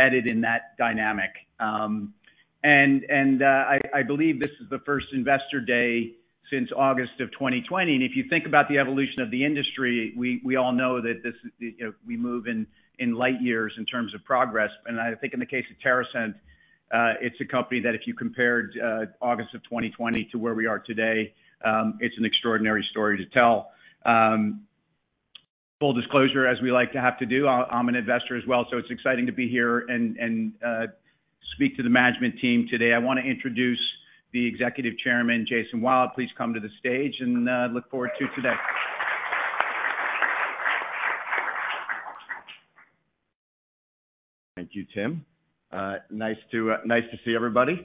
added in that dynamic. And I believe this is the first investor day since August of 2020. And if you think about the evolution of the industry, we all know that this, you know, we move in light years in terms of progress. And I think in the case of TerrAscend, it's a company that if you compared August of 2020 to where we are today, it's an extraordinary story to tell. Full disclosure, as we like to have to do, I'm an investor as well, so it's exciting to be here and speak to the management team today. I wanna introduce the Executive Chairman, Jason Wild. Please come to the stage and look forward to today. Thank you, Tim. Nice to see everybody.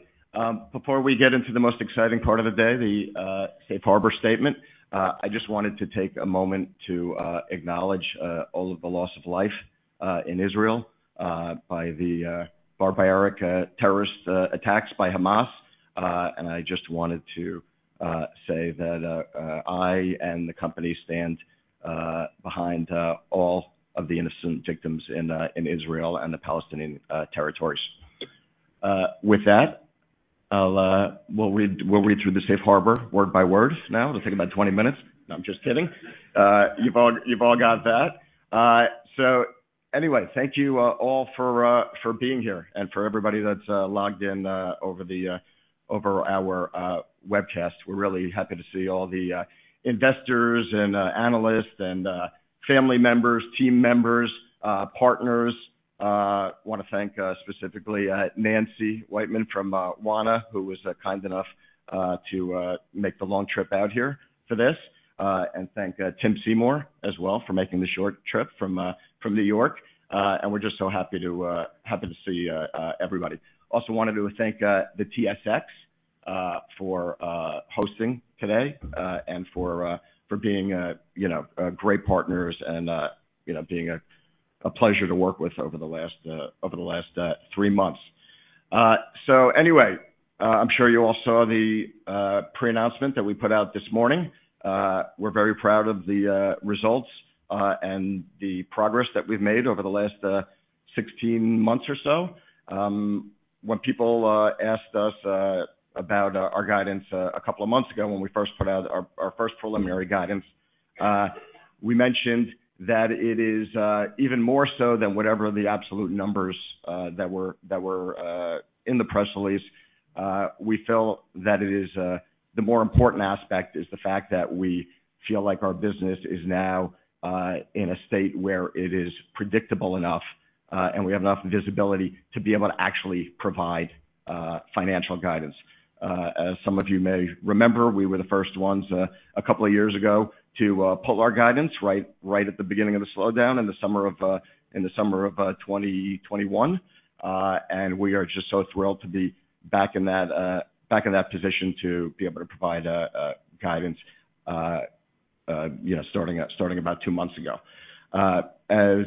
Before we get into the most exciting part of the day, the safe harbor statement, I just wanted to take a moment to acknowledge all of the loss of life in Israel by the barbaric terrorist attacks by Hamas. And I just wanted to say that I and the company stand behind all of the innocent victims in Israel and the Palestinian territories. With that, I'll... We'll read through the safe harbor word by word now. It'll take about 20 minutes. No, I'm just kidding. You've all got that. So anyway, thank you all for being here and for everybody that's logged in over our webcast. We're really happy to see all the investors and analysts and family members, team members, partners. Wanna thank specifically Nancy Whiteman from Wana, who was kind enough to make the long trip out here for this. And thank Tim Seymour as well, for making the short trip from New York. And we're just so happy to see everybody. Also wanted to thank the TSX for hosting today and for being, you know, great partners and, you know, being a pleasure to work with over the last three months. So anyway, I'm sure you all saw the pre-announcement that we put out this morning. We're very proud of the results and the progress that we've made over the last 16 months or so. When people asked us about our guidance a couple of months ago, when we first put out our first preliminary guidance, we mentioned that it is even more so than whatever the absolute numbers that were in the press release. We feel that it is, the more important aspect is the fact that we feel like our business is now, in a state where it is predictable enough, and we have enough visibility to be able to actually provide, financial guidance. As some of you may remember, we were the first ones, a couple of years ago to, pull our guidance right, right at the beginning of the slowdown in the summer of, in the summer of 2021. We are just so thrilled to be back in that, back in that position, to be able to provide, guidance, you know, starting, starting about two months ago. As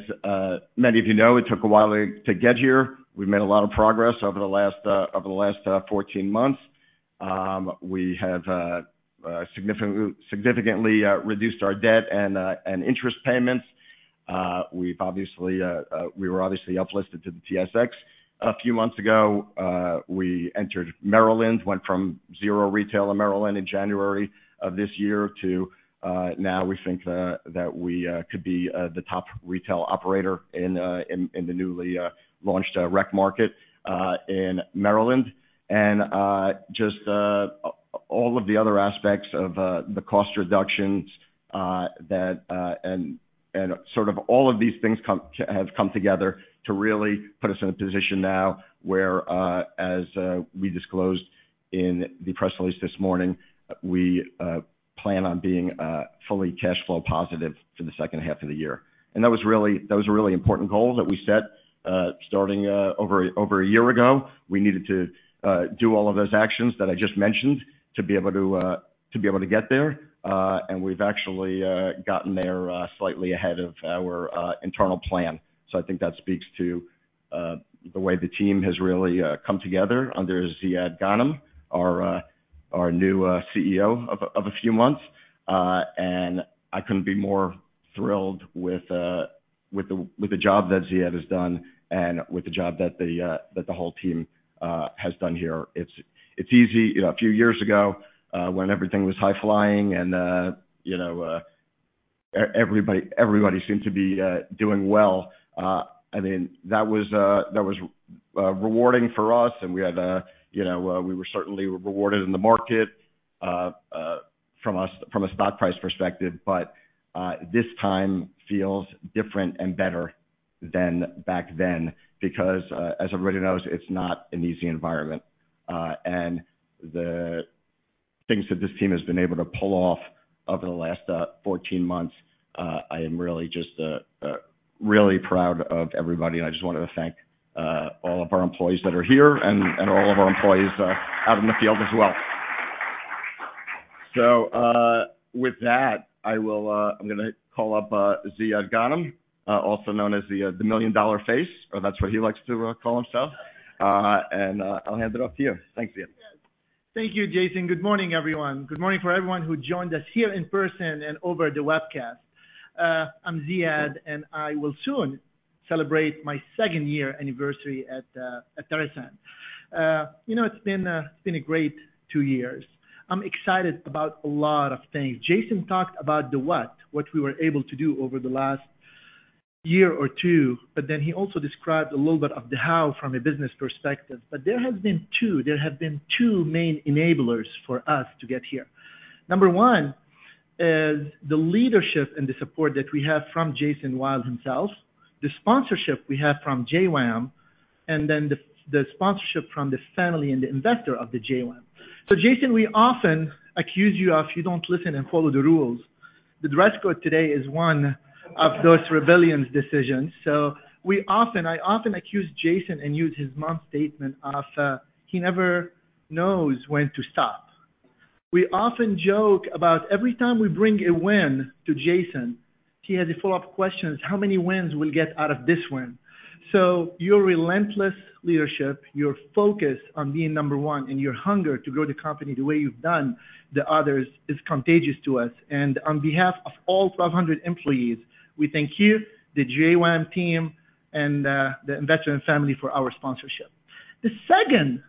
many of you know, it took a while to, to get here. We've made a lot of progress over the last 14 months. We have significantly reduced our debt and interest payments. We were obviously uplisted to the TSX a few months ago. We entered Maryland, went from 0 retail in Maryland in January of this year to, now we think that we could be the top retail operator in the newly launched rec market in Maryland. And just all of the other aspects of the cost reductions that... Sort of all of these things have come together to really put us in a position now where, as we disclosed in the press release this morning, we plan on being fully cash flow positive for the second half of the year. And that was really, that was a really important goal that we set, starting over a year ago. We needed to do all of those actions that I just mentioned to be able to get there. And we've actually gotten there slightly ahead of our internal plan. So I think that speaks to the way the team has really come together under Ziad Ghanem, our new CEO of a few months. And I couldn't be more thrilled with the job that Ziad has done and with the job that the whole team has done here. It's easy, you know, a few years ago, when everything was high flying and, you know, everybody seemed to be doing well. I mean, that was rewarding for us and we had, you know, we were certainly rewarded in the market, from a stock price perspective. But this time feels different and better than back then, because, as everybody knows, it's not an easy environment. And the things that this team has been able to pull off over the last 14 months, I am really just really proud of everybody. And I just wanted to thank all of our employees that are here, and all of our employees out in the field as well. So, with that, I will... I'm gonna call up Ziad Ghanem, also known as the Million Dollar Face, or that's what he likes to call himself. And I'll hand it off to you. Thanks, Ziad. ...Thank you, Jason. Good morning, everyone. Good morning for everyone who joined us here in person and over the webcast. I'm Ziad, and I will soon celebrate my second year anniversary at TerrAscend. You know, it's been, it's been a great two years. I'm excited about a lot of things. Jason talked about the what, what we were able to do over the last year or two, but then he also described a little bit of the how from a business perspective. But there have been two, there have been two main enablers for us to get here. Number one is the leadership and the support that we have from Jason Wild himself, the sponsorship we have from JWAM, and then the, the sponsorship from this family and the investor of the JWAM. So Jason, we often accuse you of, you don't listen and follow the rules. The dress code today is one of those rebellious decisions. So we often—I often accuse Jason and use his mom's statement of, he never knows when to stop. We often joke about every time we bring a win to Jason, he has a follow-up questions, how many wins we'll get out of this win? So your relentless leadership, your focus on being number one, and your hunger to grow the company the way you've done, the others, is contagious to us. And on behalf of all 1,200 employees, we thank you, the JWAM team, and, the investor and family for our sponsorship. The second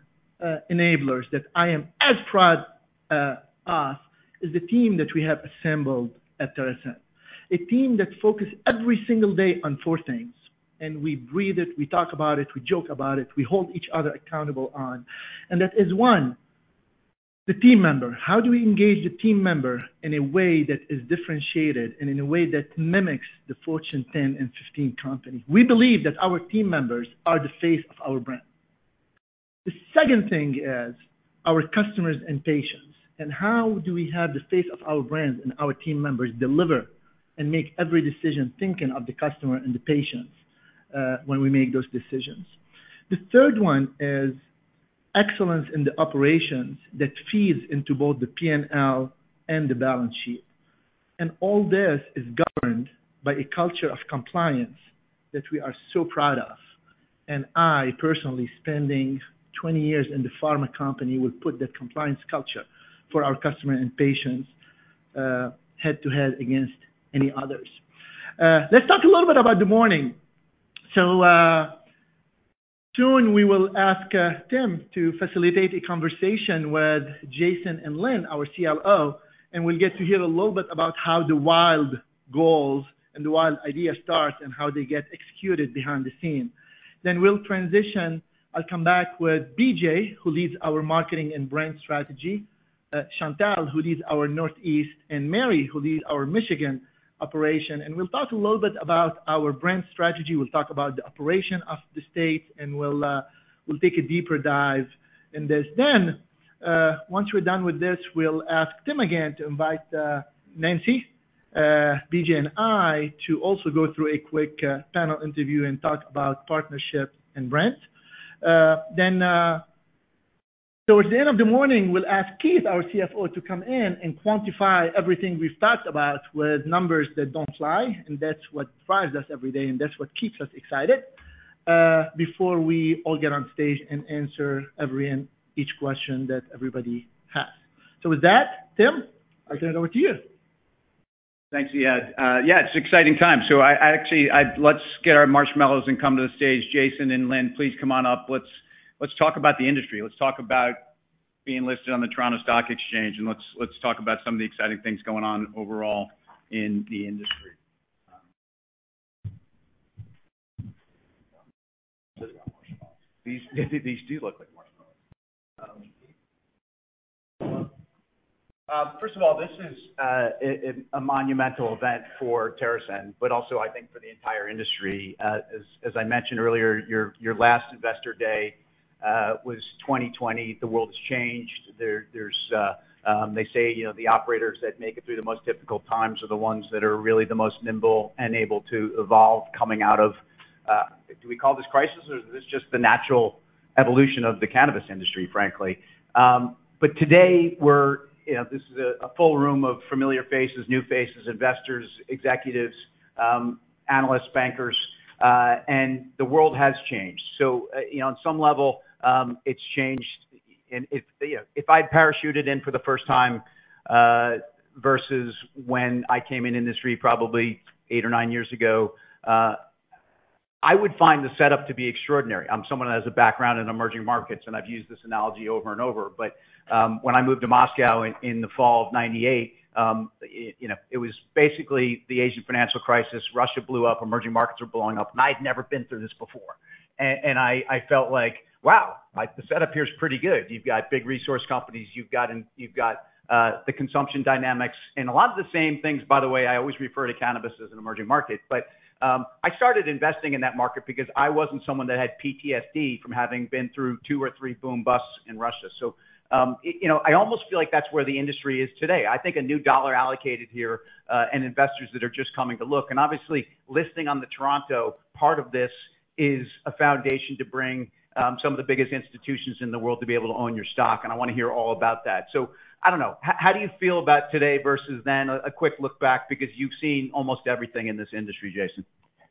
enablers that I am as proud of is the team that we have assembled at TerrAscend. A team that focus every single day on four things, and we breathe it, we talk about it, we joke about it, we hold each other accountable on. And that is, one, the team member. How do we engage the team member in a way that is differentiated and in a way that mimics the Fortune 10 and 15 company? We believe that our team members are the face of our brand. The second thing is our customers and patients, and how do we have the face of our brands and our team members deliver and make every decision thinking of the customer and the patients, when we make those decisions. The third one is excellence in the operations that feeds into both the P&L and the balance sheet. And all this is governed by a culture of compliance that we are so proud of. I personally, spending 20 years in the pharma company, would put that compliance culture for our customer and patients head-to-head against any others. Let's talk a little bit about the morning. Soon we will ask Tim to facilitate a conversation with Jason and Lynn, our CLO, and we'll get to hear a little bit about how the Wild goals and the Wild idea starts and how they get executed behind the scene. We'll transition. I'll come back with BJ, who leads our marketing and brand strategy, Chantelle, who leads our Northeast, and Mary, who leads our Michigan operation, and we'll talk a little bit about our brand strategy. We'll talk about the operation of the state, and we'll take a deeper dive in this. Then, once we're done with this, we'll ask Tim again to invite Nancy, BJ, and I to also go through a quick panel interview and talk about partnership and brands. Then, so at the end of the morning, we'll ask Keith, our CFO, to come in and quantify everything we've talked about with numbers that don't lie, and that's what drives us every day, and that's what keeps us excited before we all get on stage and answer every and each question that everybody has. So with that, Tim, I turn it over to you. Thanks, Ziad. Yeah, it's an exciting time. So actually, let's get our marshmallows and come to the stage. Jason and Lynn, please come on up. Let's talk about the industry. Let's talk about being listed on the Toronto Stock Exchange, and let's talk about some of the exciting things going on overall in the industry. These are marshmallows. These, these do look like marshmallows. First of all, this is a monumental event for TerrAscend, but also, I think, for the entire industry. As I mentioned earlier, your last Investor Day was 2020. The world has changed. There's... They say, you know, the operators that make it through the most difficult times are the ones that are really the most nimble and able to evolve coming out of, do we call this crisis or is this just the natural evolution of the cannabis industry, frankly? But today, we're, you know, this is a full room of familiar faces, new faces, investors, executives, analysts, bankers, and the world has changed. So, you know, on some level, it's changed. If, you know, if I parachuted in for the first time, you know, versus when I came in industry probably 8 or 9 years ago, I would find the setup to be extraordinary. I'm someone that has a background in emerging markets, and I've used this analogy over and over. When I moved to Moscow in the fall of 1998, you know, it was basically the Asian financial crisis. Russia blew up, emerging markets were blowing up, and I'd never been through this before. I felt like, wow, like, the setup here is pretty good. You've got big resource companies, you've got, you've got, you know, the consumption dynamics and a lot of the same things. By the way, I always refer to cannabis as an emerging market, but I started investing in that market because I wasn't someone that had PTSD from having been through two or three boom busts in Russia. So you know, I almost feel like that's where the industry is today. I think a new dollar allocated here, and investors that are just coming to look, and obviously, listing on the Toronto part of this is a foundation to bring some of the biggest institutions in the world to be able to own your stock, and I want to hear all about that. So I don't know. How do you feel about today versus then? A quick look back, because you've seen almost everything in this industry, Jason....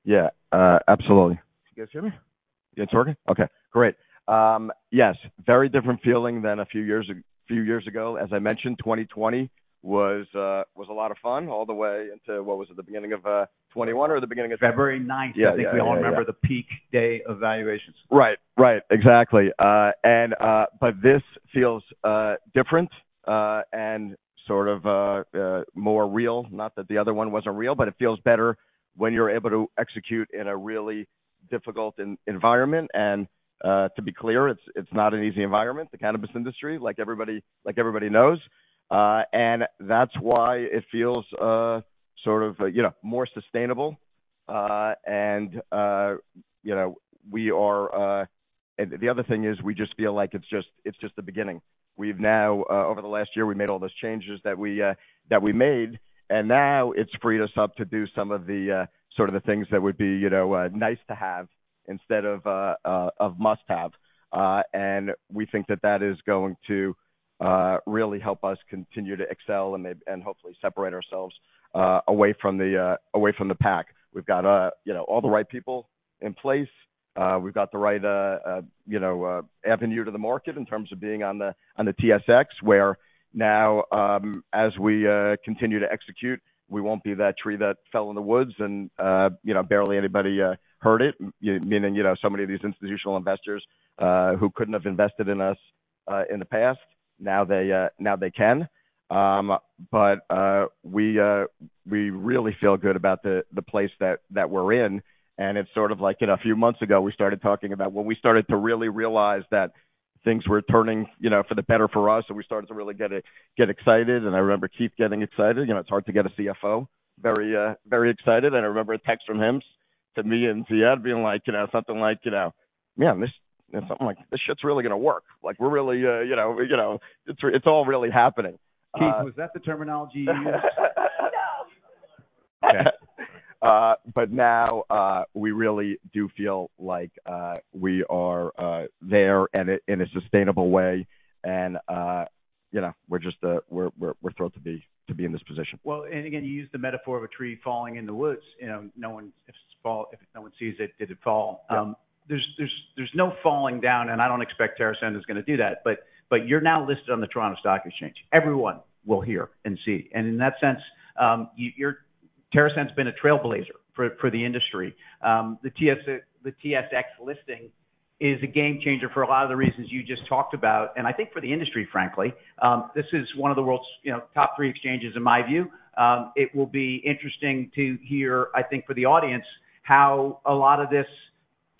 Yeah, absolutely. Can you guys hear me? It's working? Okay, great. Yes, very different feeling than a few years ago. As I mentioned, 2020 was a lot of fun all the way into, what was it? The beginning of 2021 or the beginning of- February ninth. Yeah, yeah, yeah. I think we all remember the peak day of valuations. Right. Right. Exactly. And, but this feels different, and sort of more real. Not that the other one wasn't real, but it feels better when you're able to execute in a really difficult environment. And, to be clear, it's not an easy environment, the cannabis industry, like everybody, like everybody knows. And that's why it feels sort of, you know, more sustainable. And, you know, we are... And the other thing is, we just feel like it's just the beginning. We've now, over the last year, we made all those changes that we that we made, and now it's freed us up to do some of the sort of the things that would be, you know, nice to have instead of of must have. And we think that that is going to really help us continue to excel and, and hopefully separate ourselves away from the away from the pack. We've got, you know, all the right people in place. We've got the right, you know, avenue to the market in terms of being on the, on the TSX, where now, as we continue to execute, we won't be that tree that fell in the woods and, you know, barely anybody heard it. Meaning, you know, so many of these institutional investors, who couldn't have invested in us, in the past, now they, now they can. But we we really feel good about the the place that that we're in. It's sort of like, you know, a few months ago, we started talking about when we started to really realize that things were turning, you know, for the better for us, and we started to really get excited. I remember Keith getting excited. You know, it's hard to get a CFO very excited. I remember a text from him to me, and Ziad being like, you know, something like, you know, "Man, this," something like, "This really going to work. Like we're really, you know, you know, it's all really happening. Keith, was that the terminology you used? But now, we really do feel like we are there in a sustainable way, and you know, we're just thrilled to be in this position. Well, and again, you used the metaphor of a tree falling in the woods. You know, no one... If it's fall, if no one sees it, did it fall? Yeah. There's no falling down, and I don't expect TerrAscend is going to do that, but you're now listed on the Toronto Stock Exchange. Everyone will hear and see. In that sense, you're... TerrAscend's been a trailblazer for the industry. The TSX listing is a game changer for a lot of the reasons you just talked about, and I think for the industry, frankly. This is one of the world's, you know, top three exchanges, in my view. It will be interesting to hear, I think, for the audience, how a lot of this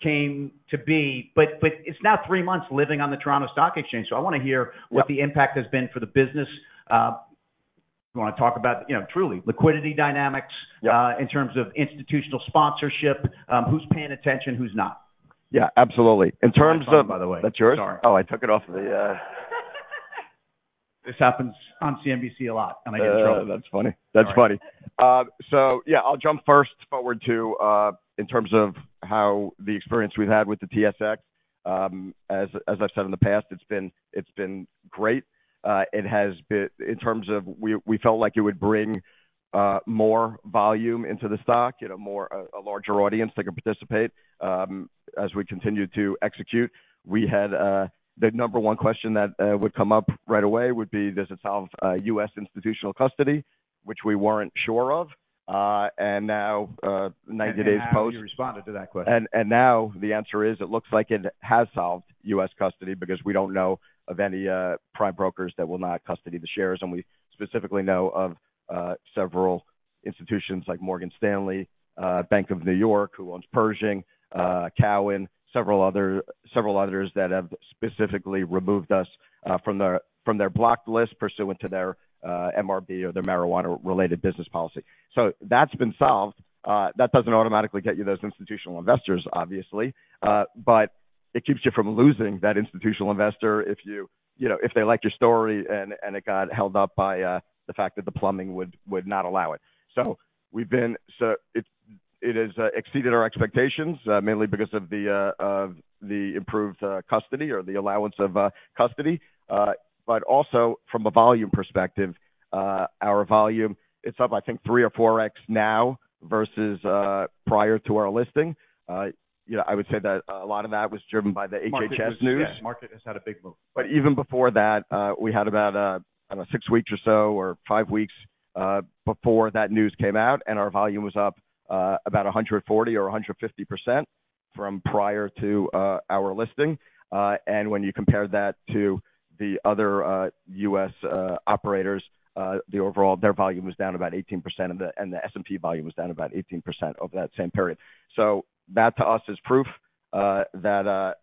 came to be. But it's now three months living on the Toronto Stock Exchange, so I want to hear- Yeah... what the impact has been for the business. You want to talk about, you know, truly liquidity dynamics- Yeah... in terms of institutional sponsorship, who's paying attention, who's not? Yeah, absolutely. In terms of- That's mine, by the way. That's yours? Sorry. Oh, I took it off of the... This happens on CNBC a lot, and I get in trouble. That's funny. That's funny. So yeah, I'll jump first forward to in terms of how the experience we've had with the TSX. As I've said in the past, it's been great. It has been, in terms of we felt like it would bring more volume into the stock, you know, more, a larger audience that could participate as we continued to execute. We had the number one question that would come up right away would be, does it solve U.S. institutional custody? Which we weren't sure of, and now 90 days post- Now you responded to that question. And now the answer is, it looks like it has solved U.S. custody because we don't know of any prime brokers that will not custody the shares, and we specifically know of several institutions like Morgan Stanley, Bank of New York, who owns Pershing, Cowen, several others that have specifically removed us from their block list pursuant to their MRB or their marijuana-related business policy. So that's been solved. That doesn't automatically get you those institutional investors, obviously, but it keeps you from losing that institutional investor if you know, if they like your story and it got held up by the fact that the plumbing would not allow it. So we've been... So it has exceeded our expectations, mainly because of the improved custody or the allowance of custody. But also from a volume perspective, our volume, it's up, I think, 3 or 4x now versus prior to our listing. You know, I would say that a lot of that was driven by the HHS news. Market has had a big move. Even before that, we had about, I don't know, six weeks or so or five weeks before that news came out, and our volume was up about 140% or 150% from prior to our listing. When you compare that to the other U.S. operators, overall, their volume was down about 18%, and the S&P volume was down about 18% over that same period. That, to us, is proof that the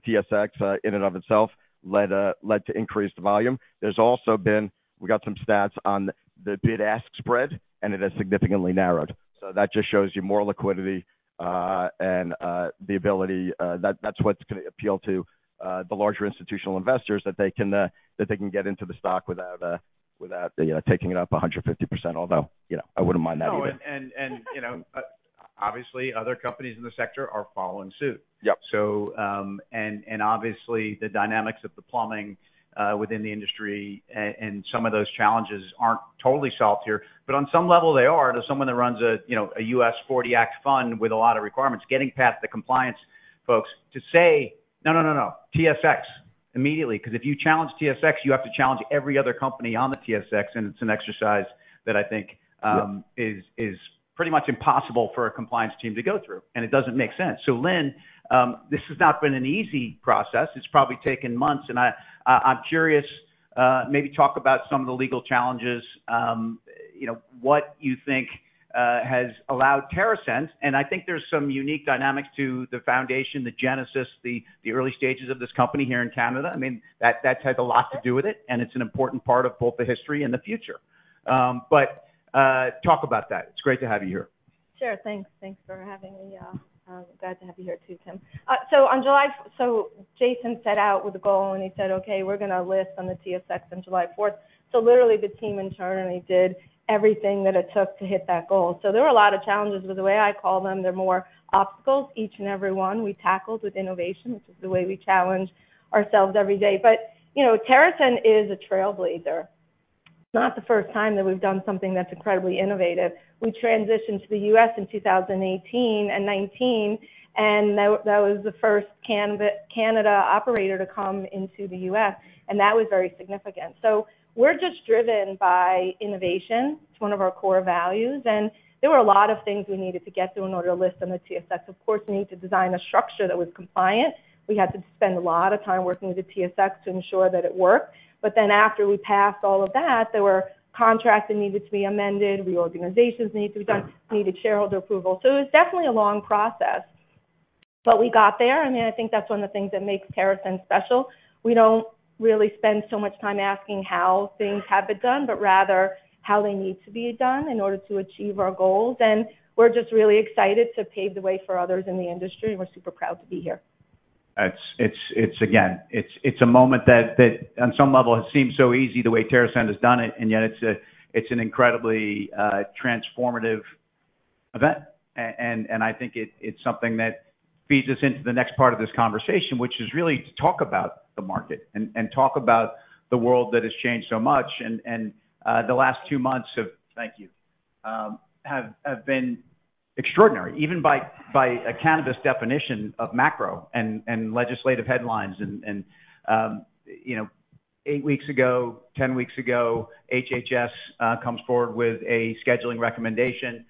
TSX in and of itself led to increased volume. There's also been, we got some stats on the bid-ask spread, and it has significantly narrowed. That just shows you more liquidity, and the ability, that's what's going to appeal to the larger institutional investors, that they can get into the stock without, you know, taking it up 150%, although, you know, I wouldn't mind that either. No, you know, obviously, other companies in the sector are following suit. Yep. Obviously, the dynamics of the plumbing within the industry and some of those challenges aren't totally solved here, but on some level, they are. To someone that runs a, you know, a U.S. 40 Act fund with a lot of requirements, getting past the compliance folks to say, "No, no, no, no, TSX," immediately, because if you challenge TSX, you have to challenge every other company on the TSX, and it's an exercise that I think, Yep - is pretty much impossible for a compliance team to go through, and it doesn't make sense. So Lynn, this has not been an easy process. It's probably taken months, and I'm curious, maybe talk about some of the legal challenges, you know, what you think has allowed TerrAscend. And I think there's some unique dynamics to the foundation, the genesis, the early stages of this company here in Canada. I mean, that's had a lot to do with it, and it's an important part of both the history and the future. But talk about that. It's great to have you here. Sure. Thanks. Thanks for having me. I'm glad to have you here, too, Tim. So Jason set out with a goal, and he said, "Okay, we're going to list on the TSX on July fourth." So literally, the team internally did everything that it took to hit that goal. So there were a lot of challenges, but the way I call them, they're more obstacles. Each and every one we tackled with innovation, which is the way we challenge ourselves every day. But, you know, TerrAscend is a trailblazer. It's not the first time that we've done something that's incredibly innovative. We transitioned to the U.S. in 2018 and 2019, and that, that was the first Canada, Canada operator to come into the U.S., and that was very significant. So we're just driven by innovation. It's one of our core values, and there were a lot of things we needed to get to in order to list on the TSX. Of course, we needed to design a structure that was compliant. We had to spend a lot of time working with the TSX to ensure that it worked. But then after we passed all of that, there were contracts that needed to be amended, reorganizations needed to be done, needed shareholder approval. So it was definitely a long process, but we got there, and I think that's one of the things that makes TerrAscend special. We don't really spend so much time asking how things have been done, but rather how they need to be done in order to achieve our goals. And we're just really excited to pave the way for others in the industry, and we're super proud to be here. It's again a moment that on some level has seemed so easy the way TerrAscend has done it, and yet it's an incredibly transformative event. And I think it's something that feeds us into the next part of this conversation, which is really to talk about the market and talk about the world that has changed so much. And the last two months have been extraordinary, even by a cannabis definition of macro and legislative headlines. And you know, eight weeks ago, 10 weeks ago, HHS comes forward with a scheduling recommendation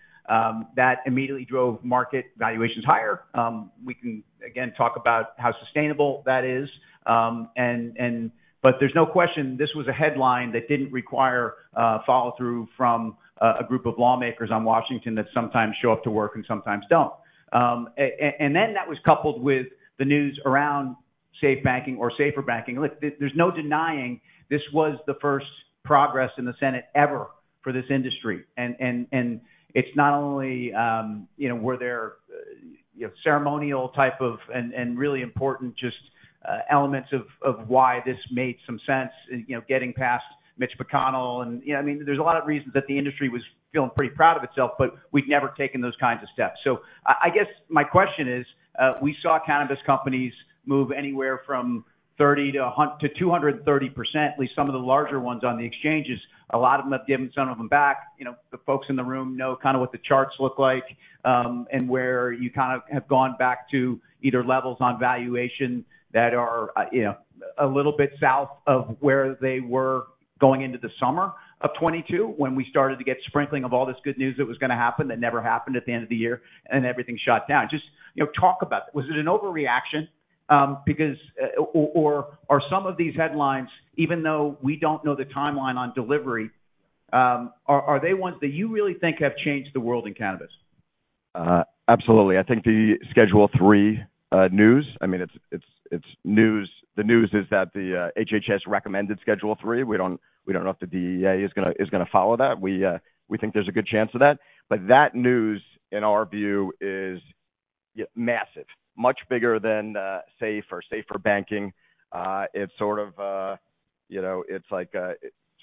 that immediately drove market valuations higher. We can again talk about how sustainable that is. But there's no question, this was a headline that didn't require follow-through from a group of lawmakers in Washington that sometimes show up to work and sometimes don't. And then that was coupled with the news around SAFE banking or SAFER banking. Look, there's no denying this was the first progress in the Senate ever for this industry. And it's not only, you know, were there, you know, ceremonial type of and really important, just elements of why this made some sense, you know, getting past Mitch McConnell, and, you know, I mean, there's a lot of reasons that the industry was feeling pretty proud of itself, but we've never taken those kinds of steps. I guess my question is, we saw cannabis companies move anywhere from 30%-230%, at least some of the larger ones on the exchanges. A lot of them have given some of them back. You know, the folks in the room know kind of what the charts look like, and where you kind of have gone back to either levels on valuation that are, you know, a little bit south of where they were going into the summer of 2022, when we started to get sprinkling of all this good news that was going to happen, that never happened at the end of the year, and everything shut down. Just, you know, talk about that. Was it an overreaction? Are some of these headlines, even though we don't know the timeline on delivery, ones that you really think have changed the world in cannabis? Absolutely. I think the Schedule III news, I mean, it's news. The news is that the HHS recommended Schedule III. We don't know if the DEA is gonna follow that. We think there's a good chance of that. But that news, in our view, is massive, much bigger than safe or safer banking. It's sort of, you know, it's like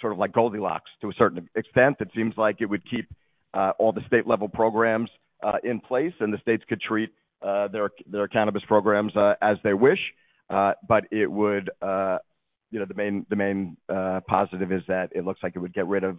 sort of like Goldilocks to a certain extent. It seems like it would keep all the state-level programs in place, and the states could treat their cannabis programs as they wish. But it would, you know, the main, the main positive is that it looks like it would get rid of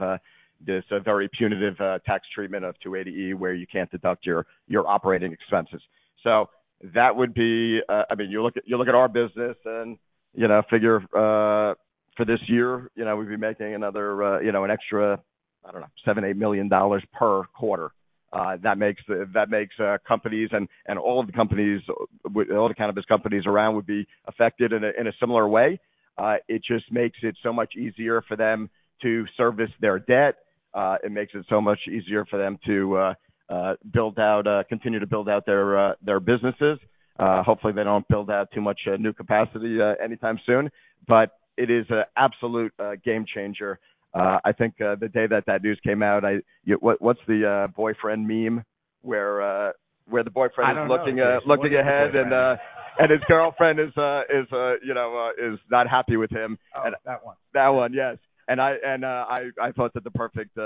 this very punitive tax treatment of 280E, where you can't deduct your operating expenses. So that would be... I mean, you look at our business and, you know, figure for this year, you know, we'd be making another, you know, an extra, I don't know, $7-$8 million per quarter. That makes, that makes companies and all of the companies, with all the cannabis companies around would be affected in a similar way. It just makes it so much easier for them to service their debt. It makes it so much easier for them to build out, continue to build out their their businesses. Hopefully, they don't build out too much new capacity anytime soon, but it is an absolute game changer. I think the day that that news came out, what's the boyfriend meme, where the boyfriend- I don't know.... is looking ahead, and his girlfriend is, you know, is not happy with him. Oh, that one. That one, yes. And I thought that the perfect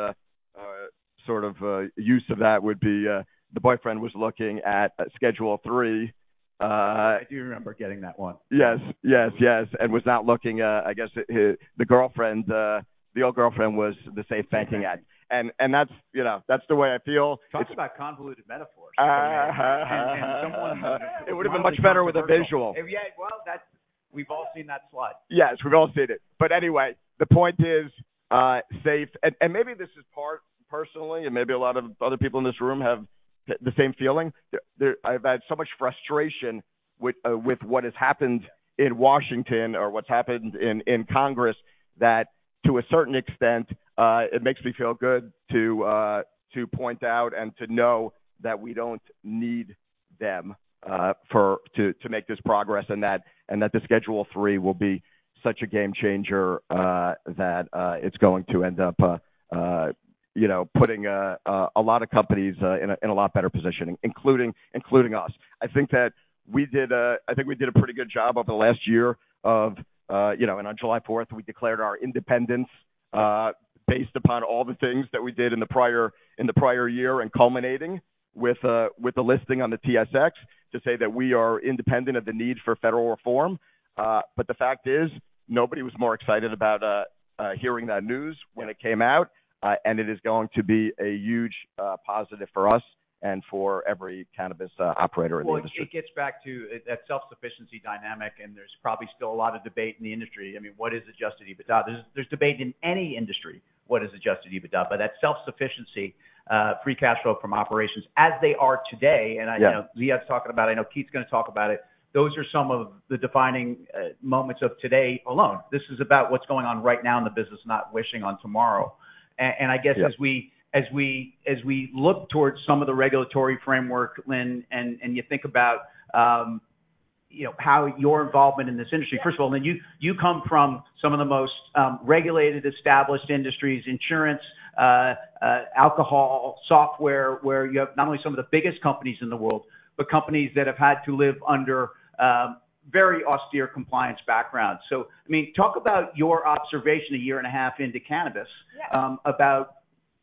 sort of use of that would be, the boyfriend was looking at Schedule III. I do remember getting that one. Yes, yes, yes. And was not looking, I guess, at his, the girlfriend, the old girlfriend was the SAFE Banking Act. And, and that's, you know, that's the way I feel. Talks about convoluted metaphors. And someone- It would have been much better with a visual. Yeah, well, that's. We've all seen that slide. Yes, we've all seen it. Anyway, the point is, safe. Maybe this is part personally, and maybe a lot of other people in this room have the same feeling. I've had so much frustration with what has happened in Washington or what's happened in Congress that to a certain extent, it makes me feel good to point out and to know that we don't need them to make this progress, and that the Schedule III will be such a game changer that it's going to end up putting a lot of companies in a lot better positioning, including us. I think that we did, I think we did a pretty good job over the last year of, you know, and on July fourth, we declared our independence, based upon all the things that we did in the prior, in the prior year, and culminating with, with the listing on the TSX, to say that we are independent of the need for federal reform. But the fact is, nobody was more excited about, hearing that news when it came out, and it is going to be a huge, positive for us and for every cannabis, operator in the industry. Well, it gets back to that self-sufficiency dynamic, and there's probably still a lot of debate in the industry. I mean, what is Adjusted EBITDA? There's debate in any industry, what is Adjusted EBITDA? But that self-sufficiency, free cash flow from operations as they are today- Yeah. And, I know Ziad is talking about it, I know Keith's gonna talk about it. Those are some of the defining moments of today alone. This is about what's going on right now in the business, not wishing on tomorrow. And I guess- Yeah... as we look towards some of the regulatory framework, Lynn, and you think about, you know, how your involvement in this industry... First of all, Lynn, you come from some of the most regulated, established industries: insurance, alcohol, software, where you have not only some of the biggest companies in the world, but companies that have had to live under very austere compliance backgrounds. So, I mean, talk about your observation a year and a half into cannabis- Yeah. about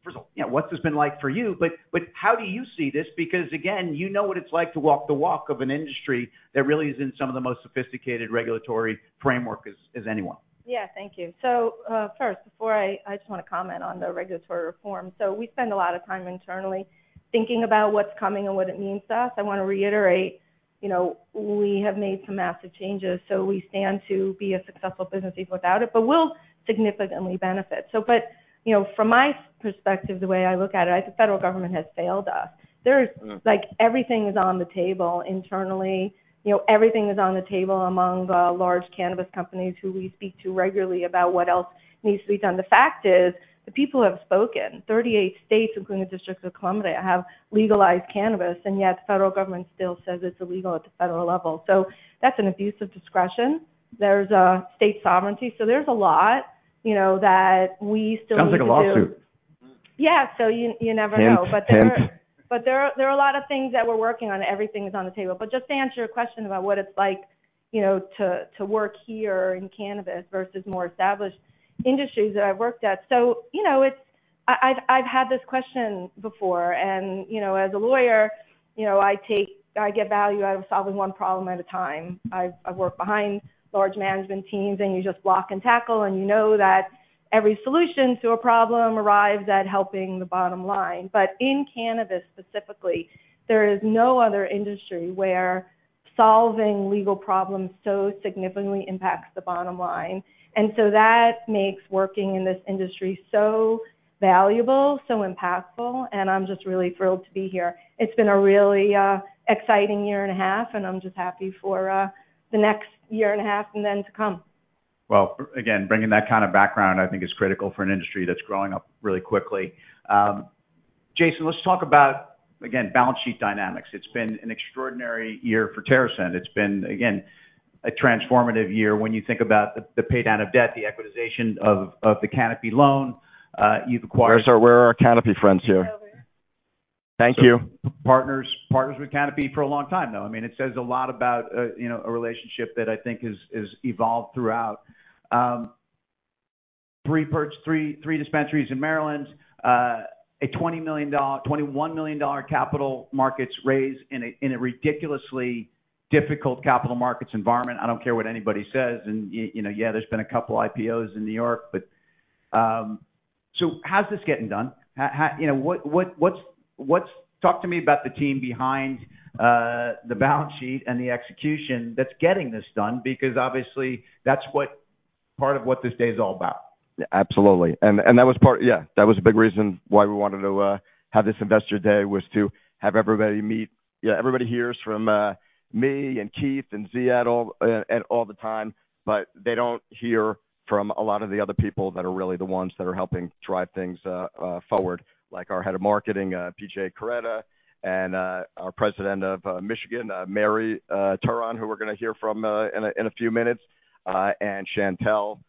first of all, you know, what this has been like for you, but, but how do you see this? Because, again, you know what it's like to walk the walk of an industry that really is in some of the most sophisticated regulatory framework as, as anyone. Yeah, thank you. So, first, I just want to comment on the regulatory reform. So we spend a lot of time internally thinking about what's coming and what it means to us. I want to reiterate, you know, we have made some massive changes, so we stand to be a successful business even without it, but we'll significantly benefit. So but, you know, from my perspective, the way I look at it, I think the federal government has failed us. There's- Mm. like, everything is on the table internally. You know, everything is on the table among the large cannabis companies who we speak to regularly about what else needs to be done. The fact is, the people have spoken. 38 states, including the District of Columbia, have legalized cannabis, and yet the federal government still says it's illegal at the federal level. So that's an abuse of discretion. There's state sovereignty, so there's a lot, you know, that we still need to- Sounds like a lawsuit. Yeah, so you, you never know. Hint, hint. But there are a lot of things that we're working on. Everything is on the table. But just to answer your question about what it's like, you know, to work here in cannabis versus more established industries that I've worked at. So, you know, it's. I've had this question before, and, you know, as a lawyer, you know, I take. I get value out of solving one problem at a time. I've worked behind large management teams, and you just block and tackle, and you know that every solution to a problem arrives at helping the bottom line. But in cannabis, specifically, there is no other industry where solving legal problems so significantly impacts the bottom line. And so that makes working in this industry so valuable, so impactful, and I'm just really thrilled to be here. It's been a really exciting year and a half, and I'm just happy for the next year and a half and then to come. Well, again, bringing that kind of background, I think, is critical for an industry that's growing up really quickly. Jason, let's talk about, again, balance sheet dynamics. It's been an extraordinary year for TerrAscend. It's been, again, a transformative year when you think about the pay down of debt, the equitization of the Canopy loan. You've acquired- Where are our Canopy friends here? Over here. Thank you. Partners, partners with Canopy for a long time, though. I mean, it says a lot about, you know, a relationship that I think has evolved throughout. Three dispensaries in Maryland, a $20 million, $21 million capital markets raised in a ridiculously difficult capital markets environment. I don't care what anybody says. And you know, yeah, there's been a couple IPOs in New York, but... So how's this getting done? How-- You know, what's... Talk to me about the team behind the balance sheet and the execution that's getting this done, because obviously, that's what, part of what this day is all about. Absolutely. And that was part-- Yeah, that was a big reason why we wanted to have this investor day, was to have everybody meet. You know, everybody hears from me and Keith and Ziad all at all the time, but they don't hear from a lot of the other people that are really the ones that are helping drive things forward, like our head of marketing, BJ Carretta, and our President of Michigan, Mary Turon, who we're going to hear from in a few minutes, and Chantelle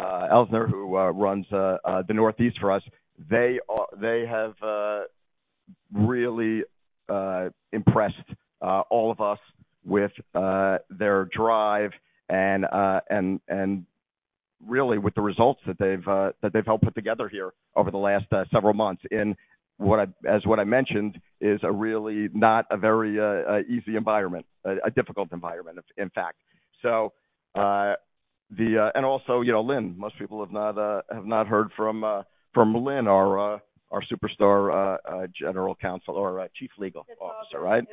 Elsner, who runs the Northeast for us. They are- they have-. Really impressed all of us with their drive and really with the results that they've helped put together here over the last several months in what I mentioned is a really, not a very easy environment, a difficult environment, in fact. Also, you know, Lynn, most people have not heard from Lynn, our superstar General Counsel or Chief Legal Officer, right?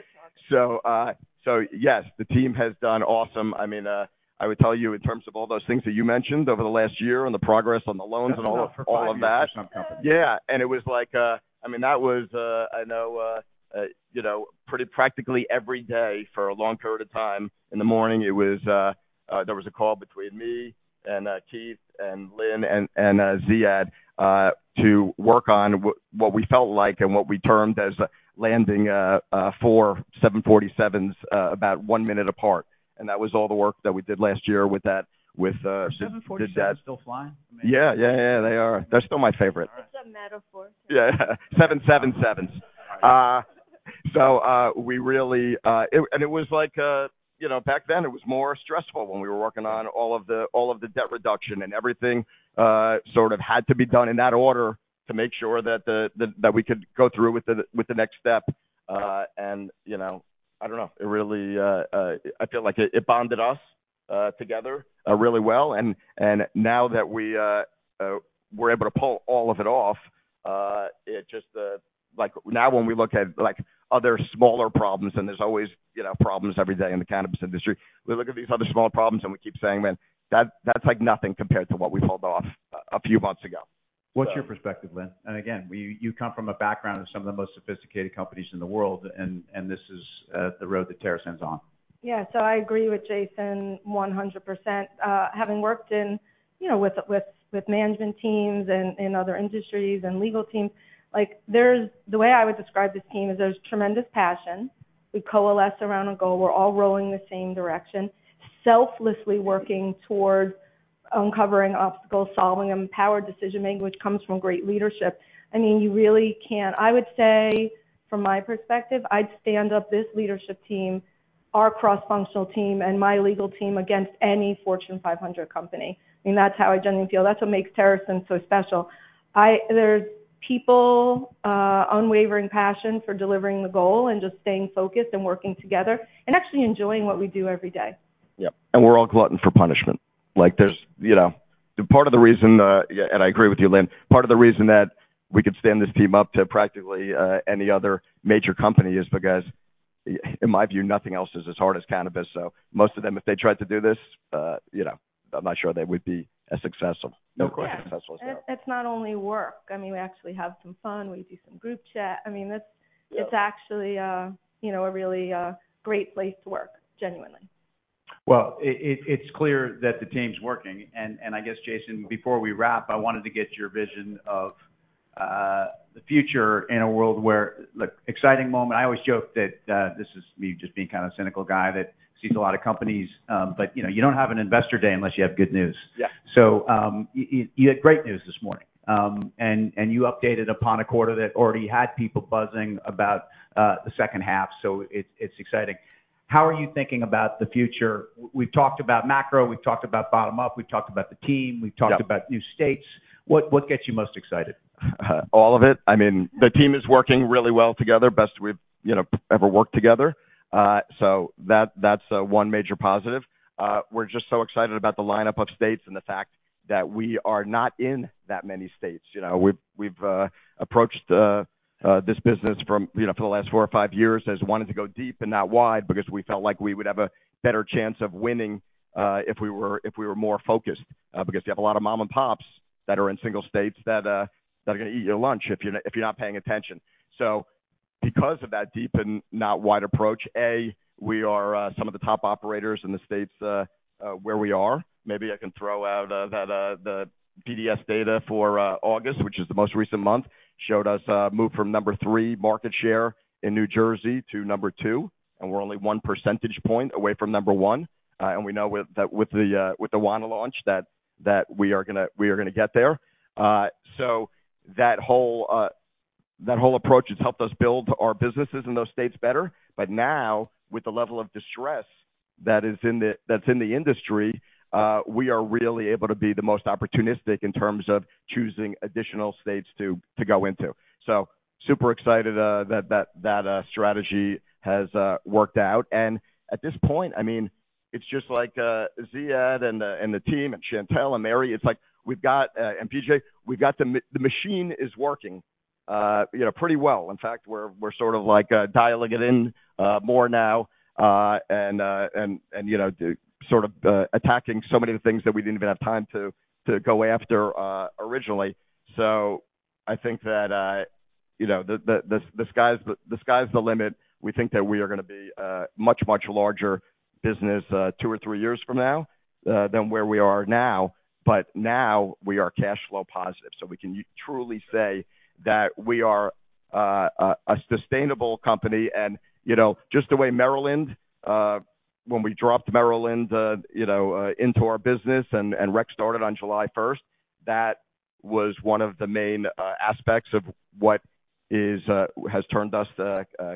Yes, the team has done awesome. I mean, I would tell you in terms of all those things that you mentioned over the last year and the progress on the loans and all of that. Yeah, and it was like, I mean, that was, I know, you know, pretty practically every day for a long period of time. In the morning, it was, there was a call between me and, Keith and Lynn and, and, Ziad, to work on what we felt like and what we termed as landing, 4 747s, about 1 minute apart. And that was all the work that we did last year with that, with- Are 747s still flying? Yeah, yeah, yeah, they are. They're still my favorite. It's a metaphor. Yeah. 777s. So, we really... And it was like, you know, back then, it was more stressful when we were working on all of the, all of the debt reduction and everything, sort of had to be done in that order to make sure that the, that, that we could go through with the, with the next step. And, you know, I don't know. It really, I feel like it, it bonded us, together, really well. Now that we're able to pull all of it off, it just, like, now when we look at, like, other smaller problems and there's always, you know, problems every day in the cannabis industry, we look at these other smaller problems, and we keep saying, "Man, that's like nothing compared to what we pulled off a few months ago. What's your perspective, Lynn? And again, you come from a background of some of the most sophisticated companies in the world, and this is the road that TerrAscend's on. Yeah. So I agree with Jason 100%. Having worked in, you know, with management teams and in other industries and legal teams, like, the way I would describe this team is there's tremendous passion. We coalesce around a goal. We're all rowing the same direction, selflessly working toward uncovering obstacles, solving them, empowered decision-making, which comes from great leadership. I mean, you really can't... I would say, from my perspective, I'd stand up this leadership team, our cross-functional team, and my legal team against any Fortune 500 company. I mean, that's how I genuinely feel. That's what makes TerrAscend so special. There's people, unwavering passion for delivering the goal and just staying focused and working together and actually enjoying what we do every day. Yeah, and we're all gluttons for punishment. Like, there's, you know, part of the reason, and I agree with you, Lynn, part of the reason that we could stand this team up to practically any other major company is because, in my view, nothing else is as hard as cannabis. So most of them, if they tried to do this, you know, I'm not sure they would be as successful. No question. It's not only work. I mean, we actually have some fun. We do some group chat. I mean, this- Yeah. It's actually, you know, a really great place to work, genuinely. Well, it's clear that the team's working. And I guess, Jason, before we wrap, I wanted to get your vision of the future in a world where... Look, exciting moment. I always joke that this is me just being kind of cynical guy that sees a lot of companies, but you know, you don't have an investor day unless you have good news. Yeah. So, you had great news this morning, and you updated upon a quarter that already had people buzzing about the second half. So it's exciting. How are you thinking about the future? We've talked about macro, we've talked about bottom up, we've talked about the team- Yeah. We've talked about new states. What, what gets you most excited? All of it. I mean, the team is working really well together. Best we've, you know, ever worked together. So that's one major positive. We're just so excited about the lineup of states and the fact that we are not in that many states. You know, we've approached this business from, you know, for the last four or five years, as wanting to go deep and not wide, because we felt like we would have a better chance of winning if we were more focused. Because you have a lot of mom-and-pops that are in single states that are going to eat your lunch if you're not paying attention. So because of that deep and not wide approach, we are some of the top operators in the states where we are. Maybe I can throw out the PDS data for August, which is the most recent month, showed us move from number 3 market share in New Jersey to number 2, and we're only 1 percentage point away from number 1. And we know with the Wana launch, that we are gonna get there. So that whole approach has helped us build our businesses in those states better. But now, with the level of distress that is in the industry, we are really able to be the most opportunistic in terms of choosing additional states to go into. So super excited that strategy has worked out. And at this point, I mean, it's just like Ziad and the team and Chantelle and Mary, it's like we've got and BJ, we've got the machine is working, you know, pretty well. In fact, we're sort of like dialing it in more now, and you know, sort of attacking so many of the things that we didn't even have time to go after originally. So I think that you know, the sky's the limit. We think that we are going to be a much, much larger business two or three years from now than where we are now. But now we are cash flow positive, so we can truly say that we are a sustainable company. And, you know, just the way Maryland, when we dropped Maryland into our business and rec started on July first. That was one of the main aspects of what has turned us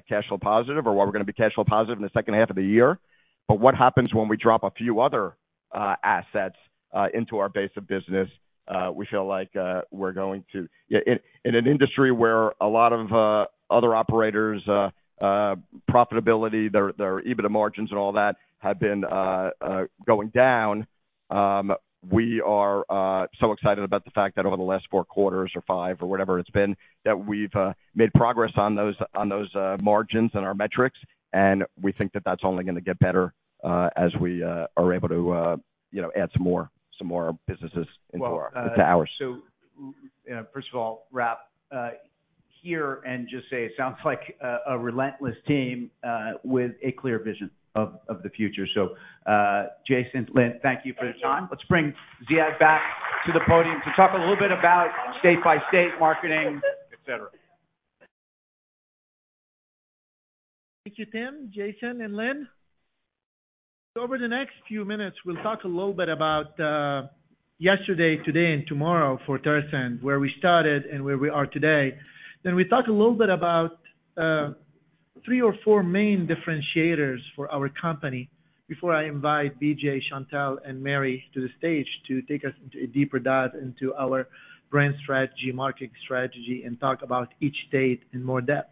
cash flow positive, or why we're going to be cash flow positive in the second half of the year. But what happens when we drop a few other assets into our base of business? We feel like we're going to. Yeah, in an industry where a lot of other operators profitability, their, their EBITDA margins and all that, have been going down, we are so excited about the fact that over the last 4 quarters or 5, or whatever it's been, that we've made progress on those, on those margins and our metrics, and we think that that's only going to get better, as we are able to, you know, add some more, some more businesses into our, into ours. Well, so, first of all, wrap up here and just say it sounds like a relentless team with a clear vision of the future. So, Jason, Lynn, thank you for the time. Let's bring Ziad back to the podium to talk a little bit about state-by-state marketing, et cetera. Thank you, Tim, Jason, and Lynn. So over the next few minutes, we'll talk a little bit about yesterday, today, and tomorrow for TerrAscend, where we started and where we are today. Then we talk a little bit about three or four main differentiators for our company before I invite BJ, Chantelle, and Mary to the stage to take us into a deeper dive into our brand strategy, marketing strategy, and talk about each state in more depth.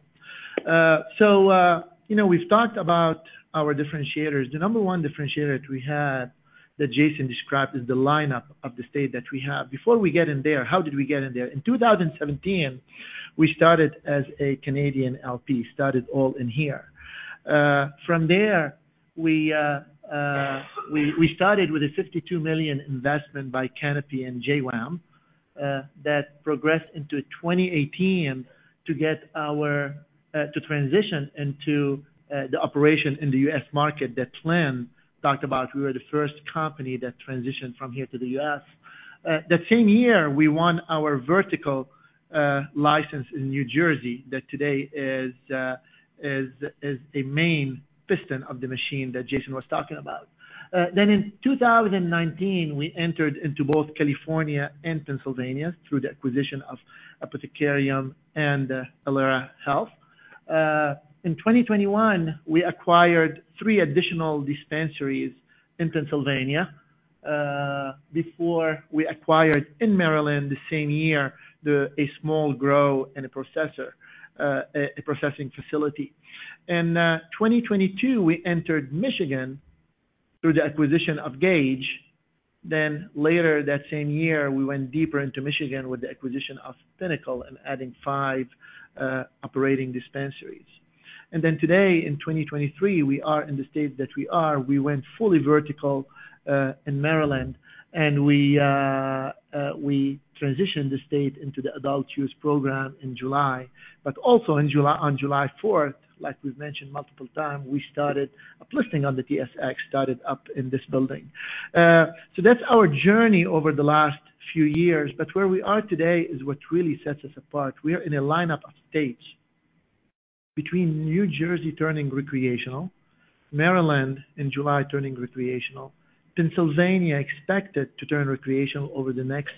So, you know, we've talked about our differentiators. The number one differentiator that we had, that Jason described, is the lineup of the state that we have. Before we get in there, how did we get in there? In 2017, we started as a Canadian LP, started all in here. From there, we started with a $52 million investment by Canopy and JWAM that progressed into 2018 to transition into the operation in the US market that Lynn talked about. We were the first company that transitioned from here to the US. That same year, we won our vertical license in New Jersey, that today is a main piston of the machine that Jason was talking about. Then in 2019, we entered into both California and Pennsylvania through the acquisition of Apothecarium and Ilera Healthcare. In 2021, we acquired three additional dispensaries in Pennsylvania before we acquired in Maryland the same year a small grow and a processor, a processing facility. In 2022, we entered Michigan through the acquisition of Gage. Later that same year, we went deeper into Michigan with the acquisition of Pinnacle and adding five operating dispensaries. Today, in 2023, we are in the state that we are. We went fully vertical in Maryland, and we transitioned the state into the adult use program in July. Also in July—on July fourth, like we've mentioned multiple times—we started a listing on the TSX, started up in this building. That's our journey over the last few years, but where we are today is what really sets us apart. We are in a lineup of states between New Jersey turning recreational, Maryland in July turning recreational, Pennsylvania expected to turn recreational over the next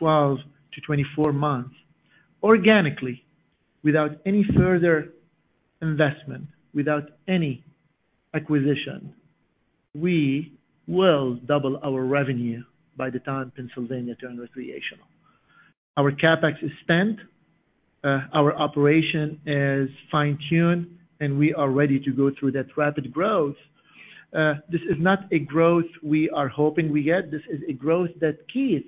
12-24 months. Organically, without any further investment, without any acquisition, we will double our revenue by the time Pennsylvania turn recreational. Our CapEx is spent, our operation is fine-tuned, and we are ready to go through that rapid growth. This is not a growth we are hoping we get. This is a growth that Keith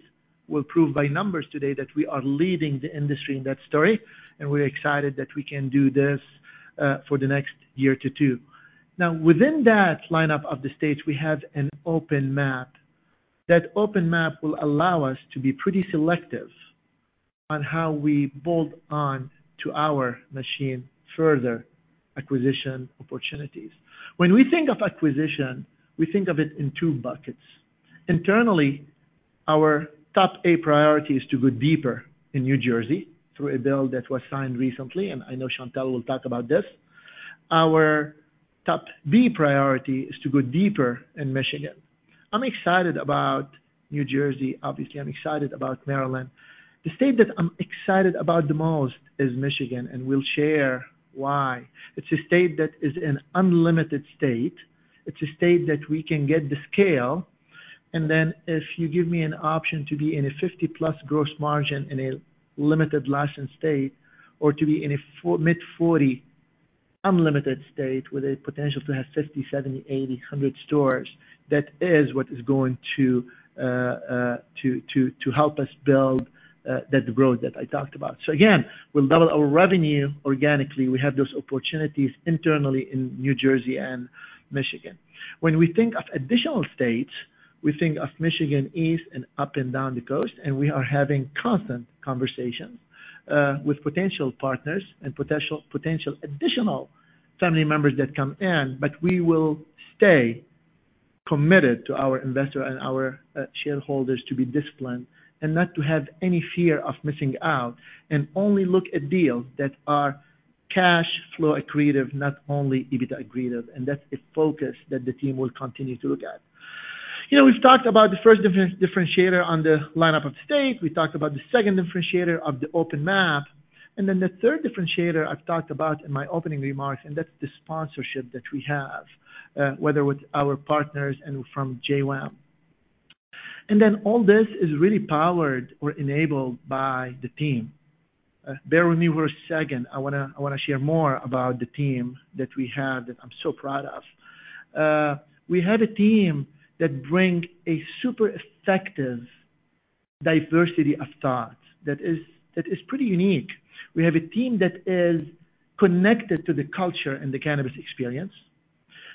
will prove by numbers today, that we are leading the industry in that story, and we're excited that we can do this, for the next year to two. Now, within that lineup of the states, we have an open map. That open map will allow us to be pretty selective on how we build on to our machine, further acquisition opportunities. When we think of acquisition, we think of it in two buckets. Internally, our top A priority is to go deeper in New Jersey through a bill that was signed recently, and I know Chantelle will talk about this. Our top B priority is to go deeper in Michigan. I'm excited about New Jersey. Obviously, I'm excited about Maryland. The state that I'm excited about the most is Michigan, and we'll share why. It's a state that is an unlimited state. It's a state that we can get the scale, and then if you give me an option to be in a 50+ gross margins in a limited license state, or to be in a mid-40 unlimited state with a potential to have 50, 70, 80, 100 stores, that is what is going to help us build that growth that I talked about. So again, we'll double our revenue organically. We have those opportunities internally in New Jersey and Michigan. When we think of additional states, we think of Michigan east and up and down the coast, and we are having constant conversations with potential partners and potential, potential additional family members that come in. But we will stay committed to our investor and our shareholders to be disciplined and not to have any fear of missing out, and only look at deals that are cash flow accretive, not only EBITDA accretive, and that's a focus that the team will continue to look at. You know, we've talked about the first differentiator on the lineup of state. We talked about the second differentiator of the open map, and then the third differentiator I've talked about in my opening remarks, and that's the sponsorship that we have, whether with our partners and from JWAM. Then all this is really powered or enabled by the team. Bear with me for a second. I wanna, I wanna share more about the team that we have, that I'm so proud of. We have a team that brings a super effective diversity of thought that is, that is pretty unique. We have a team that is connected to the culture and the cannabis experience.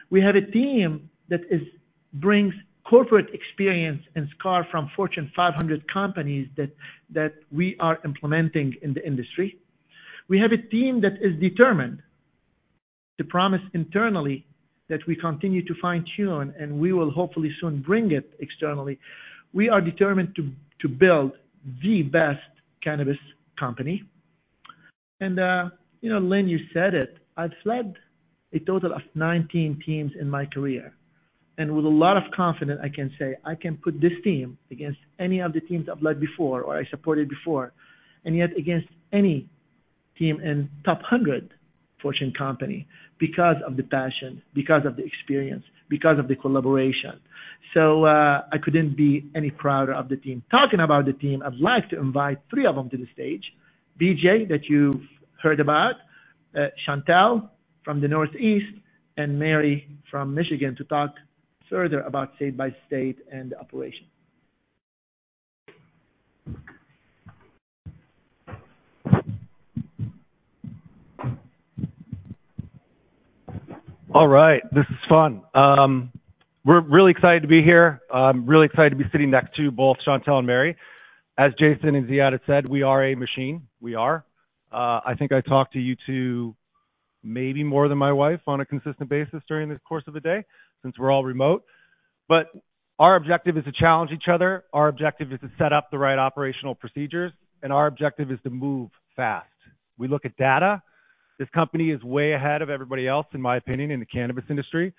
We have a team that brings corporate experience and scars from Fortune 500 companies that we are implementing in the industry. We have a team that is determined to promise internally that we continue to fine-tune, and we will hopefully soon bring it externally. We are determined to build the best cannabis company. You know, Lynn, you said it, I've led a total of 19 teams in my career, and with a lot of confidence, I can say, I can put this team against any of the teams I've led before or I supported before, and yet against any team in top 100 Fortune company because of the passion, because of the experience, because of the collaboration. So, I couldn't be any prouder of the team. Talking about the team, I'd like to invite 3 of them to the stage. BJ, that you've heard about, Chantelle from the Northeast, and Mary from Michigan, to talk further about state by state and the operation. All right. This is fun. We're really excited to be here. I'm really excited to be sitting next to both Chantelle and Mary. As Jason and Ziad said, we are a machine. We are. I think I talk to you two maybe more than my wife on a consistent basis during the course of the day, since we're all remote. But our objective is to challenge each other, our objective is to set up the right operational procedures, and our objective is to move fast. We look at data. This company is way ahead of everybody else, in my opinion, in the cannabis industry.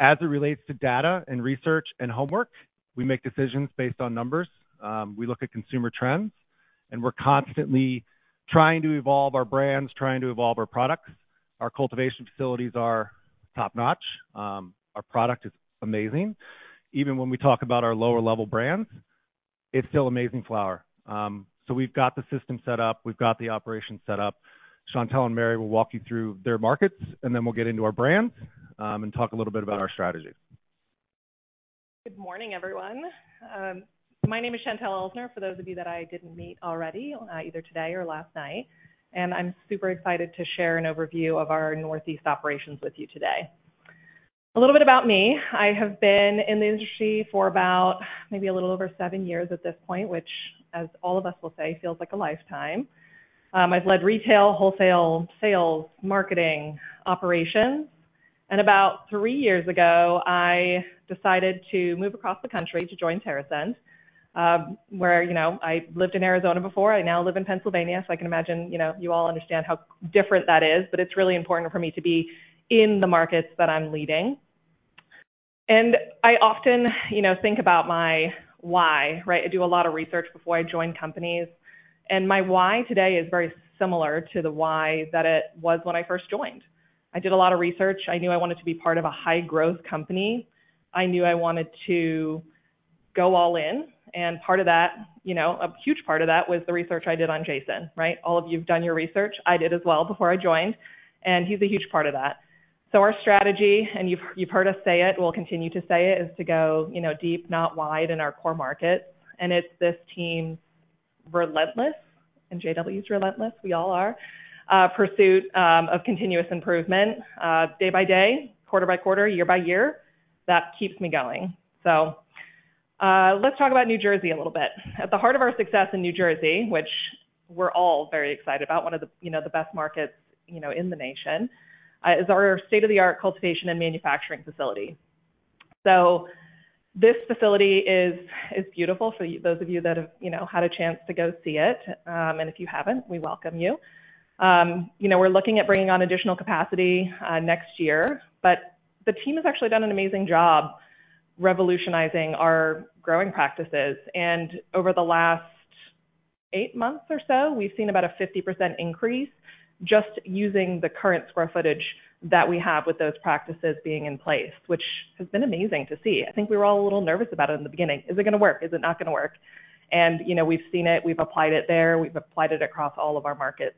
As it relates to data and research and homework, we make decisions based on numbers. We look at consumer trends, and we're constantly trying to evolve our brands, trying to evolve our products. Our cultivation facilities are top-notch. Our product is amazing. Even when we talk about our lower-level brands, it's still amazing flower. So we've got the system set up. We've got the operation set up. Chantelle and Mary will walk you through their markets, and then we'll get into our brands, and talk a little bit about our strategy. Good morning, everyone. My name is Chantelle Elsner, for those of you that I didn't meet already, either today or last night, and I'm super excited to share an overview of our Northeast operations with you today. A little bit about me. I have been in the industry for about maybe a little over seven years at this point, which, as all of us will say, feels like a lifetime. I've led retail, wholesale, sales, marketing, operations, and about three years ago, I decided to move across the country to join TerrAscend, where, you know, I lived in Arizona before. I now live in Pennsylvania, so I can imagine, you know, you all understand how different that is, but it's really important for me to be in the markets that I'm leading. I often, you know, think about my why, right? I do a lot of research before I join companies, and my why today is very similar to the why that it was when I first joined. I did a lot of research. I knew I wanted to be part of a high-growth company. I knew I wanted to go all in, and part of that, you know, a huge part of that was the research I did on Jason, right? All of you've done your research. I did as well before I joined, and he's a huge part of that. So our strategy, and you've heard us say it, we'll continue to say it, is to go, you know, deep, not wide in our core markets. And it's this team, relentless, and JW is relentless, we all are, pursuit of continuous improvement, day by day, quarter by quarter, year by year. That keeps me going. So, let's talk about New Jersey a little bit. At the heart of our success in New Jersey, which we're all very excited about, one of the, you know, best markets, you know, in the nation, is our state-of-the-art cultivation and manufacturing facility. So this facility is beautiful for those of you that have, you know, had a chance to go see it. And if you haven't, we welcome you. You know, we're looking at bringing on additional capacity next year, but the team has actually done an amazing job revolutionizing our growing practices. And over the last eight months or so, we've seen about a 50% increase just using the current square footage that we have with those practices being in place, which has been amazing to see. I think we were all a little nervous about it in the beginning. Is it gonna work? Is it not gonna work? And, you know, we've seen it, we've applied it there, we've applied it across all of our markets.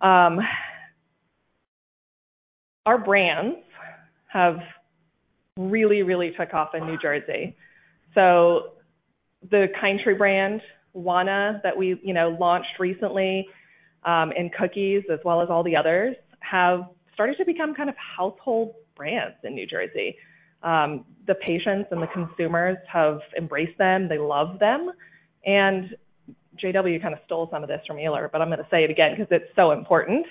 Our brands have really, really took off in New Jersey. So the Kind Tree brand, Wana, that we, you know, launched recently, and Cookies, as well as all the others, have started to become kind of household brands in New Jersey. The patients and the consumers have embraced them. They love them. And JW kind of stole some of this from Ilera, but I'm going to say it again because it's so important.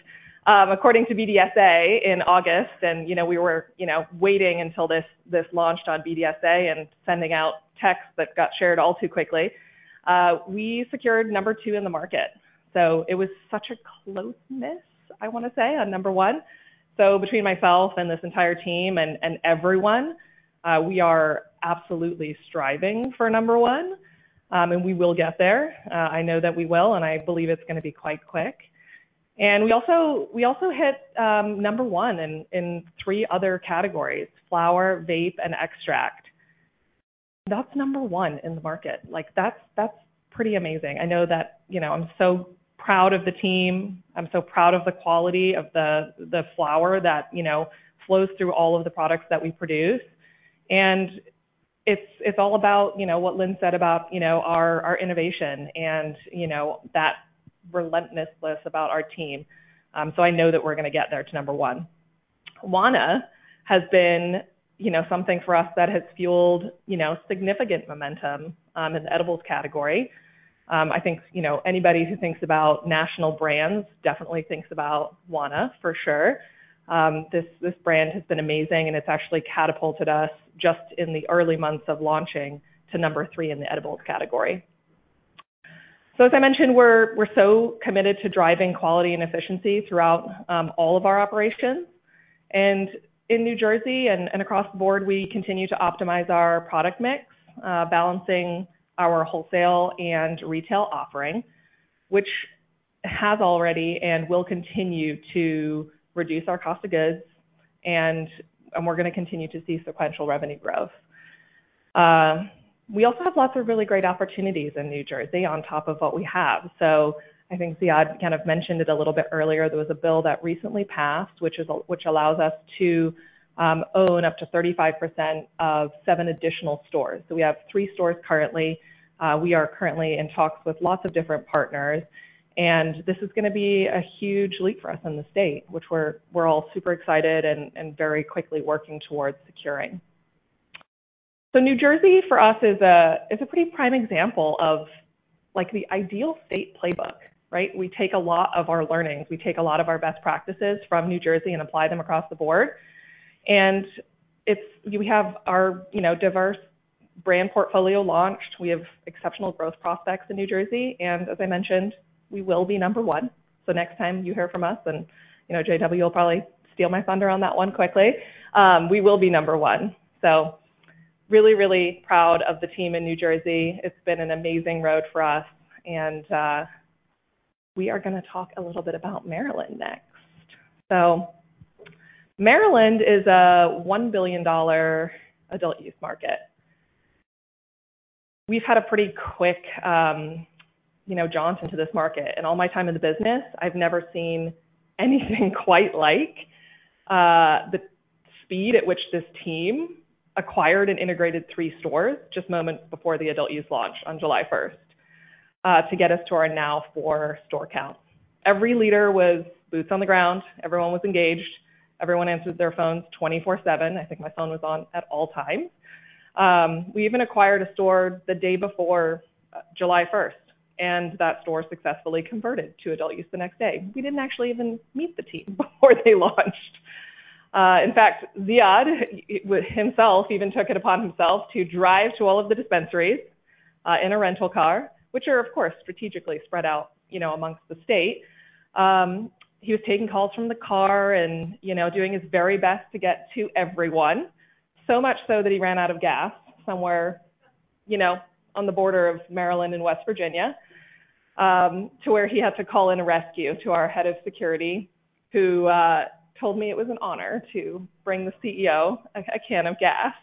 According to BDSA, in August, and, you know, we were, you know, waiting until this launched on BDSA and sending out texts that got shared all too quickly. We secured number 2 in the market, so it was such a close miss, I want to say, on number 1. So between myself and this entire team and everyone, we are absolutely striving for number 1, and we will get there. I know that we will, and I believe it's going to be quite quick. And we also hit number 1 in 3 other categories: flower, vape, and extract. That's number 1 in the market. Like that's pretty amazing. I know that, you know, I'm so proud of the team. I'm so proud of the quality of the flower that, you know, flows through all of the products that we produce. And it's all about, you know, what Lynn said about, you know, our innovation and, you know, that relentlessness about our team. So I know that we're going to get there to number one. Wana has been, you know, something for us that has fueled, you know, significant momentum in the edibles category. I think, you know, anybody who thinks about national brands definitely thinks about Wana for sure. This brand has been amazing, and it's actually catapulted us just in the early months of launching to number three in the edibles category. So, as I mentioned, we're so committed to driving quality and efficiency throughout all of our operations. In New Jersey and across the board, we continue to optimize our product mix, balancing our wholesale and retail offering, which has already and will continue to reduce our cost of goods, and we're going to continue to see sequential revenue growth. We also have lots of really great opportunities in New Jersey on top of what we have. So I think Ziad kind of mentioned it a little bit earlier. There was a bill that recently passed, which allows us to own up to 35% of seven additional stores. So we have three stores currently. We are currently in talks with lots of different partners, and this is going to be a huge leap for us in the state, which we're all super excited and very quickly working towards securing. So New Jersey, for us, is a pretty prime example of, like, the ideal state playbook, right? We take a lot of our learnings, we take a lot of our best practices from New Jersey and apply them across the board. And it's we have our, you know, diverse brand portfolio launched. We have exceptional growth prospects in New Jersey, and as I mentioned, we will be number one. So next time you hear from us, and, you know, JW will probably steal my thunder on that one quickly, we will be number one. So really, really proud of the team in New Jersey. It's been an amazing road for us, and we are going to talk a little bit about Maryland next. So Maryland is a $1 billion adult-use market. We've had a pretty quick, you know, jaunt into this market. In all my time in the business, I've never seen anything quite like the speed at which this team acquired and integrated 3 stores just moments before the adult use launch on July 1 to get us to our now 4-store count. Every leader was boots on the ground, everyone was engaged, everyone answered their phones 24/7. I think my phone was on at all times. We even acquired a store the day before July 1, and that store successfully converted to adult use the next day. We didn't actually even meet the team before they launched. In fact, Ziad himself even took it upon himself to drive to all of the dispensaries in a rental car, which are, of course, strategically spread out, you know, amongst the state. He was taking calls from the car and, you know, doing his very best to get to everyone, so much so that he ran out of gas somewhere, you know, on the border of Maryland and West Virginia, to where he had to call in a rescue to our head of security, who told me it was an honor to bring the CEO a can of gas.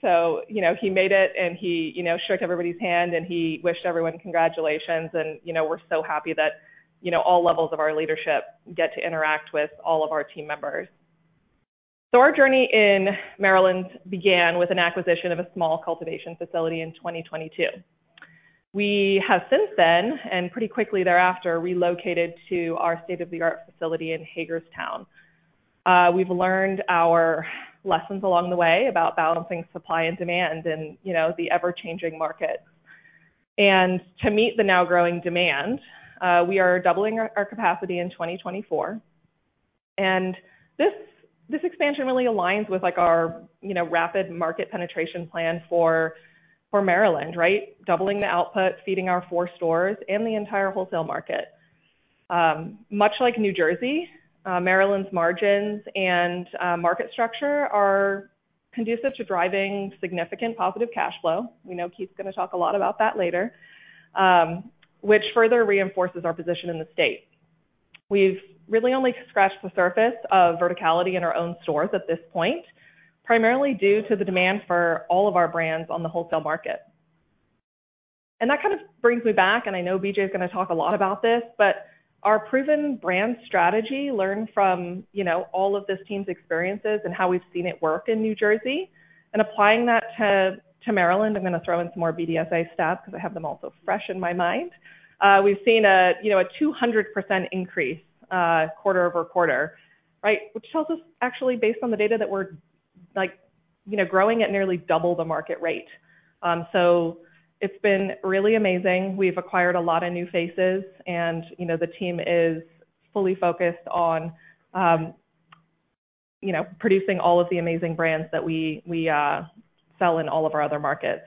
So, you know, he made it, and he, you know, shook everybody's hand, and he wished everyone congratulations, and, you know, we're so happy that, you know, all levels of our leadership get to interact with all of our team members. So our journey in Maryland began with an acquisition of a small cultivation facility in 2022. We have since then, and pretty quickly thereafter, relocated to our state-of-the-art facility in Hagerstown. We've learned our lessons along the way about balancing supply and demand and, you know, the ever-changing market. To meet the now growing demand, we are doubling our capacity in 2024. This expansion really aligns with, like, our, you know, rapid market penetration plan for Maryland, right? Doubling the output, feeding our 4 stores and the entire wholesale market. Much like New Jersey, Maryland's margins and market structure are conducive to driving significant positive cash flow. We know Keith's going to talk a lot about that later, which further reinforces our position in the state. We've really only scratched the surface of verticality in our own stores at this point, primarily due to the demand for all of our brands on the wholesale market. That kind of brings me back, and I know BJ's going to talk a lot about this, but our proven brand strategy learned from, you know, all of this team's experiences and how we've seen it work in New Jersey and applying that to Maryland. I'm going to throw in some more BDSA stats because I have them also fresh in my mind. We've seen a, you know, a 200% increase quarter-over-quarter, right? Which tells us actually, based on the data, that we're like, you know, growing at nearly double the market rate. So it's been really amazing. We've acquired a lot of new faces, and, you know, the team is fully focused on, you know, producing all of the amazing brands that we, we sell in all of our other markets.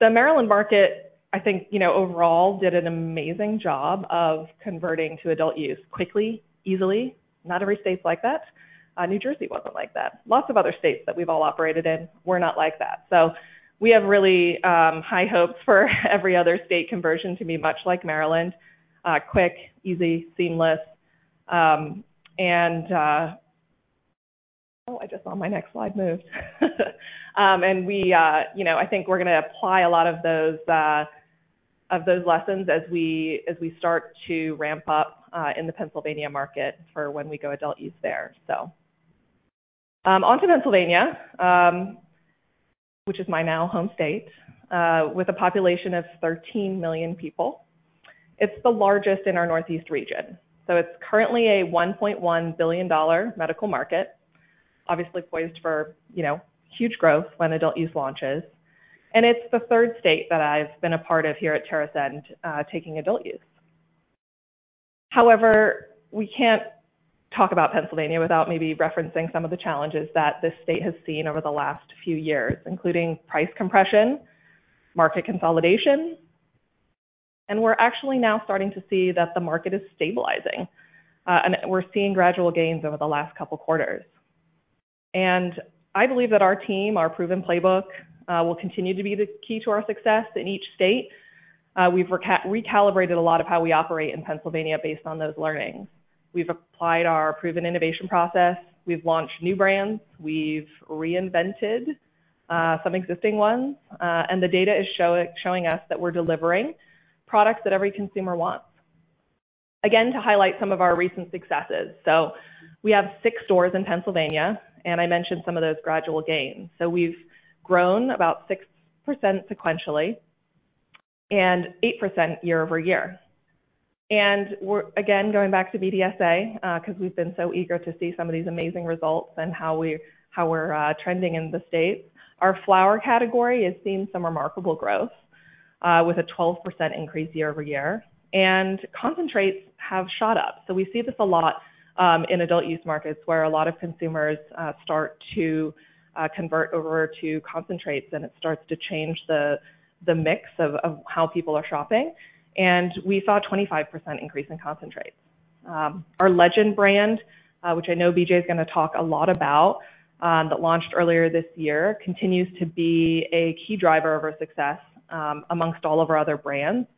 The Maryland market, I think, you know, overall did an amazing job of converting to adult use quickly, easily. Not every state is like that. New Jersey wasn't like that. Lots of other states that we've all operated in were not like that. So we have really high hopes for every other state conversion to be much like Maryland, quick, easy, seamless. And... Oh, I just saw my next slide moved. And we, you know, I think we're going to apply a lot of those, of those lessons as we, as we start to ramp up, in the Pennsylvania market for when we go adult use there. So, on to Pennsylvania, which is my now home state, with a population of 13 million people. It's the largest in our northeast region, so it's currently a $1.1 billion medical market. Obviously poised for, you know, huge growth when adult use launches, and it's the third state that I've been a part of here at TerrAscend, taking adult use. However, we can't talk about Pennsylvania without maybe referencing some of the challenges that this state has seen over the last few years, including price compression, market consolidation, and we're actually now starting to see that the market is stabilizing, and we're seeing gradual gains over the last couple of quarters. I believe that our team, our proven playbook, will continue to be the key to our success in each state. We've recalibrated a lot of how we operate in Pennsylvania based on those learnings. We've applied our proven innovation process. We've launched new brands. We've reinvented some existing ones, and the data is showing us that we're delivering products that every consumer wants. Again, to highlight some of our recent successes. So we have six stores in Pennsylvania, and I mentioned some of those gradual gains. So we've grown about 6% sequentially and 8% year-over-year. And we're, again, going back to BDSA, because we've been so eager to see some of these amazing results and how we're trending in the state. Our flower category has seen some remarkable growth, with a 12% increase year-over-year, and concentrates have shot up. So we see this a lot, in adult-use markets, where a lot of consumers start to convert over to concentrates, and it starts to change the mix of how people are shopping. We saw a 25% increase in concentrates. Our Legend brand, which I know BJ is going to talk a lot about, that launched earlier this year, continues to be a key driver of our success, amongst all of our other brands.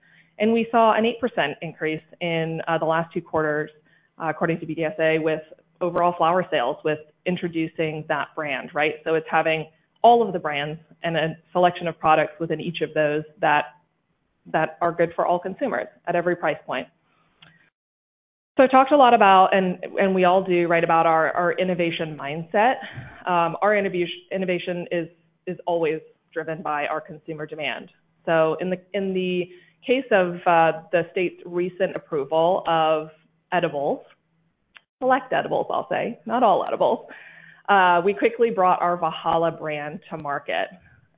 We saw an 8% increase in the last two quarters, according to BDSA, with overall flower sales, with introducing that brand, right? So it's having all of the brands and a selection of products within each of those that, that are good for all consumers at every price point. So I talked a lot about, and we all do, right, about our innovation mindset. Our innovation is always driven by our consumer demand. In the case of the state's recent approval of edibles, select edibles, I'll say, not all edibles, we quickly brought our Valhalla brand to market,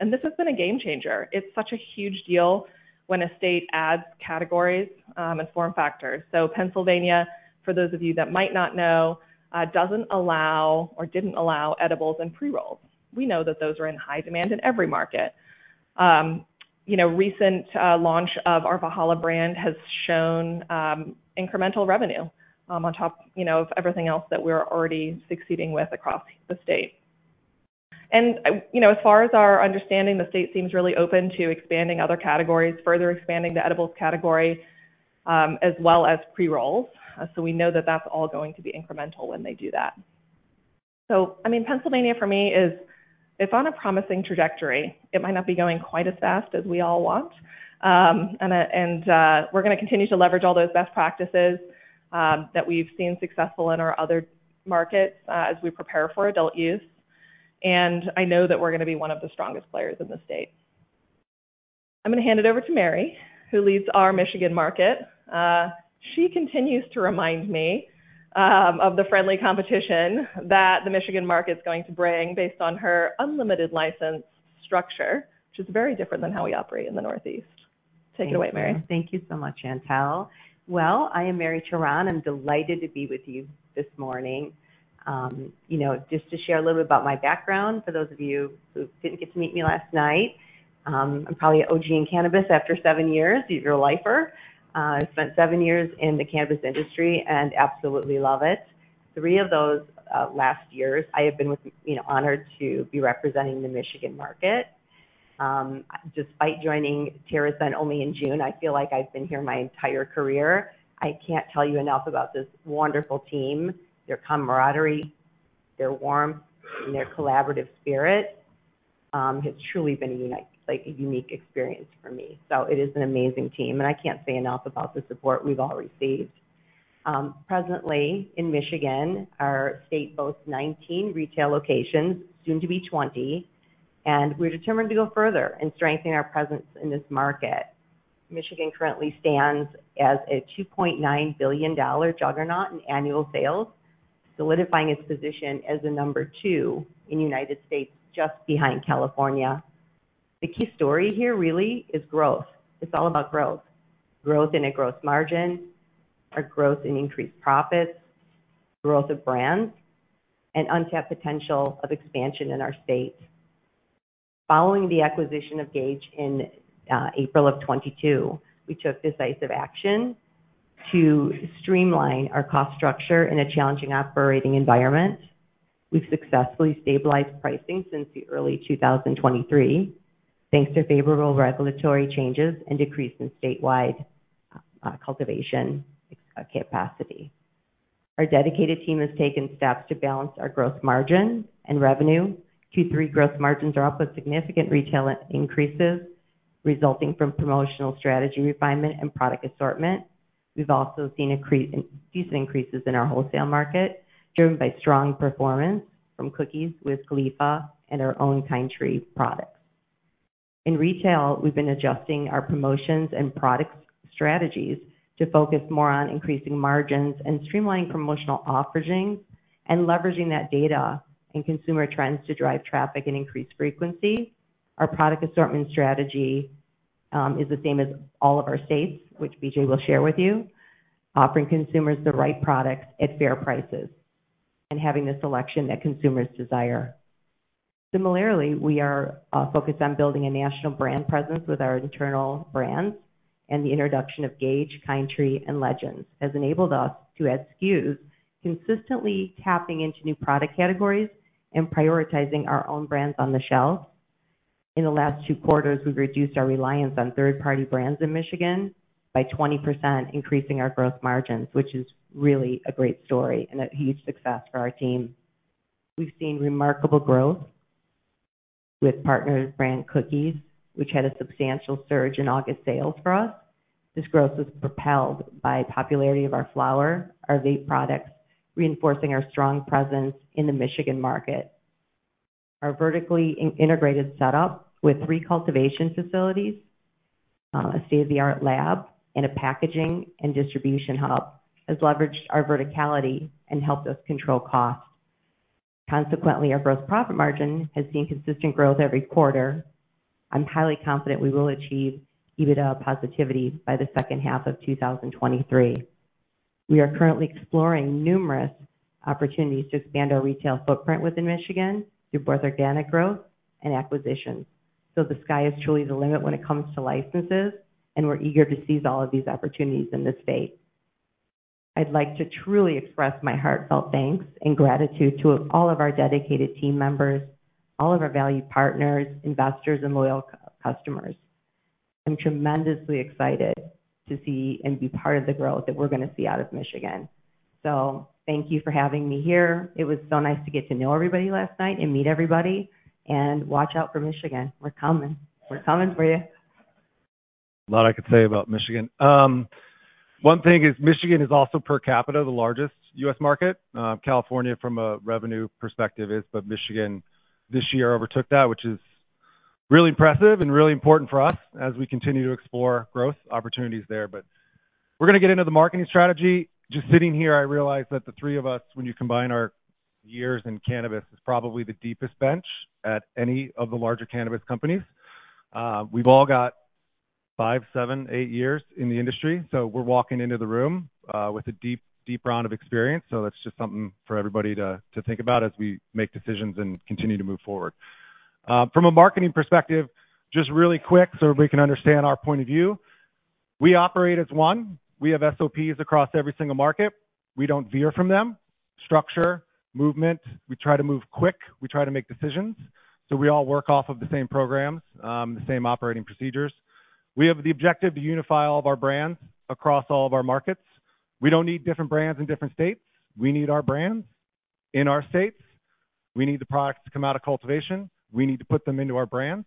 and this has been a game changer. It's such a huge deal when a state adds categories, you know, and form factors. Pennsylvania, for those of you that might not know, doesn't allow or didn't allow edibles and pre-rolls. We know that those are in high demand in every market. You know, recent launch of our Valhalla brand has shown incremental revenue, you know, on top of everything else that we're already succeeding with across the state. And, you know, as far as our understanding, the state seems really open to expanding other categories, further expanding the edibles category, as well as pre-rolls. So we know that that's all going to be incremental when they do that. So I mean, Pennsylvania for me is, it's on a promising trajectory. It might not be going quite as fast as we all want. We're going to continue to leverage all those best practices that we've seen successful in our other markets as we prepare for adult use. And I know that we're going to be one of the strongest players in the state. I'm going to hand it over to Mary, who leads our Michigan market. She continues to remind me of the friendly competition that the Michigan market is going to bring based on her unlimited license structure, which is very different than how we operate in the Northeast. Take it away, Mary. Thank you so much, Chantelle. Well, I am Mary Turon. I'm delighted to be with you this morning. You know, just to share a little bit about my background, for those of you who didn't get to meet me last night, I'm probably an OG in cannabis after seven years, your lifer. I spent seven years in the cannabis industry and absolutely love it. Three of those last years, I have been with, you know, honored to be representing the Michigan market. Despite joining TerrAscend only in June, I feel like I've been here my entire career. I can't tell you enough about this wonderful team, their camaraderie, their warmth, and their collaborative spirit. It's truly been a unique, like a unique experience for me. So it is an amazing team, and I can't say enough about the support we've all received. Presently in Michigan, our state boasts 19 retail locations, soon to be 20, and we're determined to go further and strengthen our presence in this market. Michigan currently stands as a $2.9 billion juggernaut in annual sales, solidifying its position as the number two in the United States, just behind California. The key story here really is growth. It's all about growth. Growth in a gross margin, our growth in increased profits, growth of brands, and untapped potential of expansion in our state. Following the acquisition of Gage in April 2022, we took decisive action to streamline our cost structure in a challenging operating environment. We've successfully stabilized pricing since the early 2023, thanks to favorable regulatory changes and decrease in statewide cultivation capacity. Our dedicated team has taken steps to balance our gross margin and revenue. Q3 gross margins are up with significant retail increases resulting from promotional strategy refinement and product assortment. We've also seen decent increases in our wholesale market, driven by strong performance from Cookies with Khalifa and our own Kind Tree products. In retail, we've been adjusting our promotions and product strategies to focus more on increasing margins and streamlining promotional offerings and leveraging that data and consumer trends to drive traffic and increase frequency. Our product assortment strategy is the same as all of our states, which BJ will share with you. Offering consumers the right products at fair prices and having the selection that consumers desire. Similarly, we are focused on building a national brand presence with our internal brands, and the introduction of Gage, Kind Tree, and Legend has enabled us to add SKUs, consistently tapping into new product categories and prioritizing our own brands on the shelf. In the last two quarters, we've reduced our reliance on third-party brands in Michigan by 20%, increasing our gross margins, which is really a great story and a huge success for our team. We've seen remarkable growth with partners brand Cookies, which had a substantial surge in August sales for us. This growth was propelled by popularity of our flower, our vape products, reinforcing our strong presence in the Michigan market. Our vertically integrated setup with three cultivation facilities, a state-of-the-art lab and a packaging and distribution hub, has leveraged our verticality and helped us control costs. Consequently, our gross profit margin has seen consistent growth every quarter. I'm highly confident we will achieve EBITDA positivity by the second half of 2023. We are currently exploring numerous opportunities to expand our retail footprint within Michigan through both organic growth and acquisitions. The sky is truly the limit when it comes to licenses, and we're eager to seize all of these opportunities in the state. I'd like to truly express my heartfelt thanks and gratitude to all of our dedicated team members, all of our valued partners, investors, and loyal customers. I'm tremendously excited to see and be part of the growth that we're gonna see out of Michigan. Thank you for having me here. It was so nice to get to know everybody last night and meet everybody, and watch out for Michigan. We're coming. We're coming for you. A lot I could say about Michigan. One thing is Michigan is also, per capita, the largest U.S. market. California, from a revenue perspective, is, but Michigan this year overtook that, which is really impressive and really important for us as we continue to explore growth opportunities there. But we're gonna get into the marketing strategy. Just sitting here, I realize that the three of us, when you combine our years in cannabis, is probably the deepest bench at any of the larger cannabis companies. We've all got five, seven, eight years in the industry, so we're walking into the room with a deep, deep round of experience. So that's just something for everybody to think about as we make decisions and continue to move forward. From a marketing perspective, just really quick, so everybody can understand our point of view. We operate as one. We have SOPs across every single market. We don't veer from them. Structure, movement. We try to move quick, we try to make decisions. So we all work off of the same programs, the same operating procedures. We have the objective to unify all of our brands across all of our markets. We don't need different brands in different states. We need our brands in our states. We need the products to come out of cultivation. We need to put them into our brands.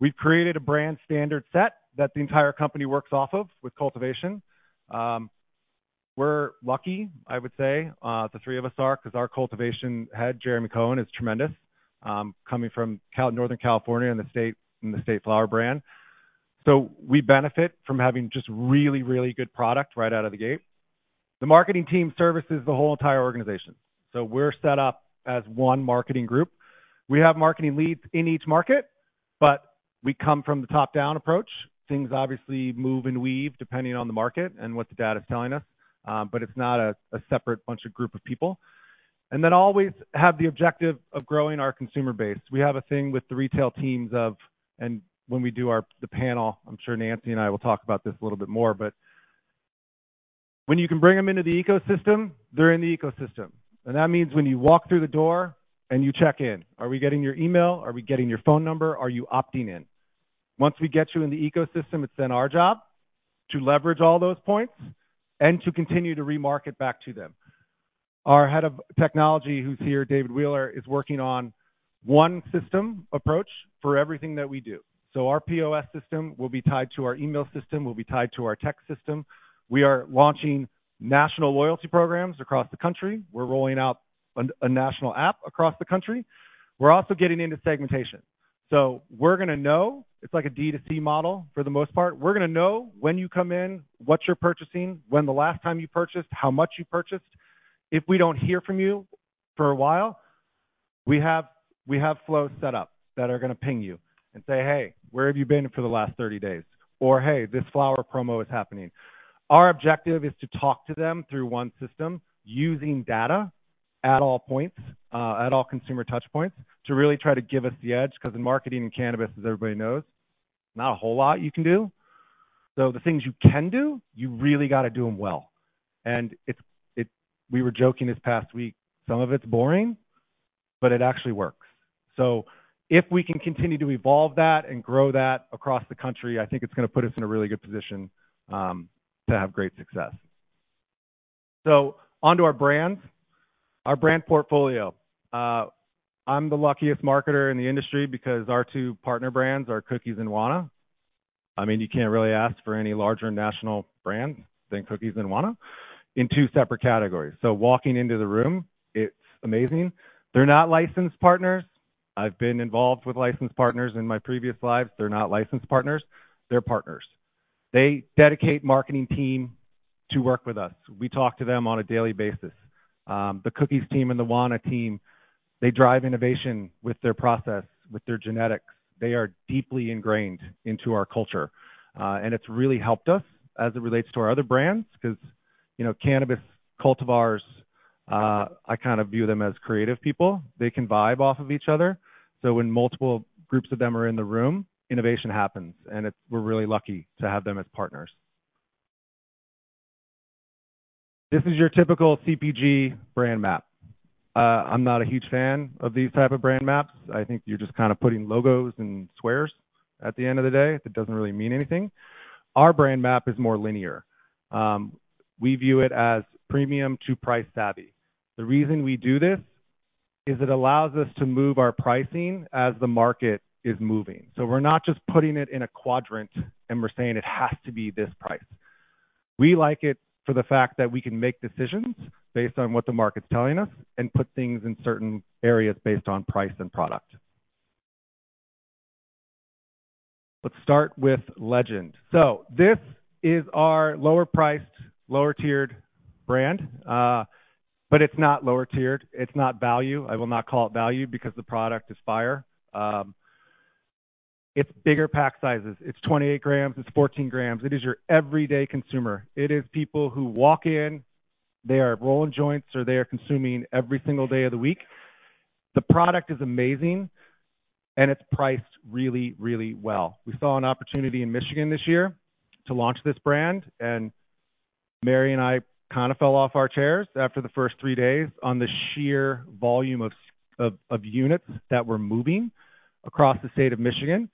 We've created a brand standard set that the entire company works off of with cultivation. We're lucky, I would say, the three of us are, because our cultivation head, Jeremy Cohen, is tremendous, coming from Northern California and the state, from the State Flower brand. We benefit from having just really, really good product right out of the gate. The marketing team services the whole entire organization, so we're set up as one marketing group. We have marketing leads in each market, but we come from the top-down approach. Things obviously move and weave, depending on the market and what the data is telling us, but it's not a separate bunch of group of people. Always have the objective of growing our consumer base. We have a thing with the retail teams of... and when we do our, the panel, I'm sure Nancy and I will talk about this a little bit more, but when you can bring them into the ecosystem, they're in the ecosystem. That means when you walk through the door and you check in, are we getting your email? Are we getting your phone number? Are you opting in? Once we get you in the ecosystem, it's then our job to leverage all those points and to continue to remarket back to them. Our head of technology, who's here, David Wheeler, is working on one system approach for everything that we do. So our POS system will be tied to our email system, will be tied to our tech system. We are launching national loyalty programs across the country. We're rolling out a, a national app across the country. We're also getting into segmentation, so we're gonna know, it's like a D2C model for the most part. We're gonna know when you come in, what you're purchasing, when the last time you purchased, how much you purchased.... If we don't hear from you for a while, we have, we have flows set up that are going to ping you and say, "Hey, where have you been for the last 30 days? Or, Hey, this flower promo is happening." Our objective is to talk to them through one system, using data at all points, at all consumer touch points, to really try to give us the edge, because in marketing and cannabis, as everybody knows, not a whole lot you can do. So the things you can do, you really got to do them well. And it's, it we were joking this past week, some of it's boring, but it actually works. So if we can continue to evolve that and grow that across the country, I think it's going to put us in a really good position, to have great success. So on to our brands, our brand portfolio. I'm the luckiest marketer in the industry because our two partner brands are Cookies and Wana. I mean, you can't really ask for any larger national brand than Cookies and Wana in two separate categories. So walking into the room, it's amazing. They're not licensed partners. I've been involved with licensed partners in my previous lives. They're not licensed partners, they're partners. They dedicate marketing team to work with us. We talk to them on a daily basis. The Cookies team and the Wana team, they drive innovation with their process, with their genetics. They are deeply ingrained into our culture, and it's really helped us as it relates to our other brands, because, you know, cannabis cultivars, I kind of view them as creative people. They can vibe off of each other. So when multiple groups of them are in the room, innovation happens, and it's, we're really lucky to have them as partners. This is your typical CPG brand map. I'm not a huge fan of these type of brand maps. I think you're just kind of putting logos in squares. At the end of the day, it doesn't really mean anything. Our brand map is more linear. We view it as premium to price savvy. The reason we do this is it allows us to move our pricing as the market is moving. So we're not just putting it in a quadrant, and we're saying it has to be this price. We like it for the fact that we can make decisions based on what the market's telling us and put things in certain areas based on price and product. Let's start with Legend. This is our lower priced, lower tiered brand, but it's not lower tiered, it's not value. I will not call it value because the product is fire. It's bigger pack sizes. It's 28 grams, it's 14 grams. It is your everyday consumer. It is people who walk in, they are rolling joints, or they are consuming every single day of the week. The product is amazing and it's priced really, really well. We saw an opportunity in Michigan this year to launch this brand, and Mary and I kind of fell off our chairs after the first three days on the sheer volume of units that were moving across the state of Michigan.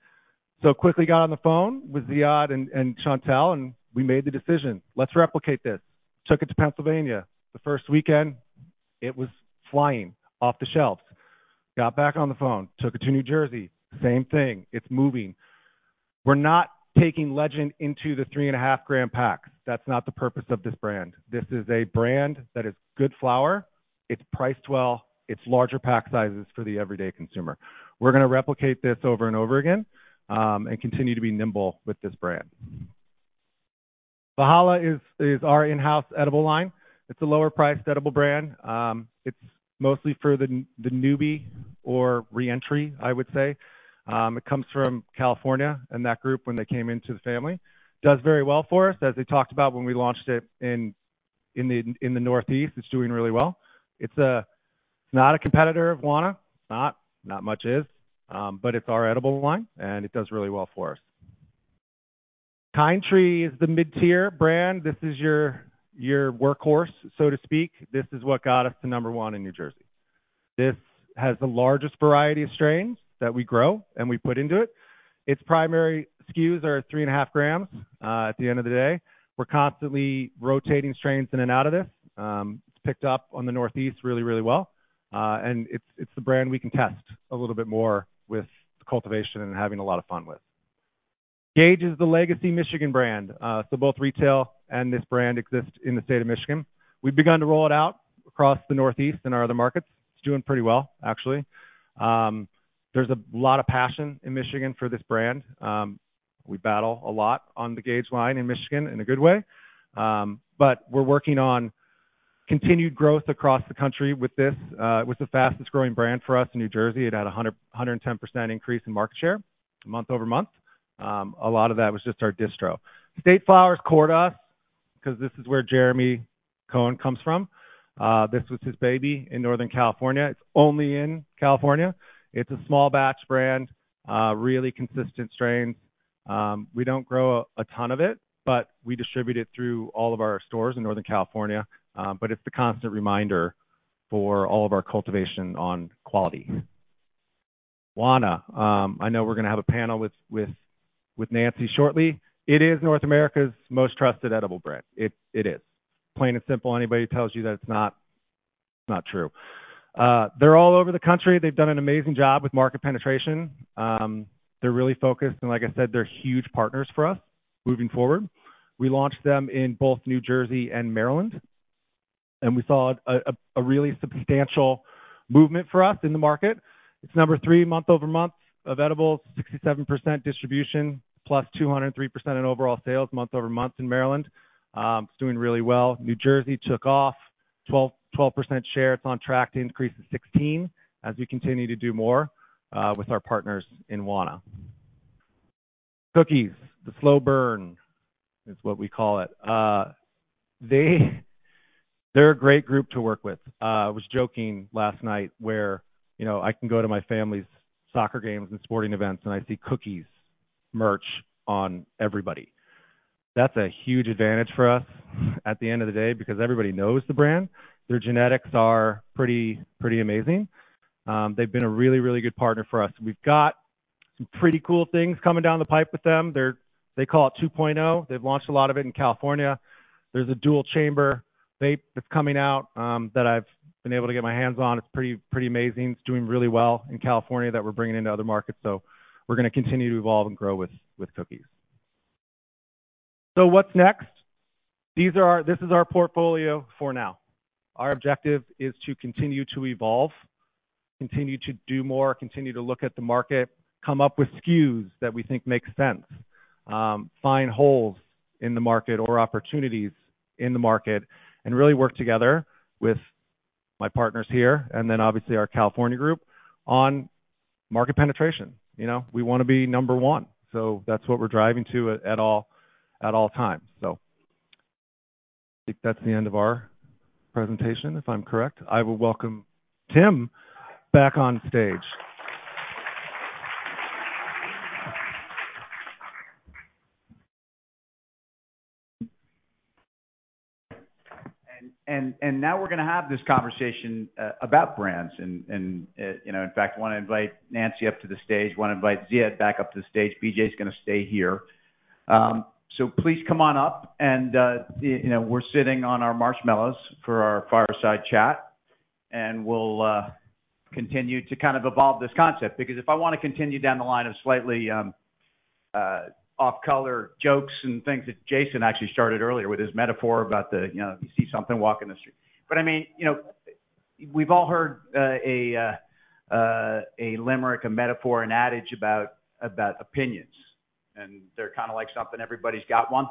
Quickly got on the phone with Ziad and Chantelle, and we made the decision: Let's replicate this. Took it to Pennsylvania. The first weekend, it was flying off the shelves. Got back on the phone, took it to New Jersey, same thing. It's moving. We're not taking Legend into the 3.5-gram packs. That's not the purpose of this brand. This is a brand that is good flower, it's priced well, it's larger pack sizes for the everyday consumer. We're going to replicate this over and over again, and continue to be nimble with this brand. Valhalla is our in-house edible line. It's a lower-priced edible brand. It's mostly for the newbie or reentry, I would say. It comes from California, and that group, when they came into the family, does very well for us, as I talked about when we launched it in the Northeast, it's doing really well. It's not a competitor of Wana. It's not, not much is, but it's our edible line, and it does really well for us. Kind Tree is the mid-tier brand. This is your, your workhorse, so to speak. This is what got us to number one in New Jersey. This has the largest variety of strains that we grow and we put into it. Its primary SKUs are 3.5 grams. At the end of the day, we're constantly rotating strains in and out of this. It's picked up on the Northeast really, really well, and it's, it's the brand we can test a little bit more with cultivation and having a lot of fun with. Gage is the legacy Michigan brand. So both retail and this brand exist in the state of Michigan. We've begun to roll it out across the Northeast and our other markets. It's doing pretty well, actually. There's a lot of passion in Michigan for this brand. We battle a lot on the Gage line in Michigan in a good way, but we're working on continued growth across the country with this. With the fastest growing brand for us in New Jersey, it had a 110% increase in market share month-over-month. A lot of that was just our distro. State Flower, Corda, because this is where Jeremy Cohen comes from. This was his baby in Northern California. It's only in California. It's a small batch brand, really consistent strains. We don't grow a ton of it, but we distribute it through all of our stores in Northern California. It's the constant reminder for all of our cultivation on quality. Wana, I know we're going to have a panel with Nancy shortly. It is North America's most trusted edible brand. It is. Plain and simple, anybody tells you that it's not, it's not true. They're all over the country. They've done an amazing job with market penetration. They're really focused, and like I said, they're huge partners for us moving forward. We launched them in both New Jersey and Maryland, and we saw a really substantial movement for us in the market. It's number 3, month-over-month of edibles, 67% distribution, +203% in overall sales, month-over-month in Maryland. It's doing really well. New Jersey took off, 12% share. It's on track to increase to 16 as we continue to do more with our partners in Wana. Cookies, the slow burn is what we call it. They're a great group to work with. I was joking last night where, you know, I can go to my family's soccer games and sporting events, and I see Cookies merch on everybody. That's a huge advantage for us at the end of the day, because everybody knows the brand. Their genetics are pretty, pretty amazing. They've been a really, really good partner for us. We've got some pretty cool things coming down the pipe with them. They call it 2.0. They've launched a lot of it in California. There's a dual chamber vape that's coming out, that I've been able to get my hands on. It's pretty, pretty amazing. It's doing really well in California, that we're bringing into other markets, so we're gonna continue to evolve and grow with Cookies. So what's next? These are our—this is our portfolio for now. Our objective is to continue to evolve, continue to do more, continue to look at the market, come up with SKUs that we think make sense. Find holes in the market or opportunities in the market, and really work together with my partners here, and then obviously our California group, on market penetration. You know, we want to be number one, so that's what we're driving to at all, at all times. So I think that's the end of our presentation, if I'm correct. I will welcome Tim back on stage. Now we're gonna have this conversation about brands. You know, in fact, I want to invite Nancy up to the stage. I want to invite Ziad back up to the stage. B.J.'s gonna stay here. Please come on up, and, you know, we're sitting on our marshmallows for our fireside chat, and we'll continue to kind of evolve this concept, because if I want to continue down the line of slightly off-color jokes and things that Jason actually started earlier with his metaphor about the, you know, if you see something, walk in the street. I mean, you know, we've all heard a limerick, a metaphor, an adage about opinions, and they're kind of like something, everybody's got one.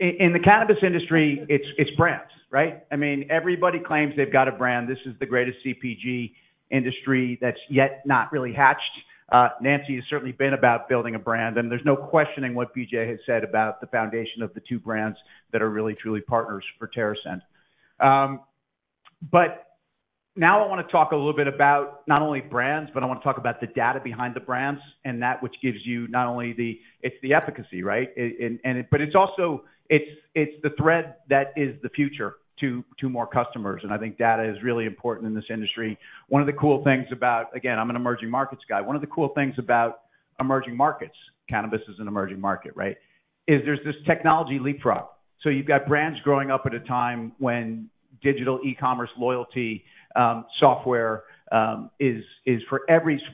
In the cannabis industry, it's brands, right? I mean, everybody claims they've got a brand. This is the greatest CPG industry that's yet not really hatched. Nancy has certainly been about building a brand, and there's no questioning what BJ has said about the foundation of the two brands that are really, truly partners for TerrAscend. But now I want to talk a little bit about not only brands, but I want to talk about the data behind the brands, and that which gives you not only the... It's the efficacy, right? And, but it's also, it's, it's the thread that is the future to, to more customers, and I think data is really important in this industry. One of the cool things about... Again, I'm an emerging markets guy. One of the cool things about emerging markets, cannabis is an emerging market, right? Is there's this technology leapfrog. So you've got brands growing up at a time when digital e-commerce loyalty software is for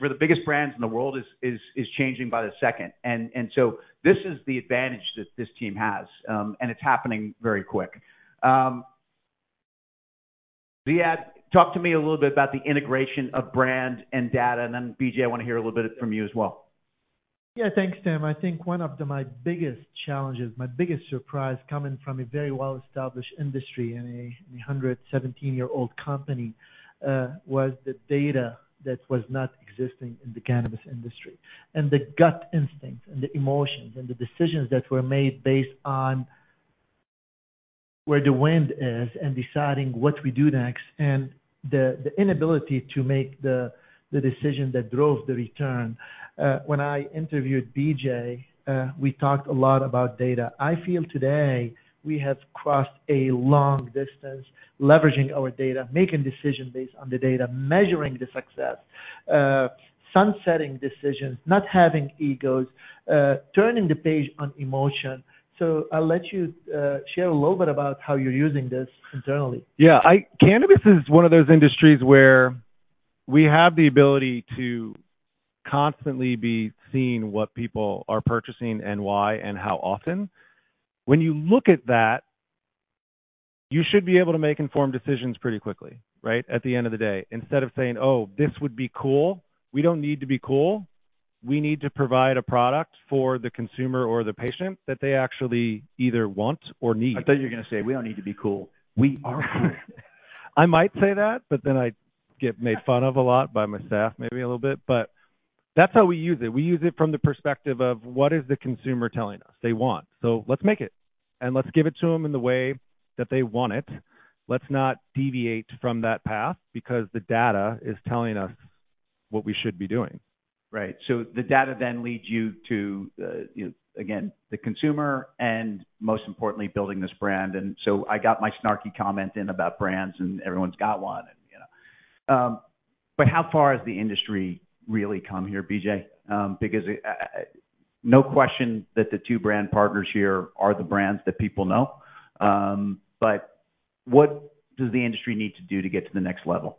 the biggest brands in the world is changing by the second. And so this is the advantage that this team has, and it's happening very quick. Ziad, talk to me a little bit about the integration of brand and data, and then, BJ, I want to hear a little bit from you as well. Yeah, thanks, Tim. I think one of the, my biggest challenges, my biggest surprise, coming from a very well-established industry and a 117-year-old company, was the data that was not existing in the cannabis industry. And the gut instinct and the emotions and the decisions that were made based on where the wind is and deciding what we do next, and the, the inability to make the, the decision that drove the return. When I interviewed BJ, we talked a lot about data. I feel today we have crossed a long distance, leveraging our data, making decisions based on the data, measuring the success, sunsetting decisions, not having egos, turning the page on emotion. So I'll let you share a little bit about how you're using this internally. Yeah, cannabis is one of those industries where we have the ability to constantly be seeing what people are purchasing and why and how often. When you look at that, you should be able to make informed decisions pretty quickly, right? At the end of the day, instead of saying: Oh, this would be cool. We don't need to be cool. We need to provide a product for the consumer or the patient that they actually either want or need. I thought you were gonna say, "We don't need to be cool. We are cool. I might say that, but then I'd get made fun of a lot by my staff, maybe a little bit. But that's how we use it. We use it from the perspective of what is the consumer telling us they want. So let's make it, and let's give it to them in the way that they want it. Let's not deviate from that path because the data is telling us what we should be doing. Right. So the data then leads you to, you know, again, the consumer and most importantly, building this brand. And so I got my snarky comment in about brands, and everyone's got one, and, you know. But how far has the industry really come here, BJ? Because, no question that the two brand partners here are the brands that people know. But what does the industry need to do to get to the next level?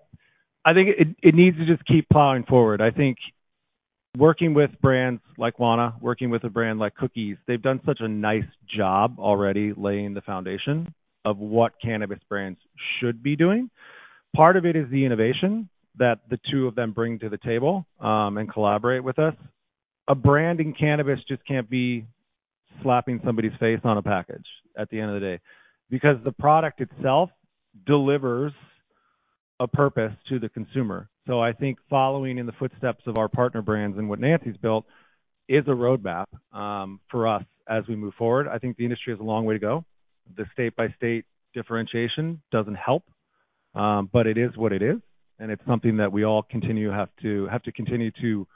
I think it needs to just keep plowing forward. I think working with brands like Wana, working with a brand like Cookies, they've done such a nice job already laying the foundation of what cannabis brands should be doing. Part of it is the innovation that the two of them bring to the table and collaborate with us. A brand in cannabis just can't be slapping somebody's face on a package at the end of the day, because the product itself delivers a purpose to the consumer. So I think following in the footsteps of our partner brands and what Nancy's built is a roadmap for us as we move forward. I think the industry has a long way to go. The state-by-state differentiation doesn't help, but it is what it is, and it's something that we all continue to have to continue to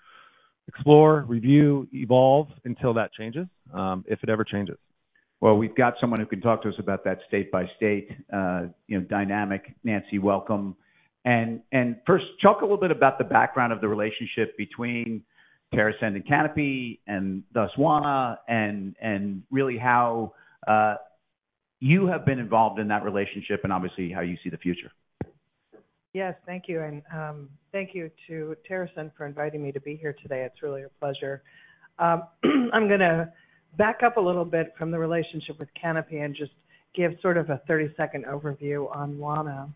explore, review, evolve until that changes, if it ever changes. Well, we've got someone who can talk to us about that state by state, you know, dynamic. Nancy, welcome. And first, talk a little bit about the background of the relationship between TerrAscend and Canopy, and thus Wana, and really how you have been involved in that relationship and obviously how you see the future. Yes, thank you. And thank you to TerrAscend for inviting me to be here today. It's really a pleasure. I'm gonna back up a little bit from the relationship with Canopy and just give sort of a 30-second overview on Wana,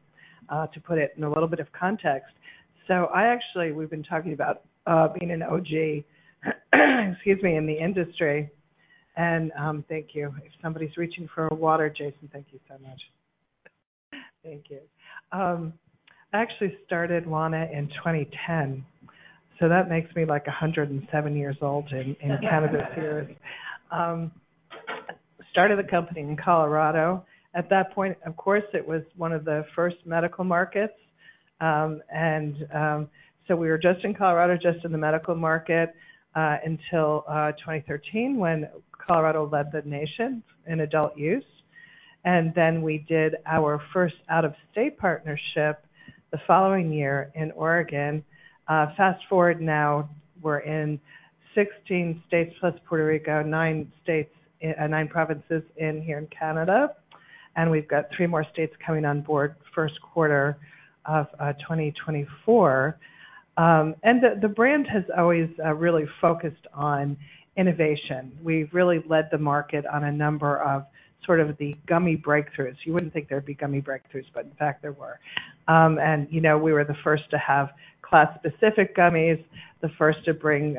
to put it in a little bit of context. So I actually, we've been talking about, being an OG, excuse me, in the industry. And thank you. Somebody's reaching for a water. Jason, thank you so much. Thank you. I actually started Wana in 2010, so that makes me, like, 107 years old in cannabis years. Started the company in Colorado. At that point, of course, it was one of the first medical markets. We were just in Colorado, just in the medical market until 2013, when Colorado led the nation in adult use. We did our first out-of-state partnership the following year in Oregon. Fast forward now, we're in 16 states, plus Puerto Rico, 9 provinces in Canada, and we've got 3 more states coming on board first quarter of 2024. The brand has always really focused on innovation. We've really led the market on a number of sort of the gummy breakthroughs. You wouldn't think there'd be gummy breakthroughs, but in fact, there were. You know, we were the first to have class-specific gummies, the first to bring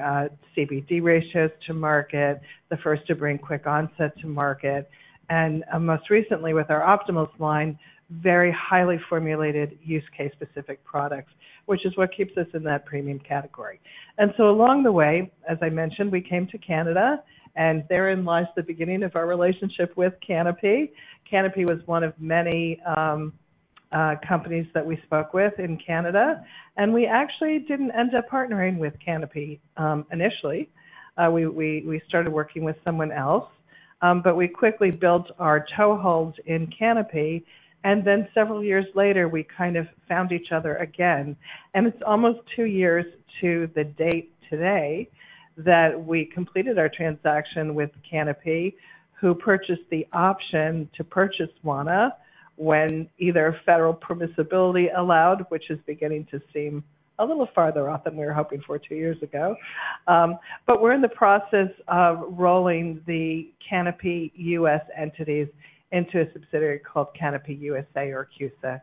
CBD ratios to market, the first to bring quick onset to market, and most recently with our Optimals line, very highly formulated use case-specific products, which is what keeps us in that premium category. So along the way, as I mentioned, we came to Canada, and therein lies the beginning of our relationship with Canopy. Canopy was one of many companies that we spoke with in Canada, and we actually didn't end up partnering with Canopy initially. We started working with someone else, but we quickly built our toehold in Canopy, and then several years later, we kind of found each other again. And it's almost two years to the date today, that we completed our transaction with Canopy, who purchased the option to purchase Wana, when either federal permissibility allowed, which is beginning to seem a little farther off than we were hoping for two years ago. But we're in the process of rolling the Canopy US entities into a subsidiary called Canopy USA, or CUSA,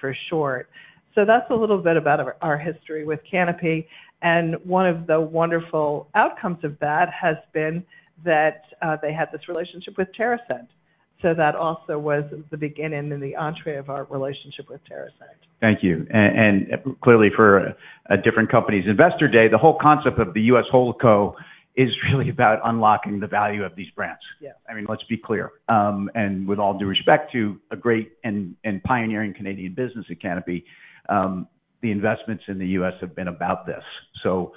for short. So that's a little bit about our, our history with Canopy, and one of the wonderful outcomes of that has been that, they had this relationship with TerrAscend. So that also was the beginning and the entree of our relationship with TerrAscend. Thank you. And clearly, for a different company's investor day, the whole concept of the U.S. Holdco is really about unlocking the value of these brands. Yeah. I mean, let's be clear. And with all due respect to a great and pioneering Canadian business at Canopy, the investments in the U.S. have been about this. So,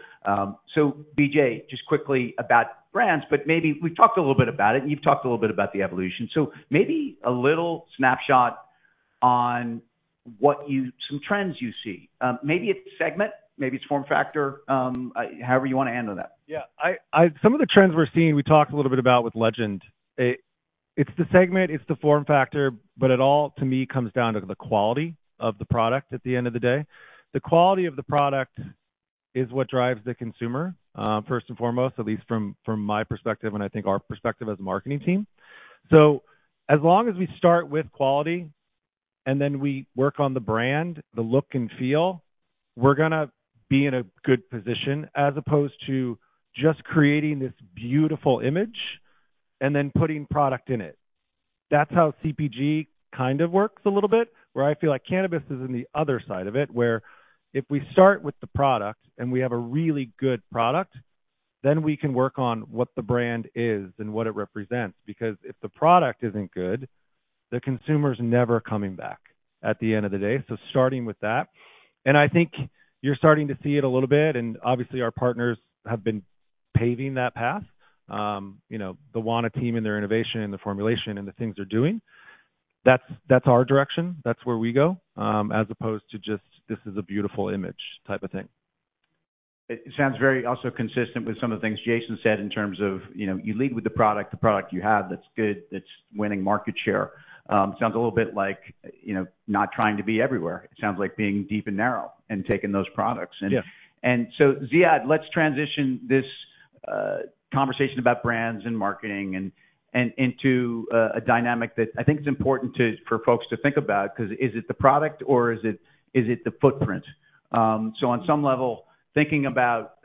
so BJ, just quickly about brands, but maybe we've talked a little bit about it, and you've talked a little bit about the evolution. So maybe a little snapshot on what you... Some trends you see. Maybe it's segment, maybe it's form factor, however, you want to handle that. Yeah. Some of the trends we're seeing, we talked a little bit about with Legend. It's the segment, it's the form factor, but it all, to me, comes down to the quality of the product at the end of the day. The quality of the product is what drives the consumer first and foremost, at least from my perspective and I think our perspective as a marketing team. So as long as we start with quality, and then we work on the brand, the look and feel, we're gonna be in a good position, as opposed to just creating this beautiful image and then putting product in it. That's how CPG kind of works a little bit, where I feel like cannabis is in the other side of it, where if we start with the product and we have a really good product, then we can work on what the brand is and what it represents. Because if the product isn't good, the consumer's never coming back at the end of the day. So starting with that, and I think you're starting to see it a little bit, and obviously, our partners have been paving that path. You know, the Wana team and their innovation and the formulation and the things they're doing, that's, that's our direction. That's where we go, as opposed to just, "This is a beautiful image" type of thing. It sounds very also consistent with some of the things Jason said in terms of, you know, you lead with the product, the product you have that's good, that's winning market share. Sounds a little bit like, you know, not trying to be everywhere. It sounds like being deep and narrow and taking those products. Yeah. And so, Ziad, let's transition this conversation about brands and marketing and, and into a dynamic that I think is important to, for folks to think about, because is it the product or is it, is it the footprint? So on some level, thinking about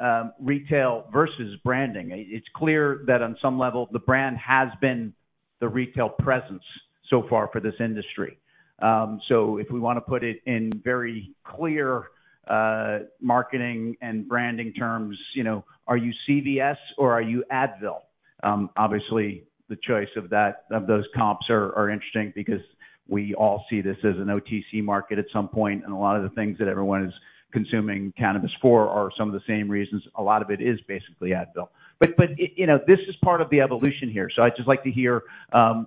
retail versus branding, it, it's clear that on some level, the brand has been the retail presence so far for this industry. So if we want to put it in very clear marketing and branding terms, you know, are you CVS or are you Advil? Obviously, the choice of that, of those comps are, are interesting because we all see this as an OTC market at some point, and a lot of the things that everyone is consuming cannabis for are some of the same reasons. A lot of it is basically Advil. You know, this is part of the evolution here. So I'd just like to hear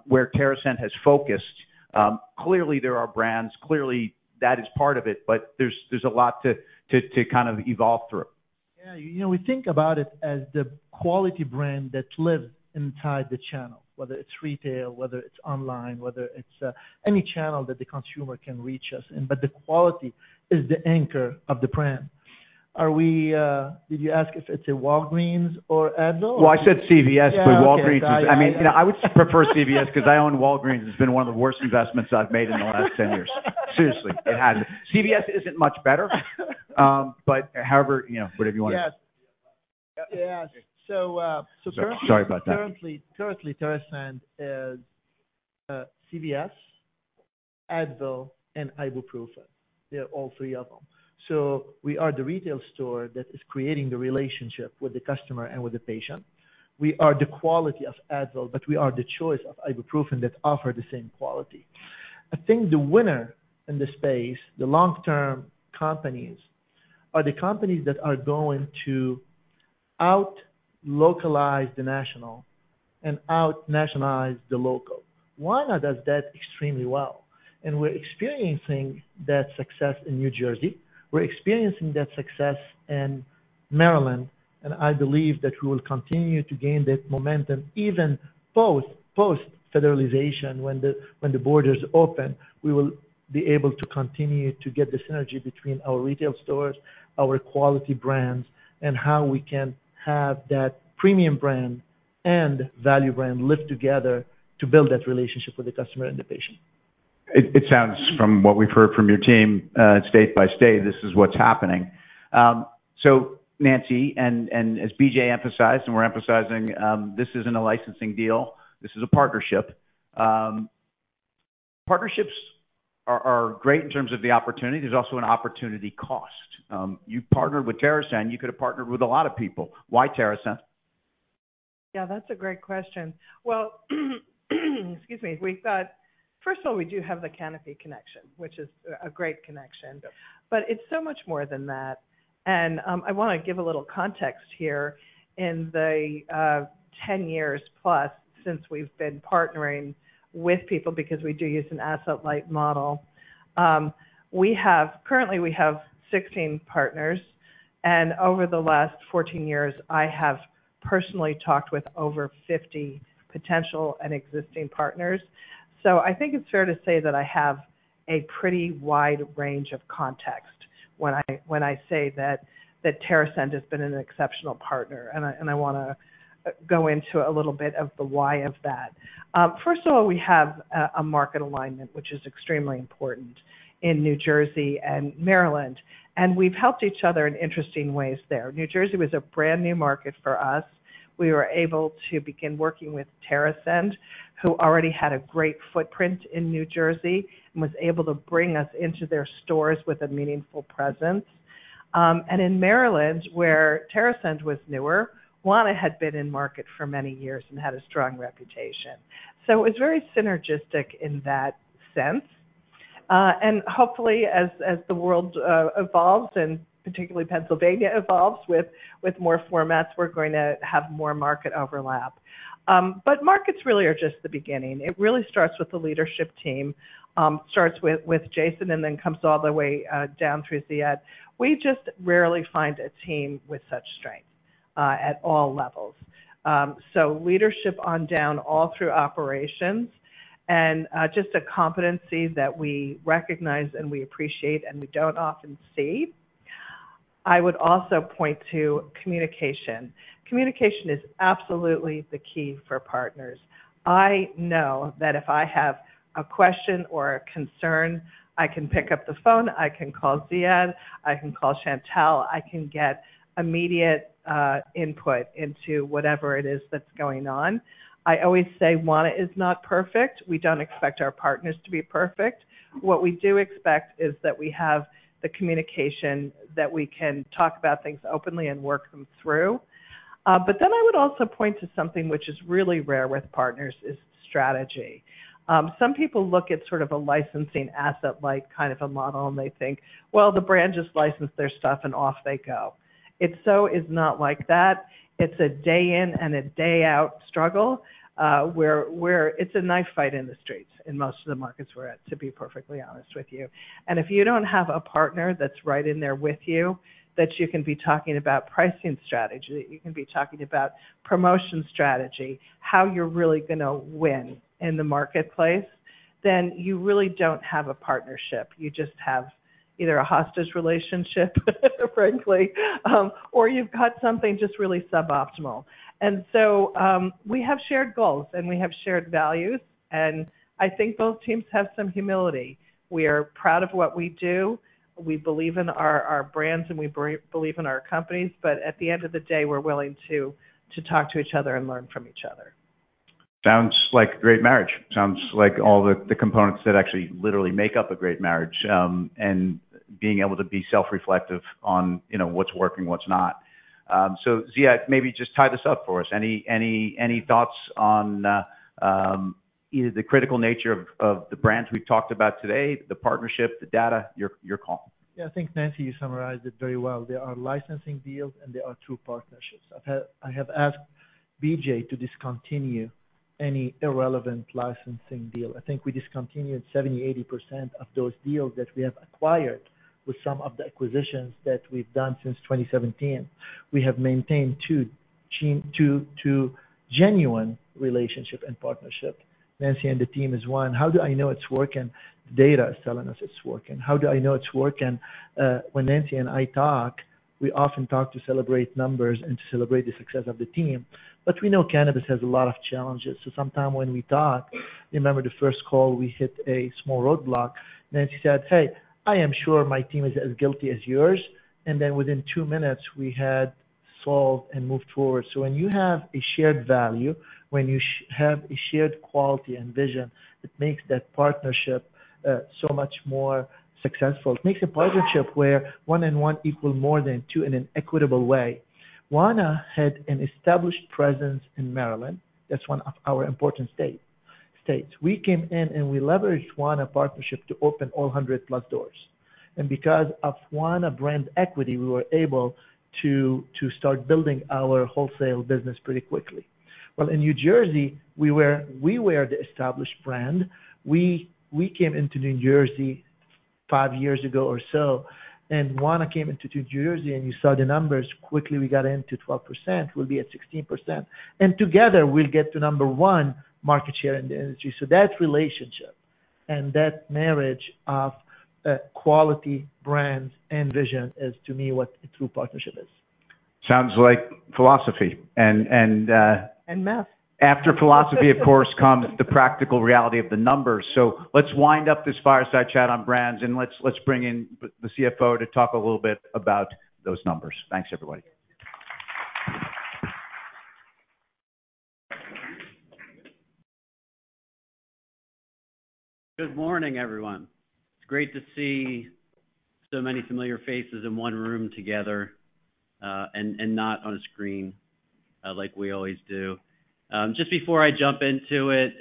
where TerrAscend has focused. Clearly, there are brands. Clearly, that is part of it, but there's a lot to kind of evolve through. Yeah. You know, we think about it as the quality brand that lives inside the channel, whether it's retail, whether it's online, whether it's any channel that the consumer can reach us in, but the quality is the anchor of the brand. Are we, did you ask if it's a Walgreens or Advil? Well, I said CVS, but Walgreens- Yeah, okay. I mean, you know, I would prefer CVS because I own Walgreens. It's been one of the worst investments I've made in the last ten years. Seriously, it has. CVS isn't much better, but however, you know, whatever you want to- Yes. Yeah. So, currently- Sorry about that. Currently, currently, TerrAscend is CVS, Advil, and ibuprofen. They're all three of them. We are the retail store that is creating the relationship with the customer and with the patient. We are the quality of Advil, but we are the choice of ibuprofen that offer the same quality. I think the winner in this space, the long-term companies, are the companies that are going to out-localize the national and out-nationalize the local. Wana does that extremely well, and we're experiencing that success in New Jersey. We're experiencing that success in Maryland, and I believe that we will continue to gain that momentum, even both post-federalization. When the borders open, we will be able to continue to get the synergy between our retail stores, our quality brands, and how we can have that premium brand and value brand live together to build that relationship with the customer and the patient. It sounds, from what we've heard from your team, state by state, this is what's happening. So Nancy, and as BJ emphasized, and we're emphasizing, this isn't a licensing deal, this is a partnership. Partnerships are great in terms of the opportunity. There's also an opportunity cost. You partnered with TerrAscend. You could have partnered with a lot of people. Why TerrAscend? Yeah, that's a great question. Well, excuse me. We thought, first of all, we do have the Canopy connection, which is a great connection, but it's so much more than that. And, I want to give a little context here. In the 10 years plus since we've been partnering with people, because we do use an asset-light model, we have currently 16 partners, and over the last 14 years, I have personally talked with over 50 potential and existing partners. So I think it's fair to say that I have a pretty wide range of context when I say that TerrAscend has been an exceptional partner, and I want to go into a little bit of the why of that. First of all, we have a market alignment, which is extremely important in New Jersey and Maryland, and we've helped each other in interesting ways there. New Jersey was a brand-new market for us. We were able to begin working with TerrAscend, who already had a great footprint in New Jersey, and was able to bring us into their stores with a meaningful presence. And in Maryland, where TerrAscend was newer, Wana had been in market for many years and had a strong reputation. So it was very synergistic in that sense. And hopefully, as the world evolves, and particularly Pennsylvania evolves with more formats, we're going to have more market overlap. But markets really are just the beginning. It really starts with the leadership team, starts with Jason, and then comes all the way down through Ziad. We just rarely find a team with such strength at all levels. So leadership on down, all through operations, and just a competency that we recognize and we appreciate and we don't often see. I would also point to communication. Communication is absolutely the key for partners. I know that if I have a question or a concern, I can pick up the phone, I can call Ziad, I can call Chantelle, I can get immediate input into whatever it is that's going on. I always say Wana is not perfect. We don't expect our partners to be perfect. What we do expect is that we have the communication, that we can talk about things openly and work them through. But then I would also point to something which is really rare with partners, is strategy. Some people look at sort of a licensing asset, like kind of a model, and they think, "Well, the brand just licensed their stuff and off they go." It so is not like that. It's a day in and a day out struggle, where, where it's a knife fight in the streets in most of the markets we're at, to be perfectly honest with you. And if you don't have a partner that's right in there with you, that you can be talking about pricing strategy, you can be talking about promotion strategy, how you're really gonna win in the marketplace.... then you really don't have a partnership. You just have either a hostage relationship, frankly, or you've got something just really suboptimal. And so, we have shared goals, and we have shared values, and I think both teams have some humility. We are proud of what we do. We believe in our brands, and we believe in our companies, but at the end of the day, we're willing to talk to each other and learn from each other. Sounds like a great marriage. Sounds like all the components that actually literally make up a great marriage, and being able to be self-reflective on, you know, what's working, what's not. So Ziad, maybe just tie this up for us. Any thoughts on either the critical nature of the brands we've talked about today, the partnership, the data, your call? Yeah, I think, Nancy, you summarized it very well. There are licensing deals, and there are true partnerships. I've had. I have asked BJ to discontinue any irrelevant licensing deal. I think we discontinued 70%-80% of those deals that we have acquired with some of the acquisitions that we've done since 2017. We have maintained two genuine relationship and partnership. Nancy and the team is one. How do I know it's working? Data is telling us it's working. How do I know it's working? When Nancy and I talk, we often talk to celebrate numbers and to celebrate the success of the team. But we know cannabis has a lot of challenges, so sometimes when we talk, remember the first call, we hit a small roadblock. Nancy said, "Hey, I am sure my team is as guilty as yours." And then within two minutes, we had solved and moved forward. So when you have a shared value, when you have a shared quality and vision, it makes that partnership so much more successful. It makes a partnership where one and one equal more than two in an equitable way. Wana had an established presence in Maryland. That's one of our important states. We came in, and we leveraged Wana partnership to open all 100+ doors. And because of Wana brand equity, we were able to start building our wholesale business pretty quickly. Well, in New Jersey, we were the established brand. We came into New Jersey five years ago or so, and Wana came into New Jersey, and you saw the numbers. Quickly, we got into 12%. We'll be at 16%, and together, we'll get to number one market share in the industry. So that relationship and that marriage of, quality, brands, and vision is, to me, what a true partnership is. Sounds like philosophy and And math. After philosophy, of course, comes the practical reality of the numbers. So let's wind up this fireside chat on brands, and let's bring in the CFO to talk a little bit about those numbers. Thanks, everybody. Good morning, everyone. It's great to see so many familiar faces in one room together, and not on a screen, like we always do. Just before I jump into it,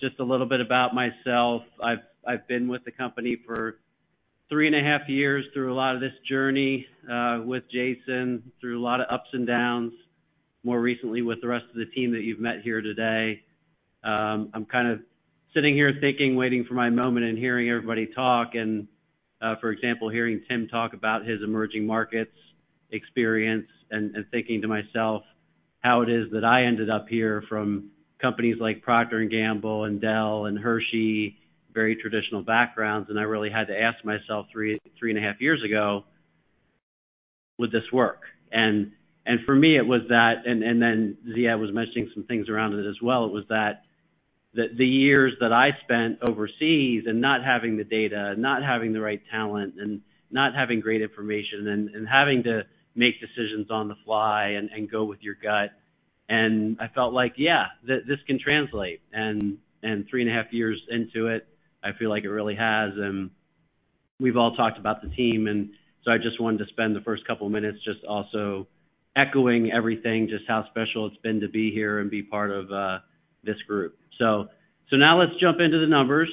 just a little bit about myself. I've been with the company for three and a half years through a lot of this journey, with Jason, through a lot of ups and downs, more recently with the rest of the team that you've met here today. I'm kind of sitting here thinking, waiting for my moment and hearing everybody talk, and, for example, hearing Tim talk about his emerging markets experience and, and thinking to myself, how it is that I ended up here from companies like Procter & Gamble and Dell and Hershey, very traditional backgrounds, and I really had to ask myself 3, 3.5 years ago, would this work? And, and for me, it was that... And, and then Ziad was mentioning some things around it as well. It was that, the, the years that I spent overseas and not having the data, not having the right talent, and not having great information and, and having to make decisions on the fly and, and go with your gut. And I felt like, yeah, this can translate. Three and a half years into it, I feel like it really has. And we've all talked about the team, and so I just wanted to spend the first couple of minutes just also echoing everything, just how special it's been to be here and be part of this group. So now let's jump into the numbers.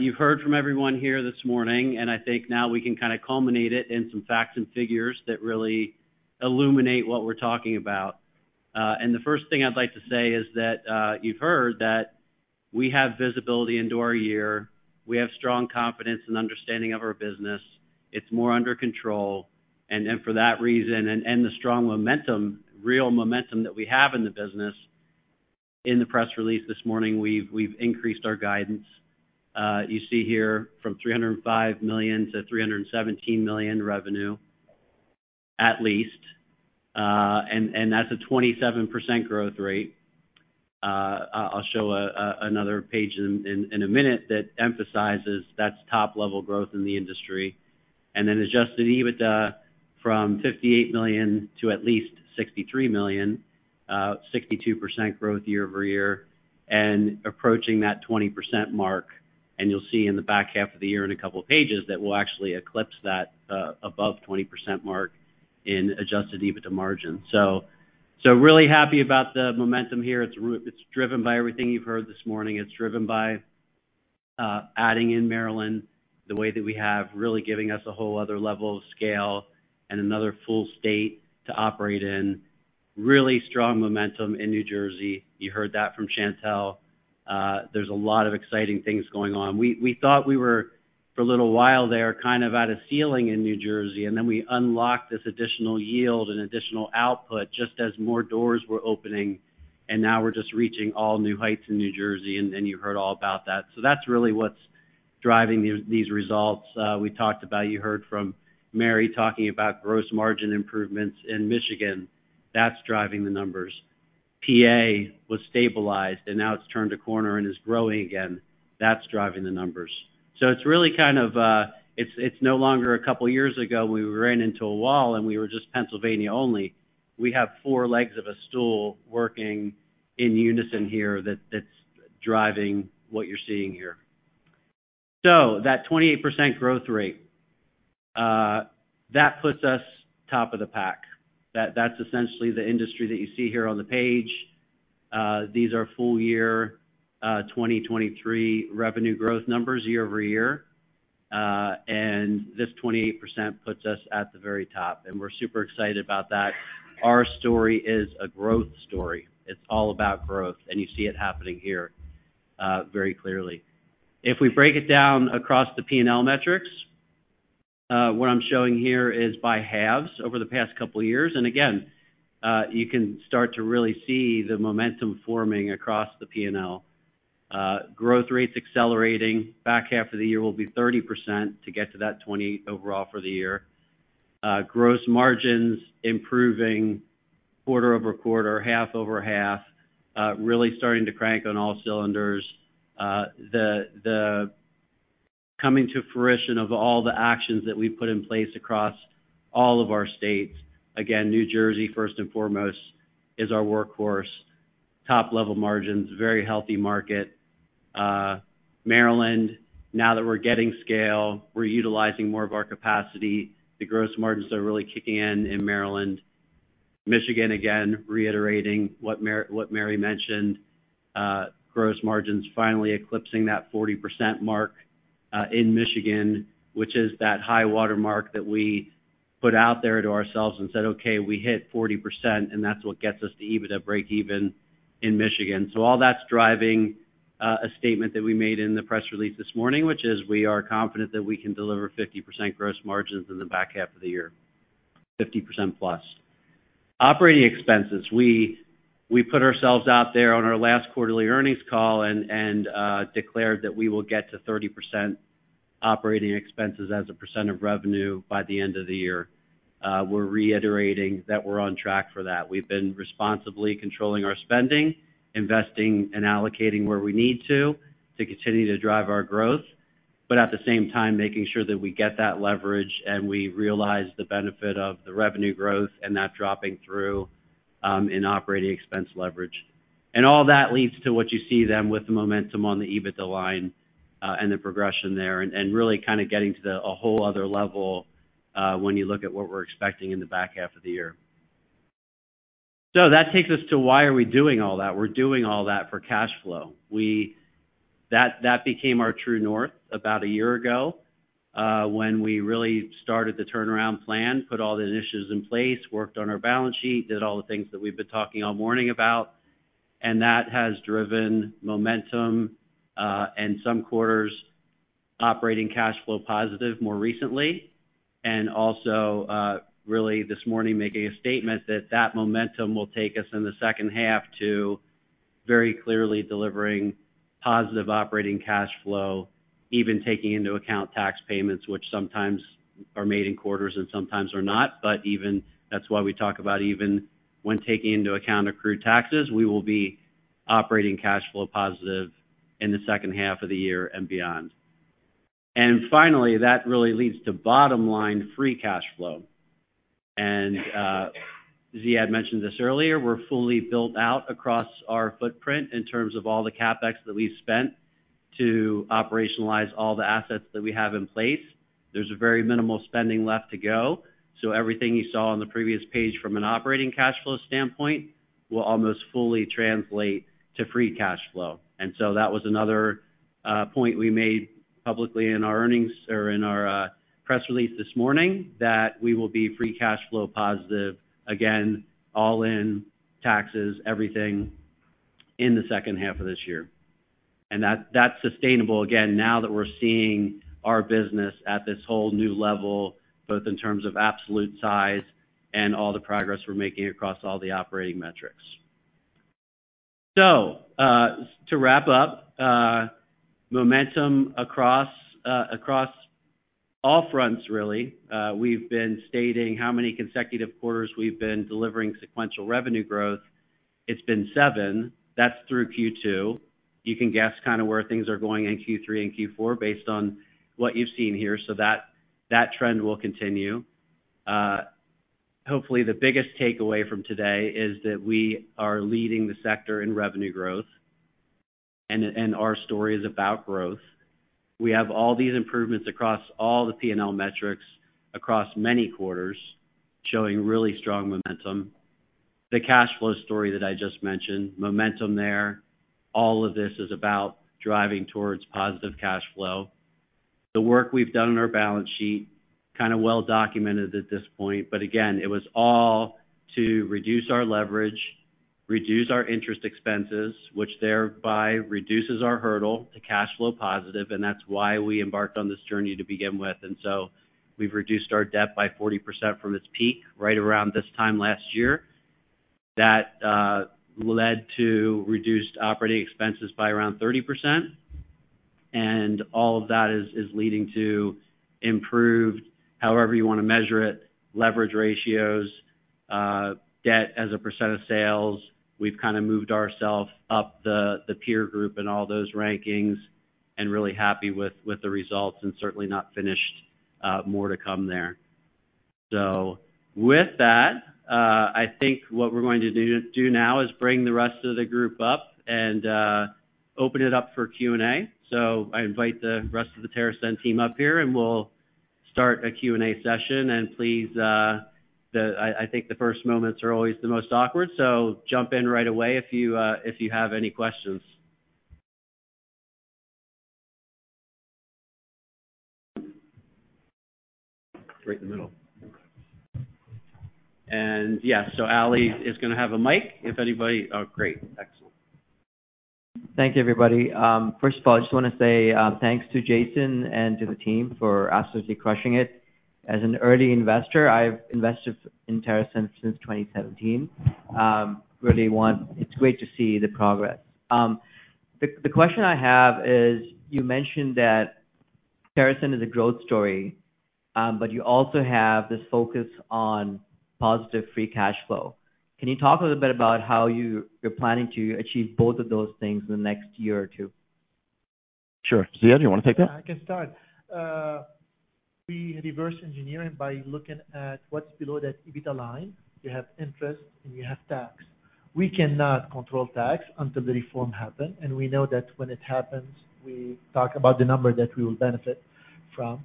You've heard from everyone here this morning, and I think now we can kind of culminate it in some facts and figures that really illuminate what we're talking about. And the first thing I'd like to say is that you've heard that we have visibility into our year. We have strong confidence and understanding of our business. It's more under control, and for that reason, and the strong momentum, real momentum that we have in the business, in the press release this morning, we've increased our guidance, you see here, from $305 million to $317 million revenue, at least. And that's a 27% growth rate. I'll show a, another page in a minute that emphasizes that's top-level growth in the industry. And then adjusted EBITDA from $58 million to at least $63 million, 62% growth year-over-year and approaching that 20% mark, and you'll see in the back half of the year in a couple of pages, that we'll actually eclipse that, above 20% mark in adjusted EBITDA margin. So, really happy about the momentum here. It's driven by everything you've heard this morning. It's driven by adding in Maryland the way that we have, really giving us a whole other level of scale and another full state to operate in. Really strong momentum in New Jersey. You heard that from Chantelle. There's a lot of exciting things going on. We thought we were, for a little while there, kind of at a ceiling in New Jersey, and then we unlocked this additional yield and additional output just as more doors were opening, and now we're just reaching all new heights in New Jersey, and you heard all about that. That's really what's driving these results. We talked about, you heard from Mary talking about gross margin improvements in Michigan. That's driving the numbers. PA was stabilized, and now it's turned a corner and is growing again. That's driving the numbers. So it's really kind of, it's, it's no longer a couple of years ago, we ran into a wall, and we were just Pennsylvania only. We have four legs of a stool working in unison here that's driving what you're seeing here. So that 28% growth rate, that puts us top of the pack. That's essentially the industry that you see here on the page. These are full year, 2023 revenue growth numbers year-over-year. And this 28% puts us at the very top, and we're super excited about that. Our story is a growth story. It's all about growth, and you see it happening here, very clearly. If we break it down across the P&L metrics, what I'm showing here is by halves over the past couple of years. Again, you can start to really see the momentum forming across the P&L. Growth rates accelerating. Back half of the year will be 30% to get to that 20 overall for the year. Gross margins improving quarter-over-quarter, half-over-half, really starting to crank on all cylinders. The coming to fruition of all the actions that we put in place across all of our states. Again, New Jersey, first and foremost, is our workhorse. Top-level margins, very healthy market. Maryland, now that we're getting scale, we're utilizing more of our capacity. The gross margins are really kicking in in Maryland. Michigan, again, reiterating what Mary, what Mary mentioned, gross margins finally eclipsing that 40% mark, in Michigan, which is that high watermark that we put out there to ourselves and said, "Okay, we hit 40%," and that's what gets us to EBITDA breakeven in Michigan. So all that's driving, a statement that we made in the press release this morning, which is we are confident that we can deliver 50% gross margins in the back half of the year, 50% plus. Operating expenses. We, we put ourselves out there on our last quarterly earnings call and, and, declared that we will get to 30% operating expenses as a percent of revenue by the end of the year. We're reiterating that we're on track for that. We've been responsibly controlling our spending, investing and allocating where we need to, to continue to drive our growth, but at the same time, making sure that we get that leverage and we realize the benefit of the revenue growth and that dropping through in operating expense leverage. And all that leads to what you see then with the momentum on the EBITDA line, and the progression there, and really kind of getting to the, a whole other level, when you look at what we're expecting in the back half of the year. So that takes us to why are we doing all that? We're doing all that for cash flow. We-- that became our true north about a year ago, when we really started the turnaround plan, put all the initiatives in place, worked on our balance sheet, did all the things that we've been talking all morning about, and that has driven momentum, and some quarters, operating cash flow positive more recently, and also, really this morning, making a statement that that momentum will take us in the second half to very clearly delivering positive operating cash flow, even taking into account tax payments, which sometimes are made in quarters and sometimes are not. That's why we talk about even when taking into account accrued taxes, we will be operating cash flow positive in the second half of the year and beyond. Finally, that really leads to bottom line, free cash flow. Ziad mentioned this earlier. We're fully built out across our footprint in terms of all the CapEx that we've spent to operationalize all the assets that we have in place. There's a very minimal spending left to go. So everything you saw on the previous page from an operating cash flow standpoint will almost fully translate to free cash flow. And so that was another point we made publicly in our earnings or in our press release this morning, that we will be free cash flow positive again, all in taxes, everything, in the second half of this year. And that's sustainable again, now that we're seeing our business at this whole new level, both in terms of absolute size and all the progress we're making across all the operating metrics. So to wrap up, momentum across across all fronts, really. We've been stating how many consecutive quarters we've been delivering sequential revenue growth. It's been 7. That's through Q2. You can guess kinda where things are going in Q3 and Q4, based on what you've seen here. So that, that trend will continue. Hopefully, the biggest takeaway from today is that we are leading the sector in revenue growth, and, and our story is about growth. We have all these improvements across all the P&L metrics, across many quarters, showing really strong momentum. The cash flow story that I just mentioned, momentum there, all of this is about driving towards positive cash flow. The work we've done on our balance sheet, kinda well documented at this point, but again, it was all to reduce our leverage. reduce our interest expenses, which thereby reduces our hurdle to cash flow positive, and that's why we embarked on this journey to begin with. And so we've reduced our debt by 40% from its peak, right around this time last year. That led to reduced operating expenses by around 30%. And all of that is leading to improved, however you want to measure it, leverage ratios, debt as a percent of sales. We've kind of moved ourselves up the peer group and all those rankings, and really happy with the results, and certainly not finished, more to come there. So with that, I think what we're going to do now is bring the rest of the group up and open it up for Q&A. So I invite the rest of the TerrAscend team up here, and we'll start a Q&A session. And please, I, I think the first moments are always the most awkward, so jump in right away if you, if you have any questions. Right in the middle. And yes, so Ali is gonna have a mic if anybody... Oh, great. Excellent. Thank you, everybody. First of all, I just want to say, thanks to Jason and to the team for absolutely crushing it. As an early investor, I've invested in TerrAscend since 2017. It's great to see the progress. The question I have is: you mentioned that TerrAscend is a growth story, but you also have this focus on positive free cash flow. Can you talk a little bit about how you're planning to achieve both of those things in the next year or two? Sure. Ziad, you want to take that? I can start. We reverse engineer it by looking at what's below that EBITDA line. You have interest, and you have tax. We cannot control tax until the reform happen, and we know that when it happens, we talk about the number that we will benefit from.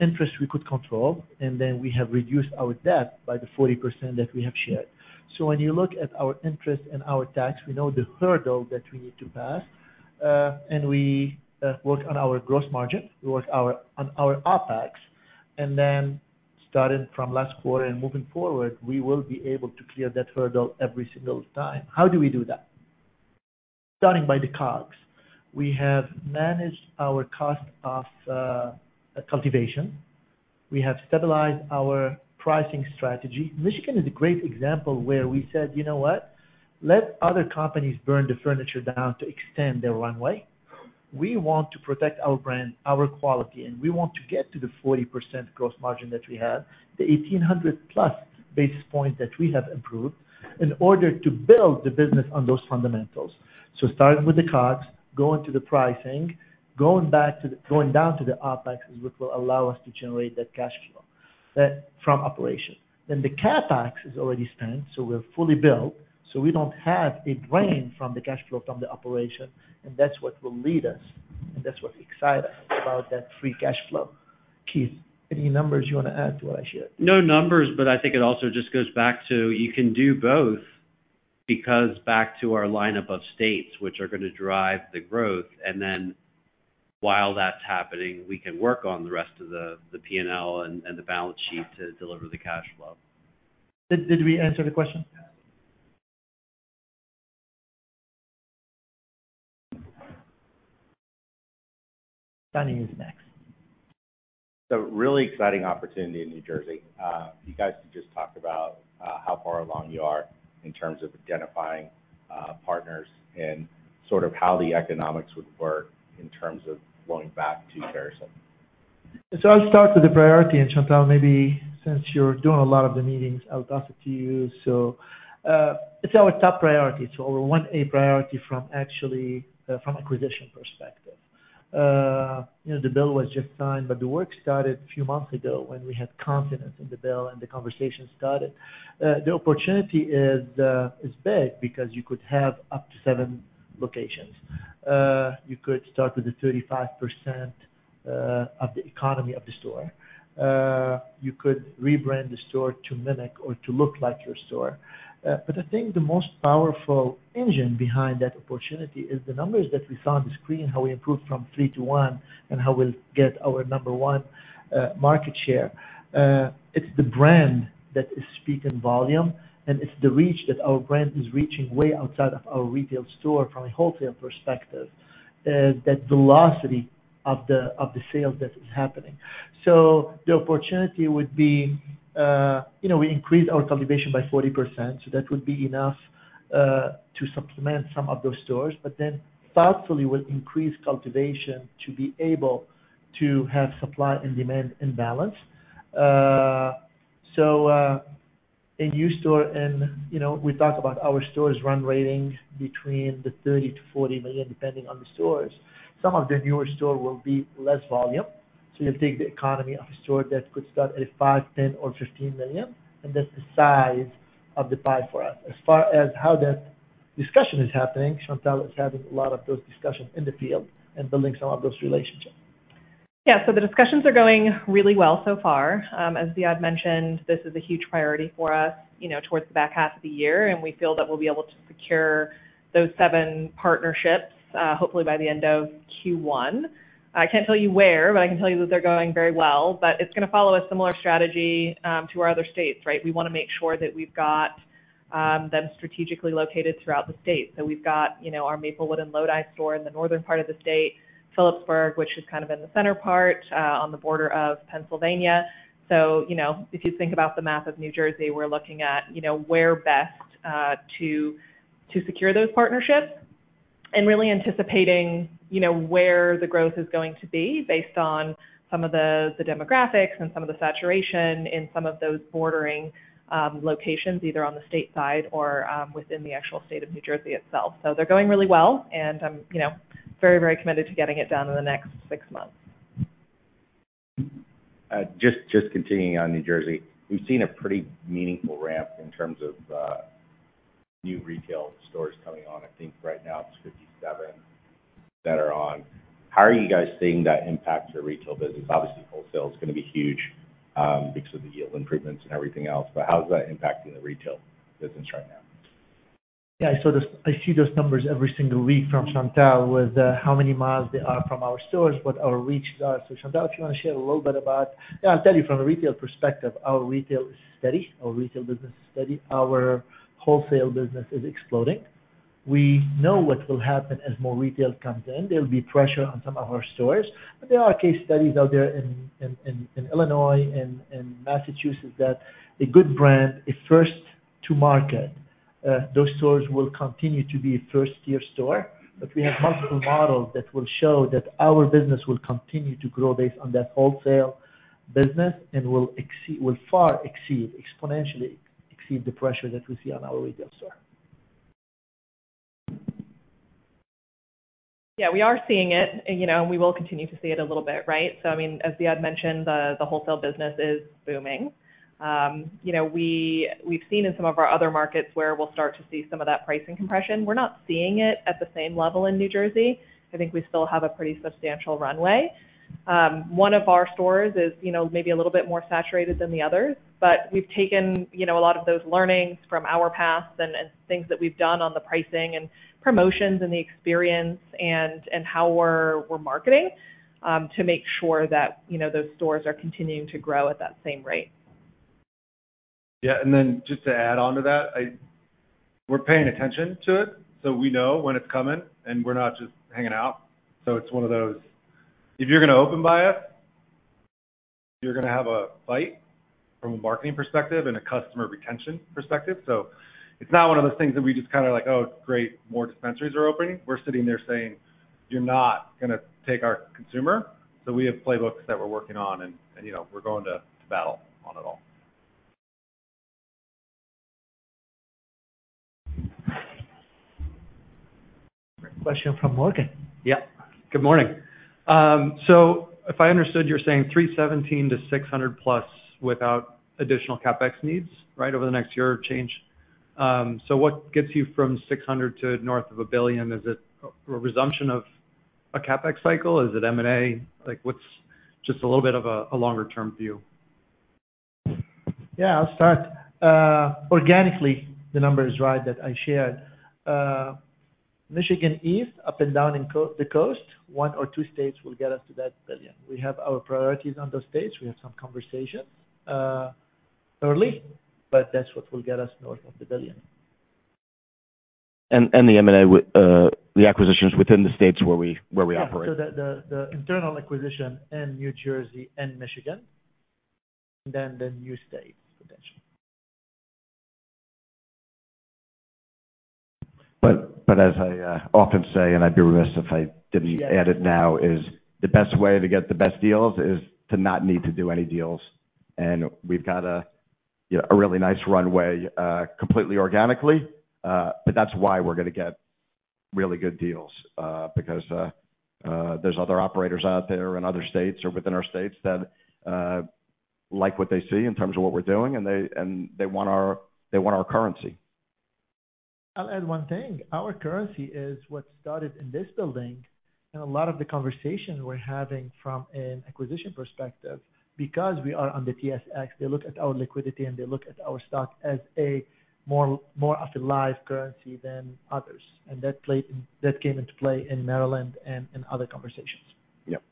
Interest we could control, and then we have reduced our debt by the 40% that we have shared. So when you look at our interest and our tax, we know the hurdle that we need to pass, and we work on our gross margin, we work on our OpEx. And then, starting from last quarter and moving forward, we will be able to clear that hurdle every single time. How do we do that? Starting by the COGS. We have managed our cost of cultivation. We have stabilized our pricing strategy. Michigan is a great example where we said: "You know what? Let other companies burn the furniture down to extend their runway. We want to protect our brand, our quality, and we want to get to the 40% gross margin that we had, the 1,800+ basis points that we have improved, in order to build the business on those fundamentals." Starting with the COGS, going to the pricing, going back to the—going down to the OpEx, is what will allow us to generate that cash flow from operation. The CapEx is already spent, so we're fully built, so we don't have a drain from the cash flow from the operation, and that's what will lead us, and that's what excites us about that free cash flow. Keith, any numbers you want to add to what I shared? No numbers, but I think it also just goes back to, you can do both because back to our lineup of states, which are going to drive the growth, and then while that's happening, we can work on the rest of the P&L and the balance sheet to deliver the cash flow. Did we answer the question? Danny is next. Really exciting opportunity in New Jersey. You guys just talked about how far along you are in terms of identifying partners and sort of how the economics would work in terms of going back to TerrAscend. So I'll start with the priority, and, Chantelle, maybe since you're doing a lot of the meetings, I'll pass it to you. So, it's our top priority, so our 1A priority from actually, from acquisition perspective. You know, the bill was just signed, but the work started a few months ago when we had confidence in the bill and the conversation started. The opportunity is big because you could have up to 7 locations. You could start with a 35% of the economy of the store. You could rebrand the store to mimic or to look like your store. But I think the most powerful engine behind that opportunity is the numbers that we saw on the screen, how we improved from 3 to 1, and how we'll get our number 1 market share. It's the brand that is speed and volume, and it's the reach that our brand is reaching way outside of our retail store from a wholesale perspective, that velocity of the sales that is happening. So the opportunity would be, you know, we increase our cultivation by 40%, so that would be enough to supplement some of those stores, but then thoughtfully, we'll increase cultivation to be able to have supply and demand in balance. So, a new store and, you know, we talked about our stores run rates between the $30-$40 million, depending on the stores. Some of the newer store will be less volume, so you take the economy of a store that could start at $5, $10 or $15 million, and that's the size of the pie for us. As far as how that discussion is happening, Chantelle is having a lot of those discussions in the field and building some of those relationships. Yeah, the discussions are going really well so far. As Ziad mentioned, this is a huge priority for us, you know, towards the back half of the year, and we feel that we'll be able to secure those seven partnerships, hopefully by the end of Q1. I can't tell you where, but I can tell you that they're going very well. It's gonna follow a similar strategy to our other states, right? We wanna make sure that we've got, you know, them strategically located throughout the state. We've got, you know, our Maplewood and Lodi store in the northern part of the state, Phillipsburg, which is kind of in the center part, on the border of Pennsylvania. So, you know, if you think about the map of New Jersey, we're looking at, you know, where best to secure those partnerships and really anticipating, you know, where the growth is going to be based on some of the demographics and some of the saturation in some of those bordering locations, either on the state side or within the actual state of New Jersey itself. So they're going really well, and I'm, you know, very, very committed to getting it done in the next six months. Just continuing on New Jersey. We've seen a pretty meaningful ramp in terms of new retail stores coming on. I think right now it's 57 that are on. How are you guys seeing that impact your retail business? Obviously, wholesale is gonna be huge, because of the yield improvements and everything else, but how is that impacting the retail business right now? Yeah, I saw those-- I see those numbers every single week from Chantelle, with how many miles they are from our stores, what our reaches are. So, Chantelle, if you wanna share a little bit about... Yeah, I'll tell you from a retail perspective, our retail is steady. Our retail business is steady. Our wholesale business is exploding. We know what will happen as more retail comes in. There'll be pressure on some of our stores, but there are case studies out there in Illinois and Massachusetts, that a good brand, a first to market, those stores will continue to be a first-tier store. But we have multiple models that will show that our business will continue to grow based on that wholesale business, and will far exceed, exponentially exceed the pressure that we see on our retail store. Yeah, we are seeing it, and, you know, we will continue to see it a little bit, right? So I mean, as Ziad mentioned, the wholesale business is booming. You know, we've seen in some of our other markets where we'll start to see some of that pricing compression. We're not seeing it at the same level in New Jersey. I think we still have a pretty substantial runway. One of our stores is, you know, maybe a little bit more saturated than the others, but we've taken, you know, a lot of those learnings from our past and things that we've done on the pricing and promotions and the experience and how we're marketing to make sure that, you know, those stores are continuing to grow at that same rate. Yeah, and then just to add on to that, we're paying attention to it, so we know when it's coming, and we're not just hanging out. So it's one of those, if you're gonna open by us, you're gonna have a fight from a marketing perspective and a customer retention perspective. So it's not one of those things that we just kind of like, "Oh, great, more dispensaries are opening." We're sitting there saying: "You're not gonna take our consumer." So we have playbooks that we're working on and, you know, we're going to battle on it all. Question from Morgan. Yeah. Good morning. So if I understood, you're saying $317 million-$600 million+ without additional CapEx needs, right, over the next year of change. So what gets you from $600 million to north of $1 billion? Is it a resumption of a CapEx cycle? Is it M&A? Like, what's just a little bit of a longer-term view? Yeah, I'll start. Organically, the number is right that I shared. Michigan East, up and down the coast, one or two states will get us to that $1 billion. We have our priorities on those states. We have some conversations early, but that's what will get us north of the $1 billion. And the M&A, the acquisitions within the states where we operate. Yeah. So the internal acquisition in New Jersey and Michigan, then the new states, potentially. But as I often say, and I'd be remiss if I didn't- Yes... add it now, is the best way to get the best deals is to not need to do any deals. And we've got a, you know, a really nice runway, completely organically. But that's why we're gonna get really good deals, because there's other operators out there in other states or within our states that like what they see in terms of what we're doing, and they, and they want our, they want our currency. I'll add one thing. Our currency is what started in this building and a lot of the conversations we're having from an acquisition perspective. Because we are on the TSX, they look at our liquidity, and they look at our stock as more, more of a live currency than others, and that played... That came into play in Maryland and in other conversations. Yep.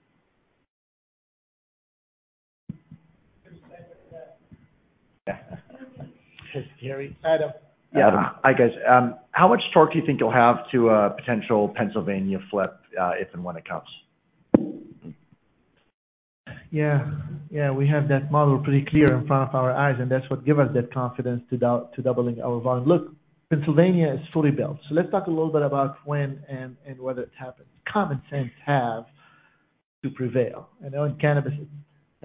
Adam. Yeah. Hi, guys. How much torque do you think you'll have to a potential Pennsylvania flip, if and when it comes? Yeah. Yeah, we have that model pretty clear in front of our eyes, and that's what gives us that confidence to doubling our volume. Look, Pennsylvania is fully built. Let's talk a little bit about when and whether it happens. Common sense has to prevail, and on cannabis, it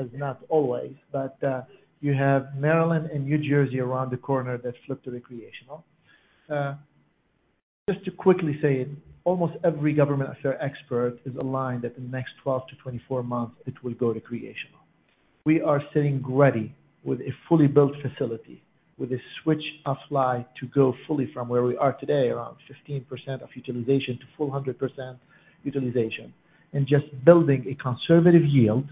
has not always. You have Maryland and New Jersey around the corner that flipped to recreational. Just to quickly say, almost every government affair expert is aligned that in the next 12-24 months, it will go to recreational. We are sitting ready with a fully built facility, with a switch of fly to go fully from where we are today, around 15% of utilization, to full 100% utilization. Just building a conservative yield,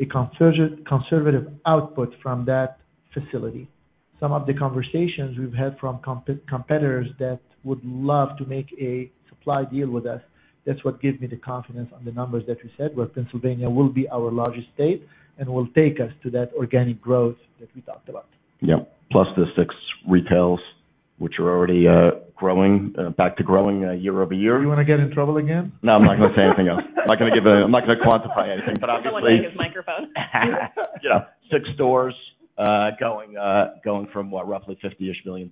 a conservative, conservative output from that facility. Some of the conversations we've had from competitors that would love to make a supply deal with us, that's what gives me the confidence on the numbers that we said, where Pennsylvania will be our largest state and will take us to that organic growth that we talked about. Yep. Plus the six retails which are already, growing, back to growing, year-over-year. You want to get in trouble again? No, I'm not gonna say anything else. I'm not gonna give a—I'm not gonna quantify anything, but obviously— He's looking at his microphone. Yeah. Six stores, going from what? Roughly $50 million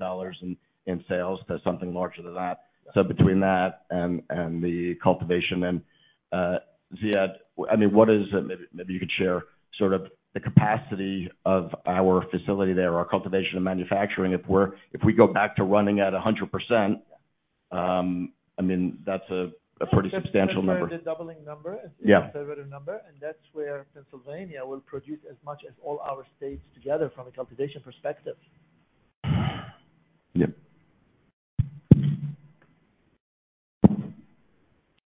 in sales to something larger than that. Between that and the cultivation and, Ziad, I mean, what is... Maybe you could share sort of the capacity of our facility there, our cultivation and manufacturing, if we're—if we go back to running at 100%, I mean, that's a pretty substantial number. Doubling number. Yeah. Conservative number, and that's where Pennsylvania will produce as much as all our states together from a cultivation perspective. Yep.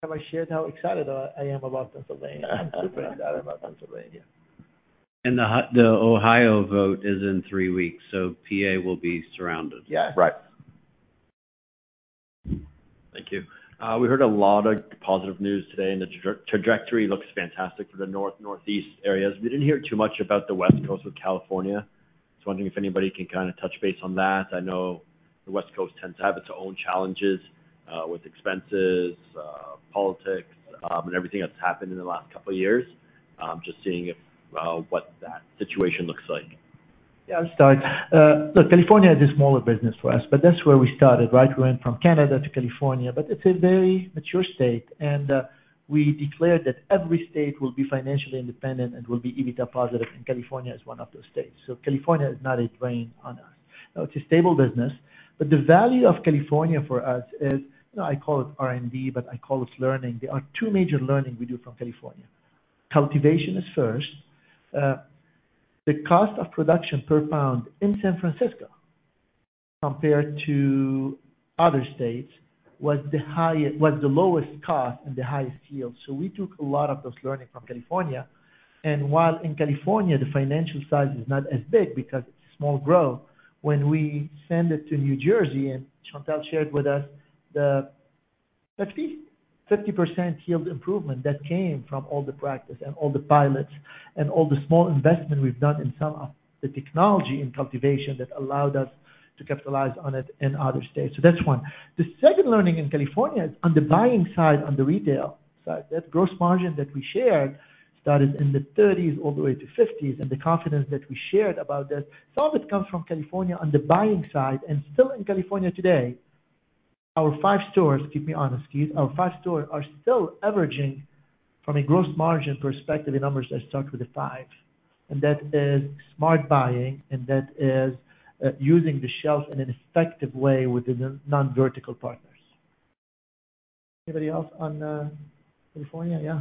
Have I shared how excited I am about Pennsylvania? I'm super excited about Pennsylvania. The Ohio vote is in three weeks, so PA will be surrounded. Yeah, right. Thank you. We heard a lot of positive news today, and the trajectory looks fantastic for the North, Northeast areas. We didn't hear too much about the West Coast of California. So I was wondering if anybody can kind of touch base on that. I know the West Coast tends to have its own challenges with expenses, politics, and everything that's happened in the last couple of years. Just seeing if what that situation looks like. Yeah, I'll start. Look, California is a smaller business for us, but that's where we started, right? We went from Canada to California, but it's a very mature state, and we declared that every state will be financially independent and will be EBITDA positive, and California is one of those states. So California is not a drain on us. It's a stable business, but the value of California for us is, you know, I call it R&D, but I call it learning. There are two major learning we do from California. Cultivation is first. The cost of production per pound in San Francisco, compared to other states, was the highest... was the lowest cost and the highest yield. So we took a lot of those learnings from California. While in California, the financial size is not as big because it's small growth, when we send it to New Jersey, and Chantelle shared with us the 50% yield improvement that came from all the practice and all the pilots and all the small investment we've done in some of the technology in cultivation that allowed us to capitalize on it in other states. That's one. The second learning in California is on the buying side, on the retail side. That gross margin that we shared started in the 30s, all the way to 50s, and the confidence that we shared about this, some of it comes from California on the buying side and still in California today, our five stores, keep me honest, Keith, our five stores are still averaging, from a gross margin perspective, the numbers that start with the 5, and that is smart buying, and that is using the shelves in an effective way with the non-vertical partners. Anybody else on California? Yeah.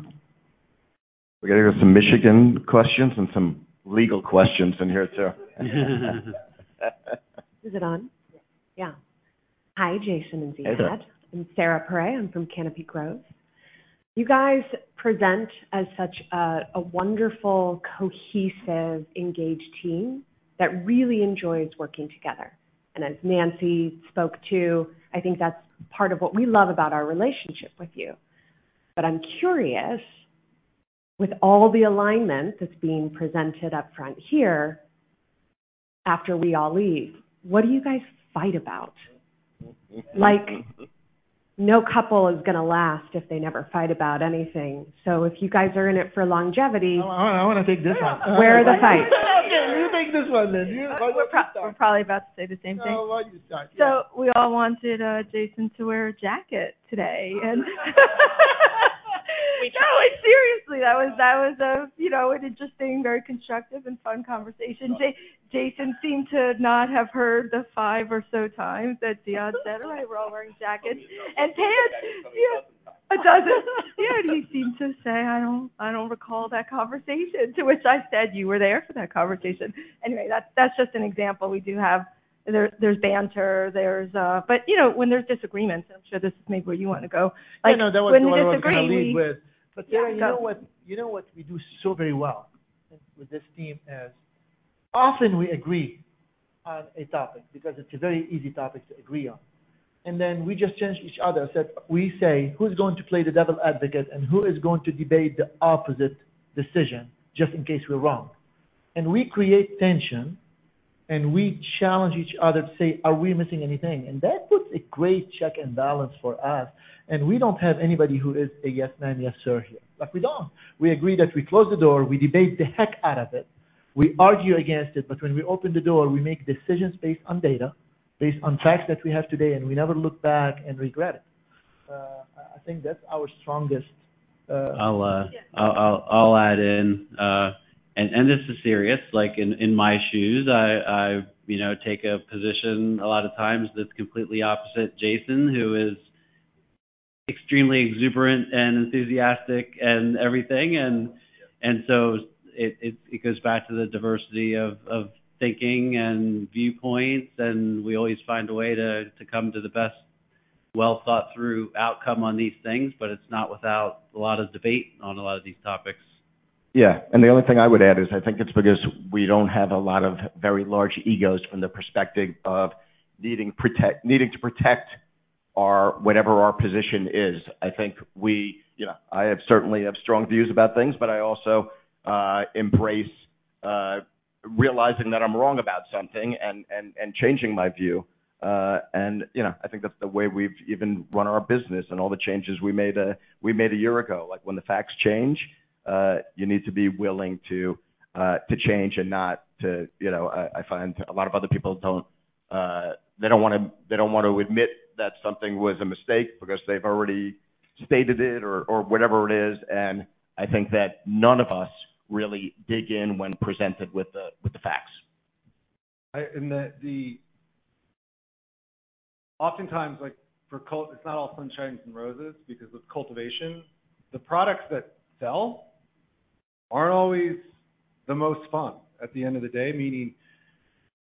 We're getting some Michigan questions and some legal questions in here, too. Is it on? Yeah. Hi, Jason and Ziad. Hey, there. I'm Sarah Paré. I'm from Canopy Growth. You guys present as such a wonderful, cohesive, engaged team that really enjoys working together. And as Nancy spoke to, I think that's part of what we love about our relationship with you. But I'm curious, with all the alignment that's being presented up front here, after we all leave, what do you guys fight about? Like, no couple is gonna last if they never fight about anything. So if you guys are in it for longevity- I wanna take this one. Where are the fights? You take this one then. We're we're probably about to say the same thing. No, well, you start. So we all wanted Jason to wear a jacket today and... No, seriously, that was you know an interesting, very constructive and fun conversation. Jason seemed to not have heard the five or so times that Ziad said, "We're all wearing jackets." And, yeah, a dozen. He seemed to say, "I don't recall that conversation," to which I said, "You were there for that conversation." Anyway, that's just an example. We do have... There, there's banter, there's... But, you know, when there's disagreements, I'm sure this is maybe where you want to go. No, no, that was where I wanted to lead with. Like, when we disagree- But, Sarah, you know what? You know what we do so very well with this team is, often we agree on a topic because it's a very easy topic to agree on, and then we just challenge each other. So we say, "Who's going to play the devil's advocate, and who is going to debate the opposite decision, just in case we're wrong?" And we create tension, and we challenge each other to say, "Are we missing anything?" And that puts a great check and balance for us, and we don't have anybody who is a yes, ma'am, yes, sir, here, like, we don't. We agree that we close the door, we debate the heck out of it, we argue against it, but when we open the door, we make decisions based on data, based on facts that we have today, and we never look back and regret it. I think that's our strongest. I'll add in, and this is serious, like, in my shoes, I, you know, take a position a lot of times that's completely opposite Jason, who is extremely exuberant and enthusiastic and everything. It goes back to the diversity of thinking and viewpoints, and we always find a way to come to the best-... well thought through outcome on these things, but it's not without a lot of debate on a lot of these topics. Yeah, the only thing I would add is I think it's because we don't have a lot of very large egos from the perspective of needing to protect our, whatever our position is. I think we, you know, I certainly have strong views about things, but I also embrace realizing that I'm wrong about something and changing my view. You know, I think that's the way we've even run our business and all the changes we made, we made a year ago. Like, when the facts change, you need to be willing to change and not to, you know, I find a lot of other people don't, they don't wanna, they don't wanna admit that something was a mistake because they've already stated it or whatever it is. I think that none of us really dig in when presented with the facts. And oftentimes, like, for cult, it's not all sunshine and roses because with cultivation, the products that sell aren't always the most fun at the end of the day. Meaning,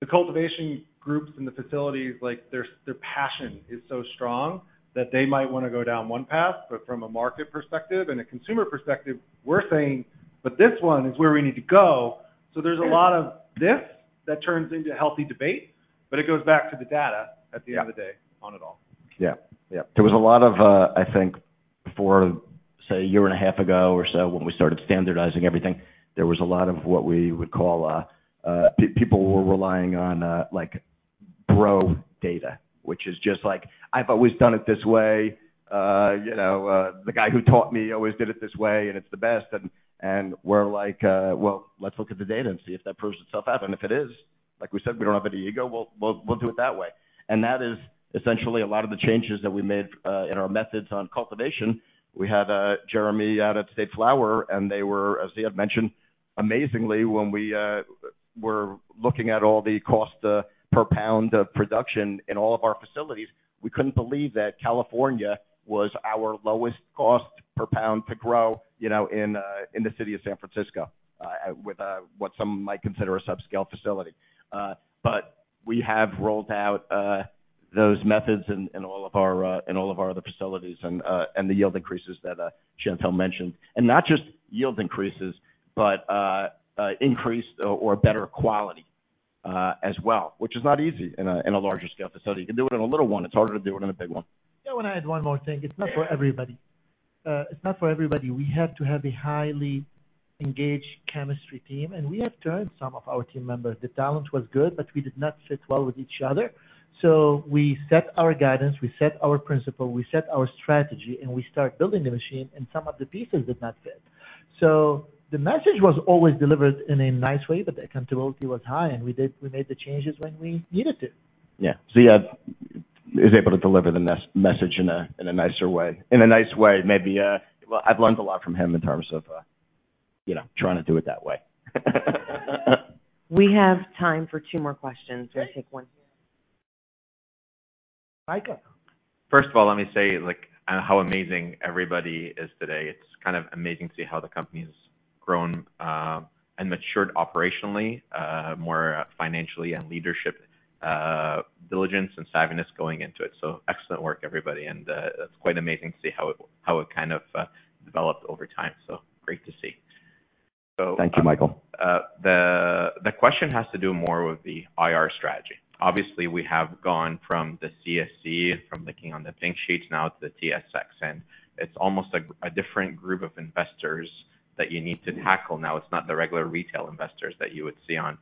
the cultivation groups and the facilities, like, their passion is so strong that they might wanna go down one path, but from a market perspective and a consumer perspective, we're saying: But this one is where we need to go. So there's a lot of this that turns into healthy debate, but it goes back to the data- Yeah. At the end of the day on it all. Yeah. Yeah. There was a lot of, I think, before, say, a year and a half ago or so when we started standardizing everything, there was a lot of what we would call, people were relying on, like, "I've always done it this way." You know, "The guy who taught me always did it this way, and it's the best." And we're like, "Well, let's look at the data and see if that proves itself out." And if it is, like we said, we don't have any ego, we'll do it that way. And that is essentially a lot of the changes that we made, in our methods on cultivation. We had Jeremy out at State Flower, and they were, as Ziad mentioned, amazingly, when we were looking at all the cost per pound of production in all of our facilities, we couldn't believe that California was our lowest cost per pound to grow, you know, in the city of San Francisco, with what some might consider a subscale facility. But we have rolled out those methods in all of our other facilities and the yield increases that Chantelle mentioned. And not just yield increases, but increased or better quality as well, which is not easy in a larger scale facility. You can do it in a little one. It's harder to do it in a big one. Yeah, I wanna add one more thing. It's not for everybody. It's not for everybody. We have to have a highly engaged chemistry team, and we have turned some of our team members. The talent was good, but we did not fit well with each other. So we set our guidance, we set our principle, we set our strategy, and we start building the machine, and some of the pieces did not fit. So the message was always delivered in a nice way, but the accountability was high, and we did, we made the changes when we needed to. Yeah. Ziad is able to deliver the message in a nicer way. In a nice way, maybe. Well, I've learned a lot from him in terms of, you know, trying to do it that way. We have time for two more questions. We'll take one. Michael. First of all, let me say, like, how amazing everybody is today. It's kind of amazing to see how the company's grown and matured operationally, more financially and leadership, diligence and savviness going into it. So excellent work, everybody, and it's quite amazing to see how it, how it kind of developed over time. So great to see. Thank you, Michael. The question has to do more with the IR strategy. Obviously, we have gone from the CSE, from listing on the Pink Sheets now to the TSX, and it's almost like a different group of investors that you need to tackle now. It's not the regular retail investors that you would see on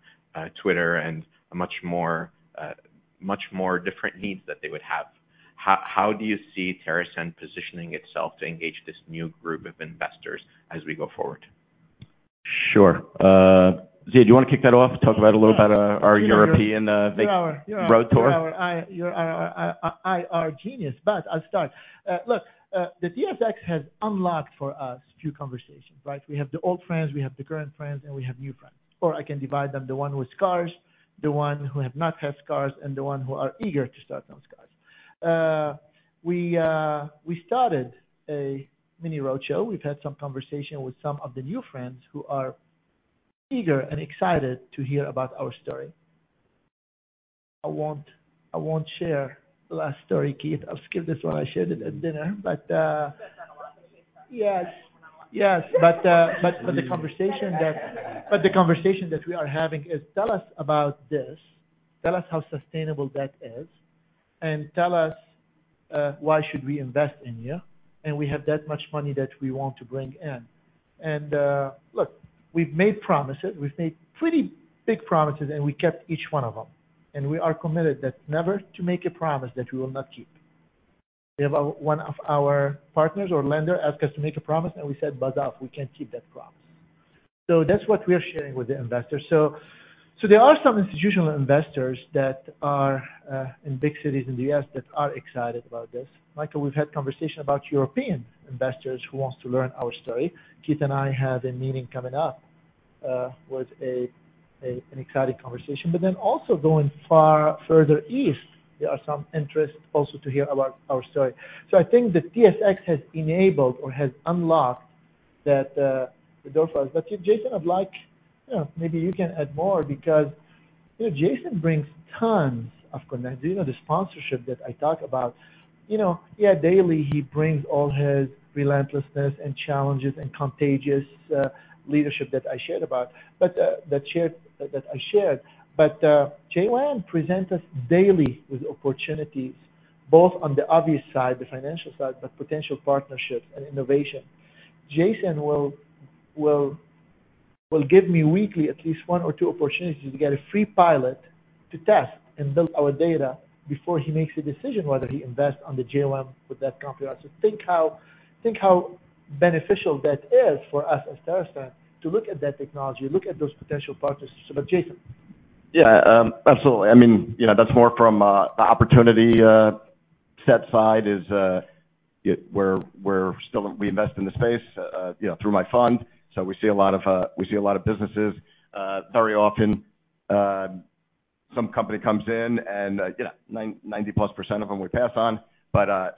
Twitter, and much more different needs that they would have. How do you see TerrAscend positioning itself to engage this new group of investors as we go forward? Sure. Ziad, do you want to kick that off and talk about a little about our European road tour? You are, I—you're I—I.R. genius, but I'll start. Look, the TSX has unlocked for us a few conversations, right? We have the old friends, we have the current friends, and we have new friends, or I can divide them, the one with scars, the one who have not had scars, and the one who are eager to start those scars. We, we started a mini roadshow. We've had some conversation with some of the new friends who are eager and excited to hear about our story. I won't, I won't share the last story, Keith. I'll skip this one. I shared it at dinner, but—Yes. Yes, but the conversation that—we are having is, "Tell us about this. Tell us how sustainable that is, and tell us why should we invest in you, and we have that much money that we want to bring in." And look, we've made promises. We've made pretty big promises, and we kept each one of them. And we are committed that never to make a promise that we will not keep. We have one of our partners or lender asked us to make a promise, and we said, "Buzz off, we can't keep that promise." So that's what we are sharing with the investors. So there are some institutional investors that are in big cities in the U.S. that are excited about this. Michael, we've had conversation about European investors who wants to learn our story. Keith and I have a meeting coming up with an exciting conversation. But then also going far, further east, there are some interest also to hear about our story. So I think the TSX has enabled or has unlocked the door for us. But Jason, I'd like, you know, maybe you can add more because, you know, Jason brings tons of connections. You know, the sponsorship that I talk about, you know, yeah, daily, he brings all his relentlessness and challenges and contagious leadership that I shared about. But that I shared. But JWAM presents us daily with opportunities, both on the obvious side, the financial side, but potential partnerships and innovation. Jason will give me weekly at least one or two opportunities to get a free pilot to test and build our data before he makes a decision whether he invest on the JWAM with that company. So think how beneficial that is for us as TerrAscend to look at that technology, look at those potential partnerships. So, Jason? Yeah, absolutely. I mean, you know, that's more from the opportunity set side. We're still-- we invest in the space, you know, through my fund. We see a lot of, we see a lot of businesses. Very often, some company comes in and, yeah, 90-plus percent of them we pass on.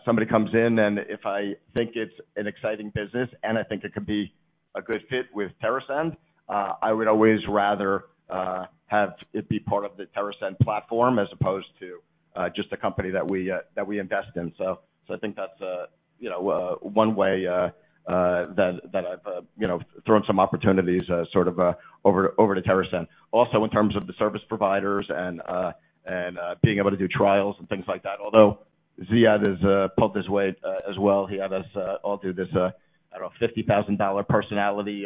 Somebody comes in, and if I think it's an exciting business and I think it could be a good fit with TerrAscend, I would always rather have it be part of the TerrAscend platform as opposed to just a company that we invest in. I think that's, you know, one way that I've, you know, thrown some opportunities sort of over to TerrAscend. Also, in terms of the service providers and being able to do trials and things like that. Although Ziad has pulled his weight as well. He had us all do this, I don't know, $50,000 personality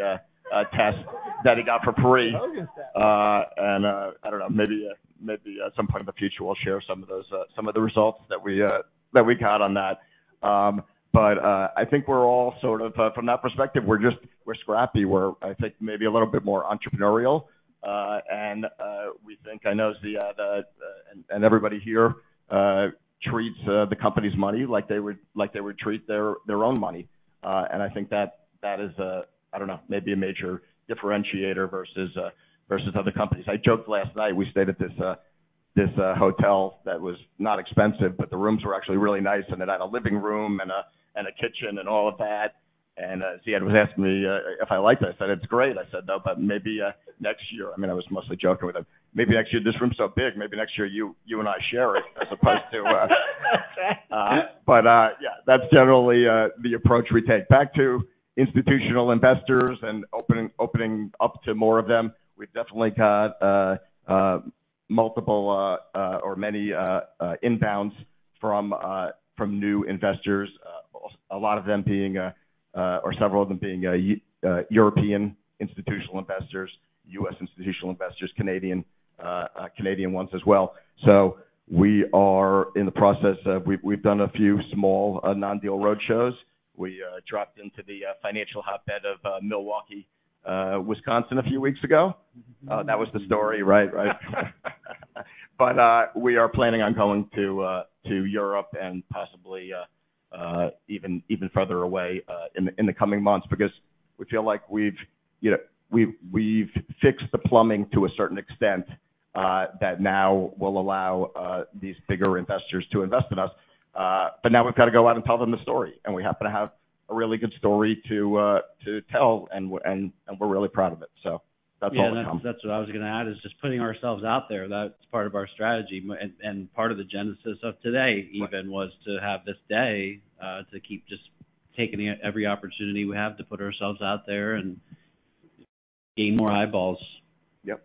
test that he got for free. Look at that! And, I don't know, maybe at some point in the future, we'll share some of those, some of the results that we got on that. But, I think we're all sort of, from that perspective, we're just, we're scrappy. We're, I think, maybe a little bit more entrepreneurial. And, we think I know Ziad, and everybody here treats the company's money like they would, like they would treat their own money. And I think that is, I don't know, maybe a major differentiator versus other companies. I joked last night, we stayed at this hotel that was not expensive, but the rooms were actually really nice, and it had a living room and a kitchen and all of that. Ziad was asking me if I liked it. I said, "It's great." I said, "No, but maybe next year." I mean, I was mostly joking with him. "Maybe next year, this room's so big, maybe next year, you and I share it, as opposed to Okay. But, yeah, that's generally the approach we take. Back to institutional investors and opening up to more of them. We've definitely had multiple or many inbounds from new investors. A lot of them being or several of them being European institutional investors, U.S. institutional investors, Canadian ones as well. So we are in the process of... We've done a few small non-deal roadshows. We dropped into the financial hotbed of Milwaukee, Wisconsin, a few weeks ago. Mm-hmm. That was the story, right? Right. But we are planning on going to Europe and possibly even further away in the coming months, because we feel like we've, you know, we've fixed the plumbing to a certain extent that now will allow these bigger investors to invest in us. But now we've got to go out and tell them the story, and we happen to have a really good story to tell, and we're really proud of it. So that's all. Yeah, that's, that's what I was gonna add, is just putting ourselves out there. That's part of our strategy and, and part of the genesis of today even- Right... was to have this day, to keep just taking every opportunity we have to put ourselves out there and gain more eyeballs. Yep.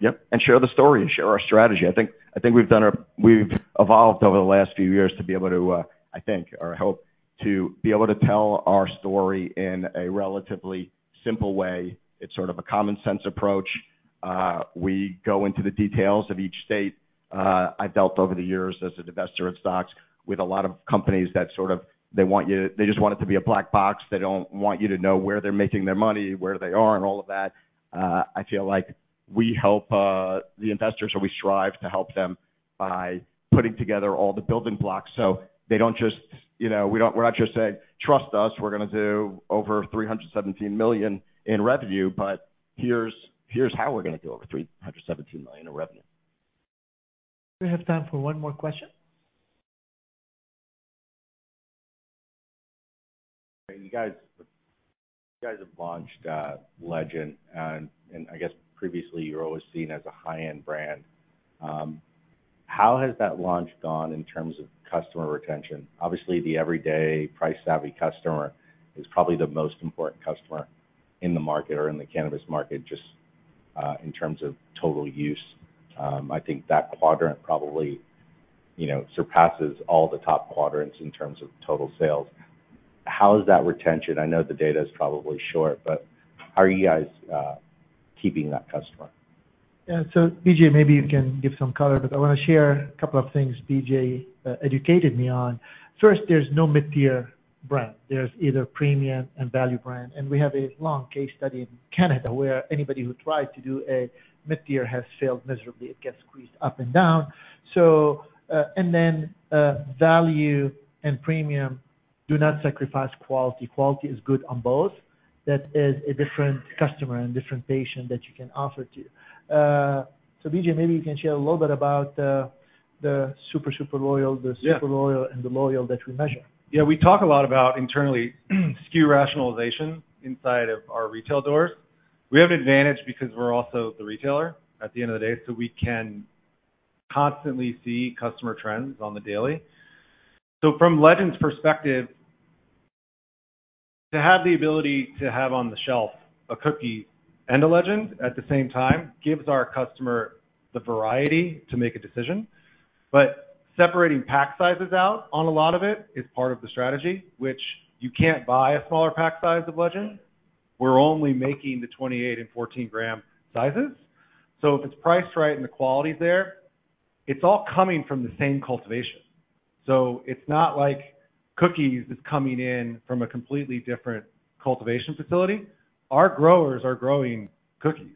Yep, and share the story and share our strategy. I think we've evolved over the last few years to be able to, I think, or help to be able to tell our story in a relatively simple way. It's sort of a common sense approach. We go into the details of each state. I've dealt over the years as an investor at stocks with a lot of companies that sort of, they want you to, they just want it to be a black box. They don't want you to know where they're making their money, where they are, and all of that. I feel like we help the investors, or we strive to help them by putting together all the building blocks so they don't just, you know, we're not just saying: Trust us, we're gonna do over $317 million in revenue, but here's, here's how we're gonna do over $317 million in revenue. We have time for one more question. You guys, you guys have launched, Legend, and, and I guess previously you were always seen as a high-end brand. How has that launch gone in terms of customer retention? Obviously, the everyday price-savvy customer is probably the most important customer in the market or in the cannabis market, just, in terms of total use. I think that quadrant probably, you know, surpasses all the top quadrants in terms of total sales. How is that retention? I know the data is probably short, but how are you guys, keeping that customer? Yeah. So, BJ, maybe you can give some color, but I want to share a couple of things BJ educated me on. First, there's no mid-tier brand. There's either premium and value brand, and we have a long case study in Canada, where anybody who tried to do a mid-tier has failed miserably. It gets squeezed up and down. So, and then, value and premium do not sacrifice quality. Quality is good on both. That is a different customer and different patient that you can offer to. So BJ, maybe you can share a little bit about, the super, super loyal- Yeah... the super loyal and the loyal that we measure. Yeah, we talk a lot about, internally, SKU rationalization inside of our retail doors. ...We have an advantage because we're also the retailer at the end of the day, so we can constantly see customer trends on the daily. So from Legend's perspective, to have the ability to have on the shelf a Cookies and a Legend at the same time, gives our customer the variety to make a decision. But separating pack sizes out on a lot of it is part of the strategy, which you can't buy a smaller pack size of Legend. We're only making the 28- and 14-gram sizes. So if it's priced right and the quality is there, it's all coming from the same cultivation. So it's not like Cookies is coming in from a completely different cultivation facility. Our growers are growing Cookies.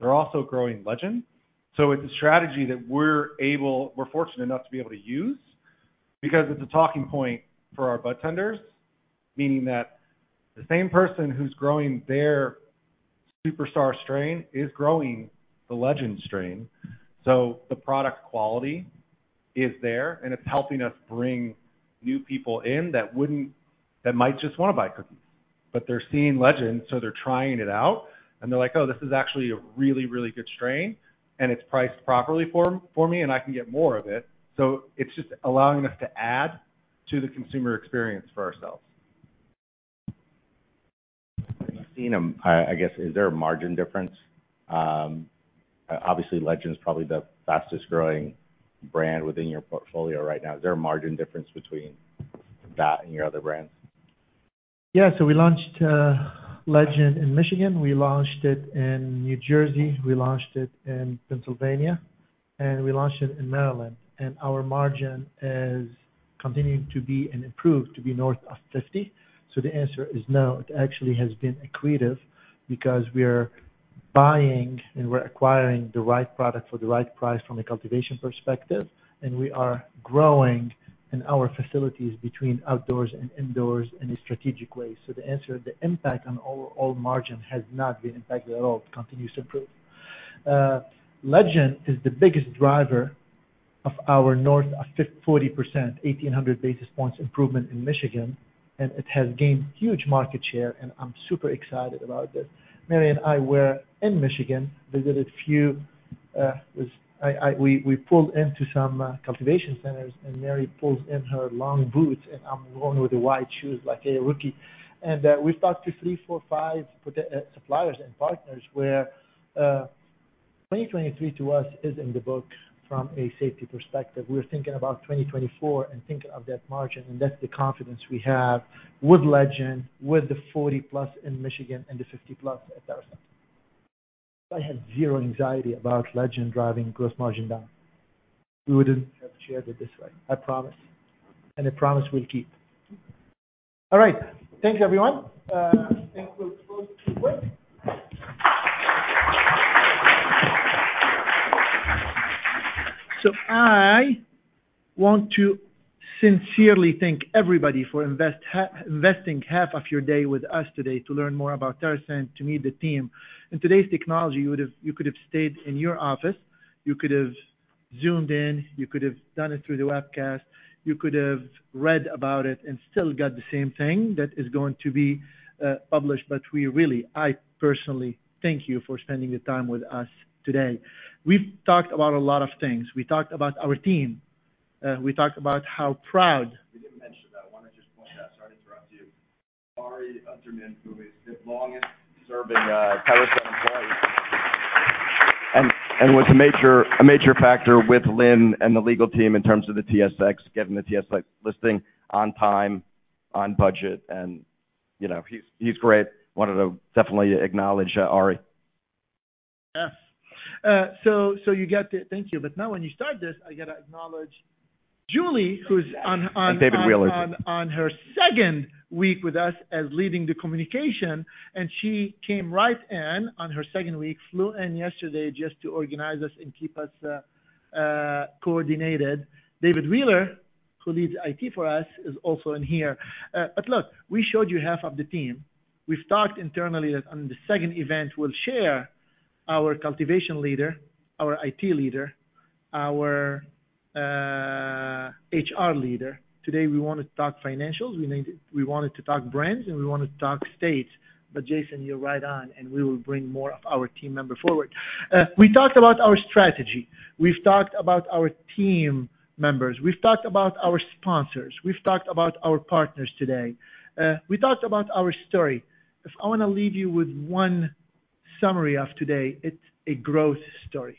They're also growing Legend. So it's a strategy that we're fortunate enough to be able to use because it's a talking point for our budtenders, meaning that the same person who's growing their superstar strain is growing the Legend strain. So the product quality is there, and it's helping us bring new people in that might just want to buy Cookies. But they're seeing Legend, so they're trying it out, and they're like, "Oh, this is actually a really, really good strain, and it's priced properly for me, and I can get more of it." So it's just allowing us to add to the consumer experience for ourselves. Have you seen them, I guess, is there a margin difference? Obviously, Legend is probably the fastest-growing brand within your portfolio right now. Is there a margin difference between that and your other brands? Yeah. So we launched Legend in Michigan, we launched it in New Jersey, we launched it in Pennsylvania, and we launched it in Maryland, and our margin is continuing to be and improved to be north of 50%. So the answer is no. It actually has been accretive because we are buying and we're acquiring the right product for the right price from a cultivation perspective, and we are growing in our facilities between outdoors and indoors in a strategic way. So the answer, the impact on our overall margin has not been impacted at all. It continues to improve. Legend is the biggest driver of our north of 40%, 1,800 basis points improvement in Michigan, and it has gained huge market share, and I'm super excited about this. Mary and I were in Michigan, visited a few, was... We pulled into some cultivation centers, and Mary pulls in her long boots, and I'm going with the white shoes like a rookie. And we talked to three, four, five potential suppliers and partners, where 2023 to us is in the books from a safety perspective. We're thinking about 2024 and thinking of that margin, and that's the confidence we have with Legend, with the 40+ in Michigan and the 50+ at TerrAscend. I have zero anxiety about Legend driving gross margin down. We wouldn't have shared it this way, I promise, and I promise we'll keep. All right. Thank you, everyone. I think we'll close quickly. So I want to sincerely thank everybody for investing half of your day with us today to learn more about TerrAscend, to meet the team. In today's technology, you could have stayed in your office, you could have Zoomed in, you could have done it through the webcast, you could have read about it and still got the same thing that is going to be published. But we really... I personally thank you for spending the time with us today. We've talked about a lot of things. We talked about our team, we talked about how proud- We didn't mention that. I want to just point out, sorry to interrupt you. Ari Unterman, who is the longest serving TerrAscend employee, and was a major factor with Lynn and the legal team in terms of the TSX, getting the TSX listing on time, on budget, and, you know, he's great. Wanted to definitely acknowledge Ari. Yeah. So you get to... Thank you. But now when you start this, I got to acknowledge Julie, who's on- David Wheeler... on, on her second week with us as leading the communication, and she came right in on her second week, flew in yesterday just to organize us and keep us coordinated. David Wheeler, who leads IT for us, is also in here. But look, we showed you half of the team. We've talked internally that on the second event, we'll share our cultivation leader, our IT leader, our HR leader. Today, we want to talk financials, we need- we wanted to talk brands, and we wanted to talk states. But Jason, you're right on, and we will bring more of our team members forward. We talked about our strategy. We've talked about our team members. We've talked about our sponsors. We've talked about our partners today. We talked about our story. If I want to leave you with one summary of today, it's a growth story.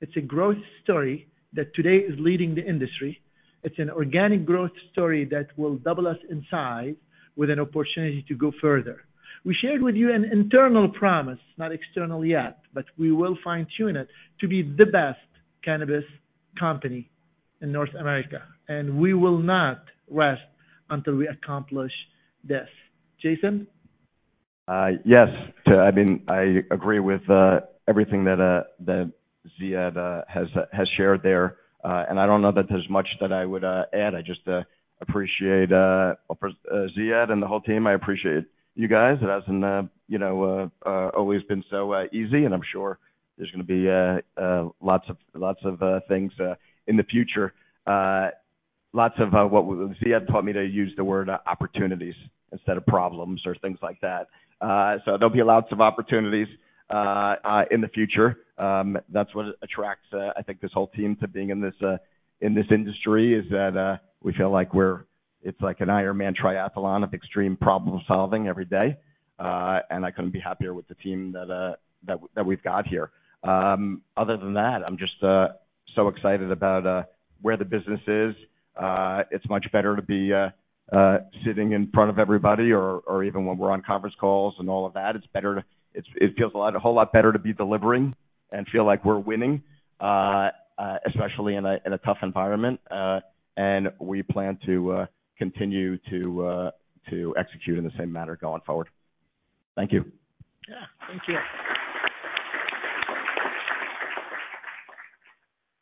It's a growth story that today is leading the industry. It's an organic growth story that will double us in size with an opportunity to go further. We shared with you an internal promise, not external yet, but we will fine-tune it to be the best cannabis company in North America, and we will not rest until we accomplish this. Jason? Yes. I mean, I agree with everything that Ziad has shared there. I don't know that there's much that I would add. I just appreciate, of course, Ziad and the whole team. I appreciate you guys. It hasn't, you know, always been so easy, and I'm sure there's going to be lots of things in the future. Lots of what Ziad taught me to use the word opportunities instead of problems or things like that. There'll be lots of opportunities in the future. That's what attracts, I think, this whole team to being in this industry, is that we feel like we're, it's like an Ironman triathlon of extreme problem-solving every day. And I couldn't be happier with the team that we've got here. Other than that, I'm just so excited about where the business is. It's much better to be sitting in front of everybody or even when we're on conference calls and all of that. It's better to... It feels a lot, a whole lot better to be delivering and feel like we're winning, especially in a tough environment, and we plan to continue to execute in the same manner going forward. Thank you. Yeah. Thank you.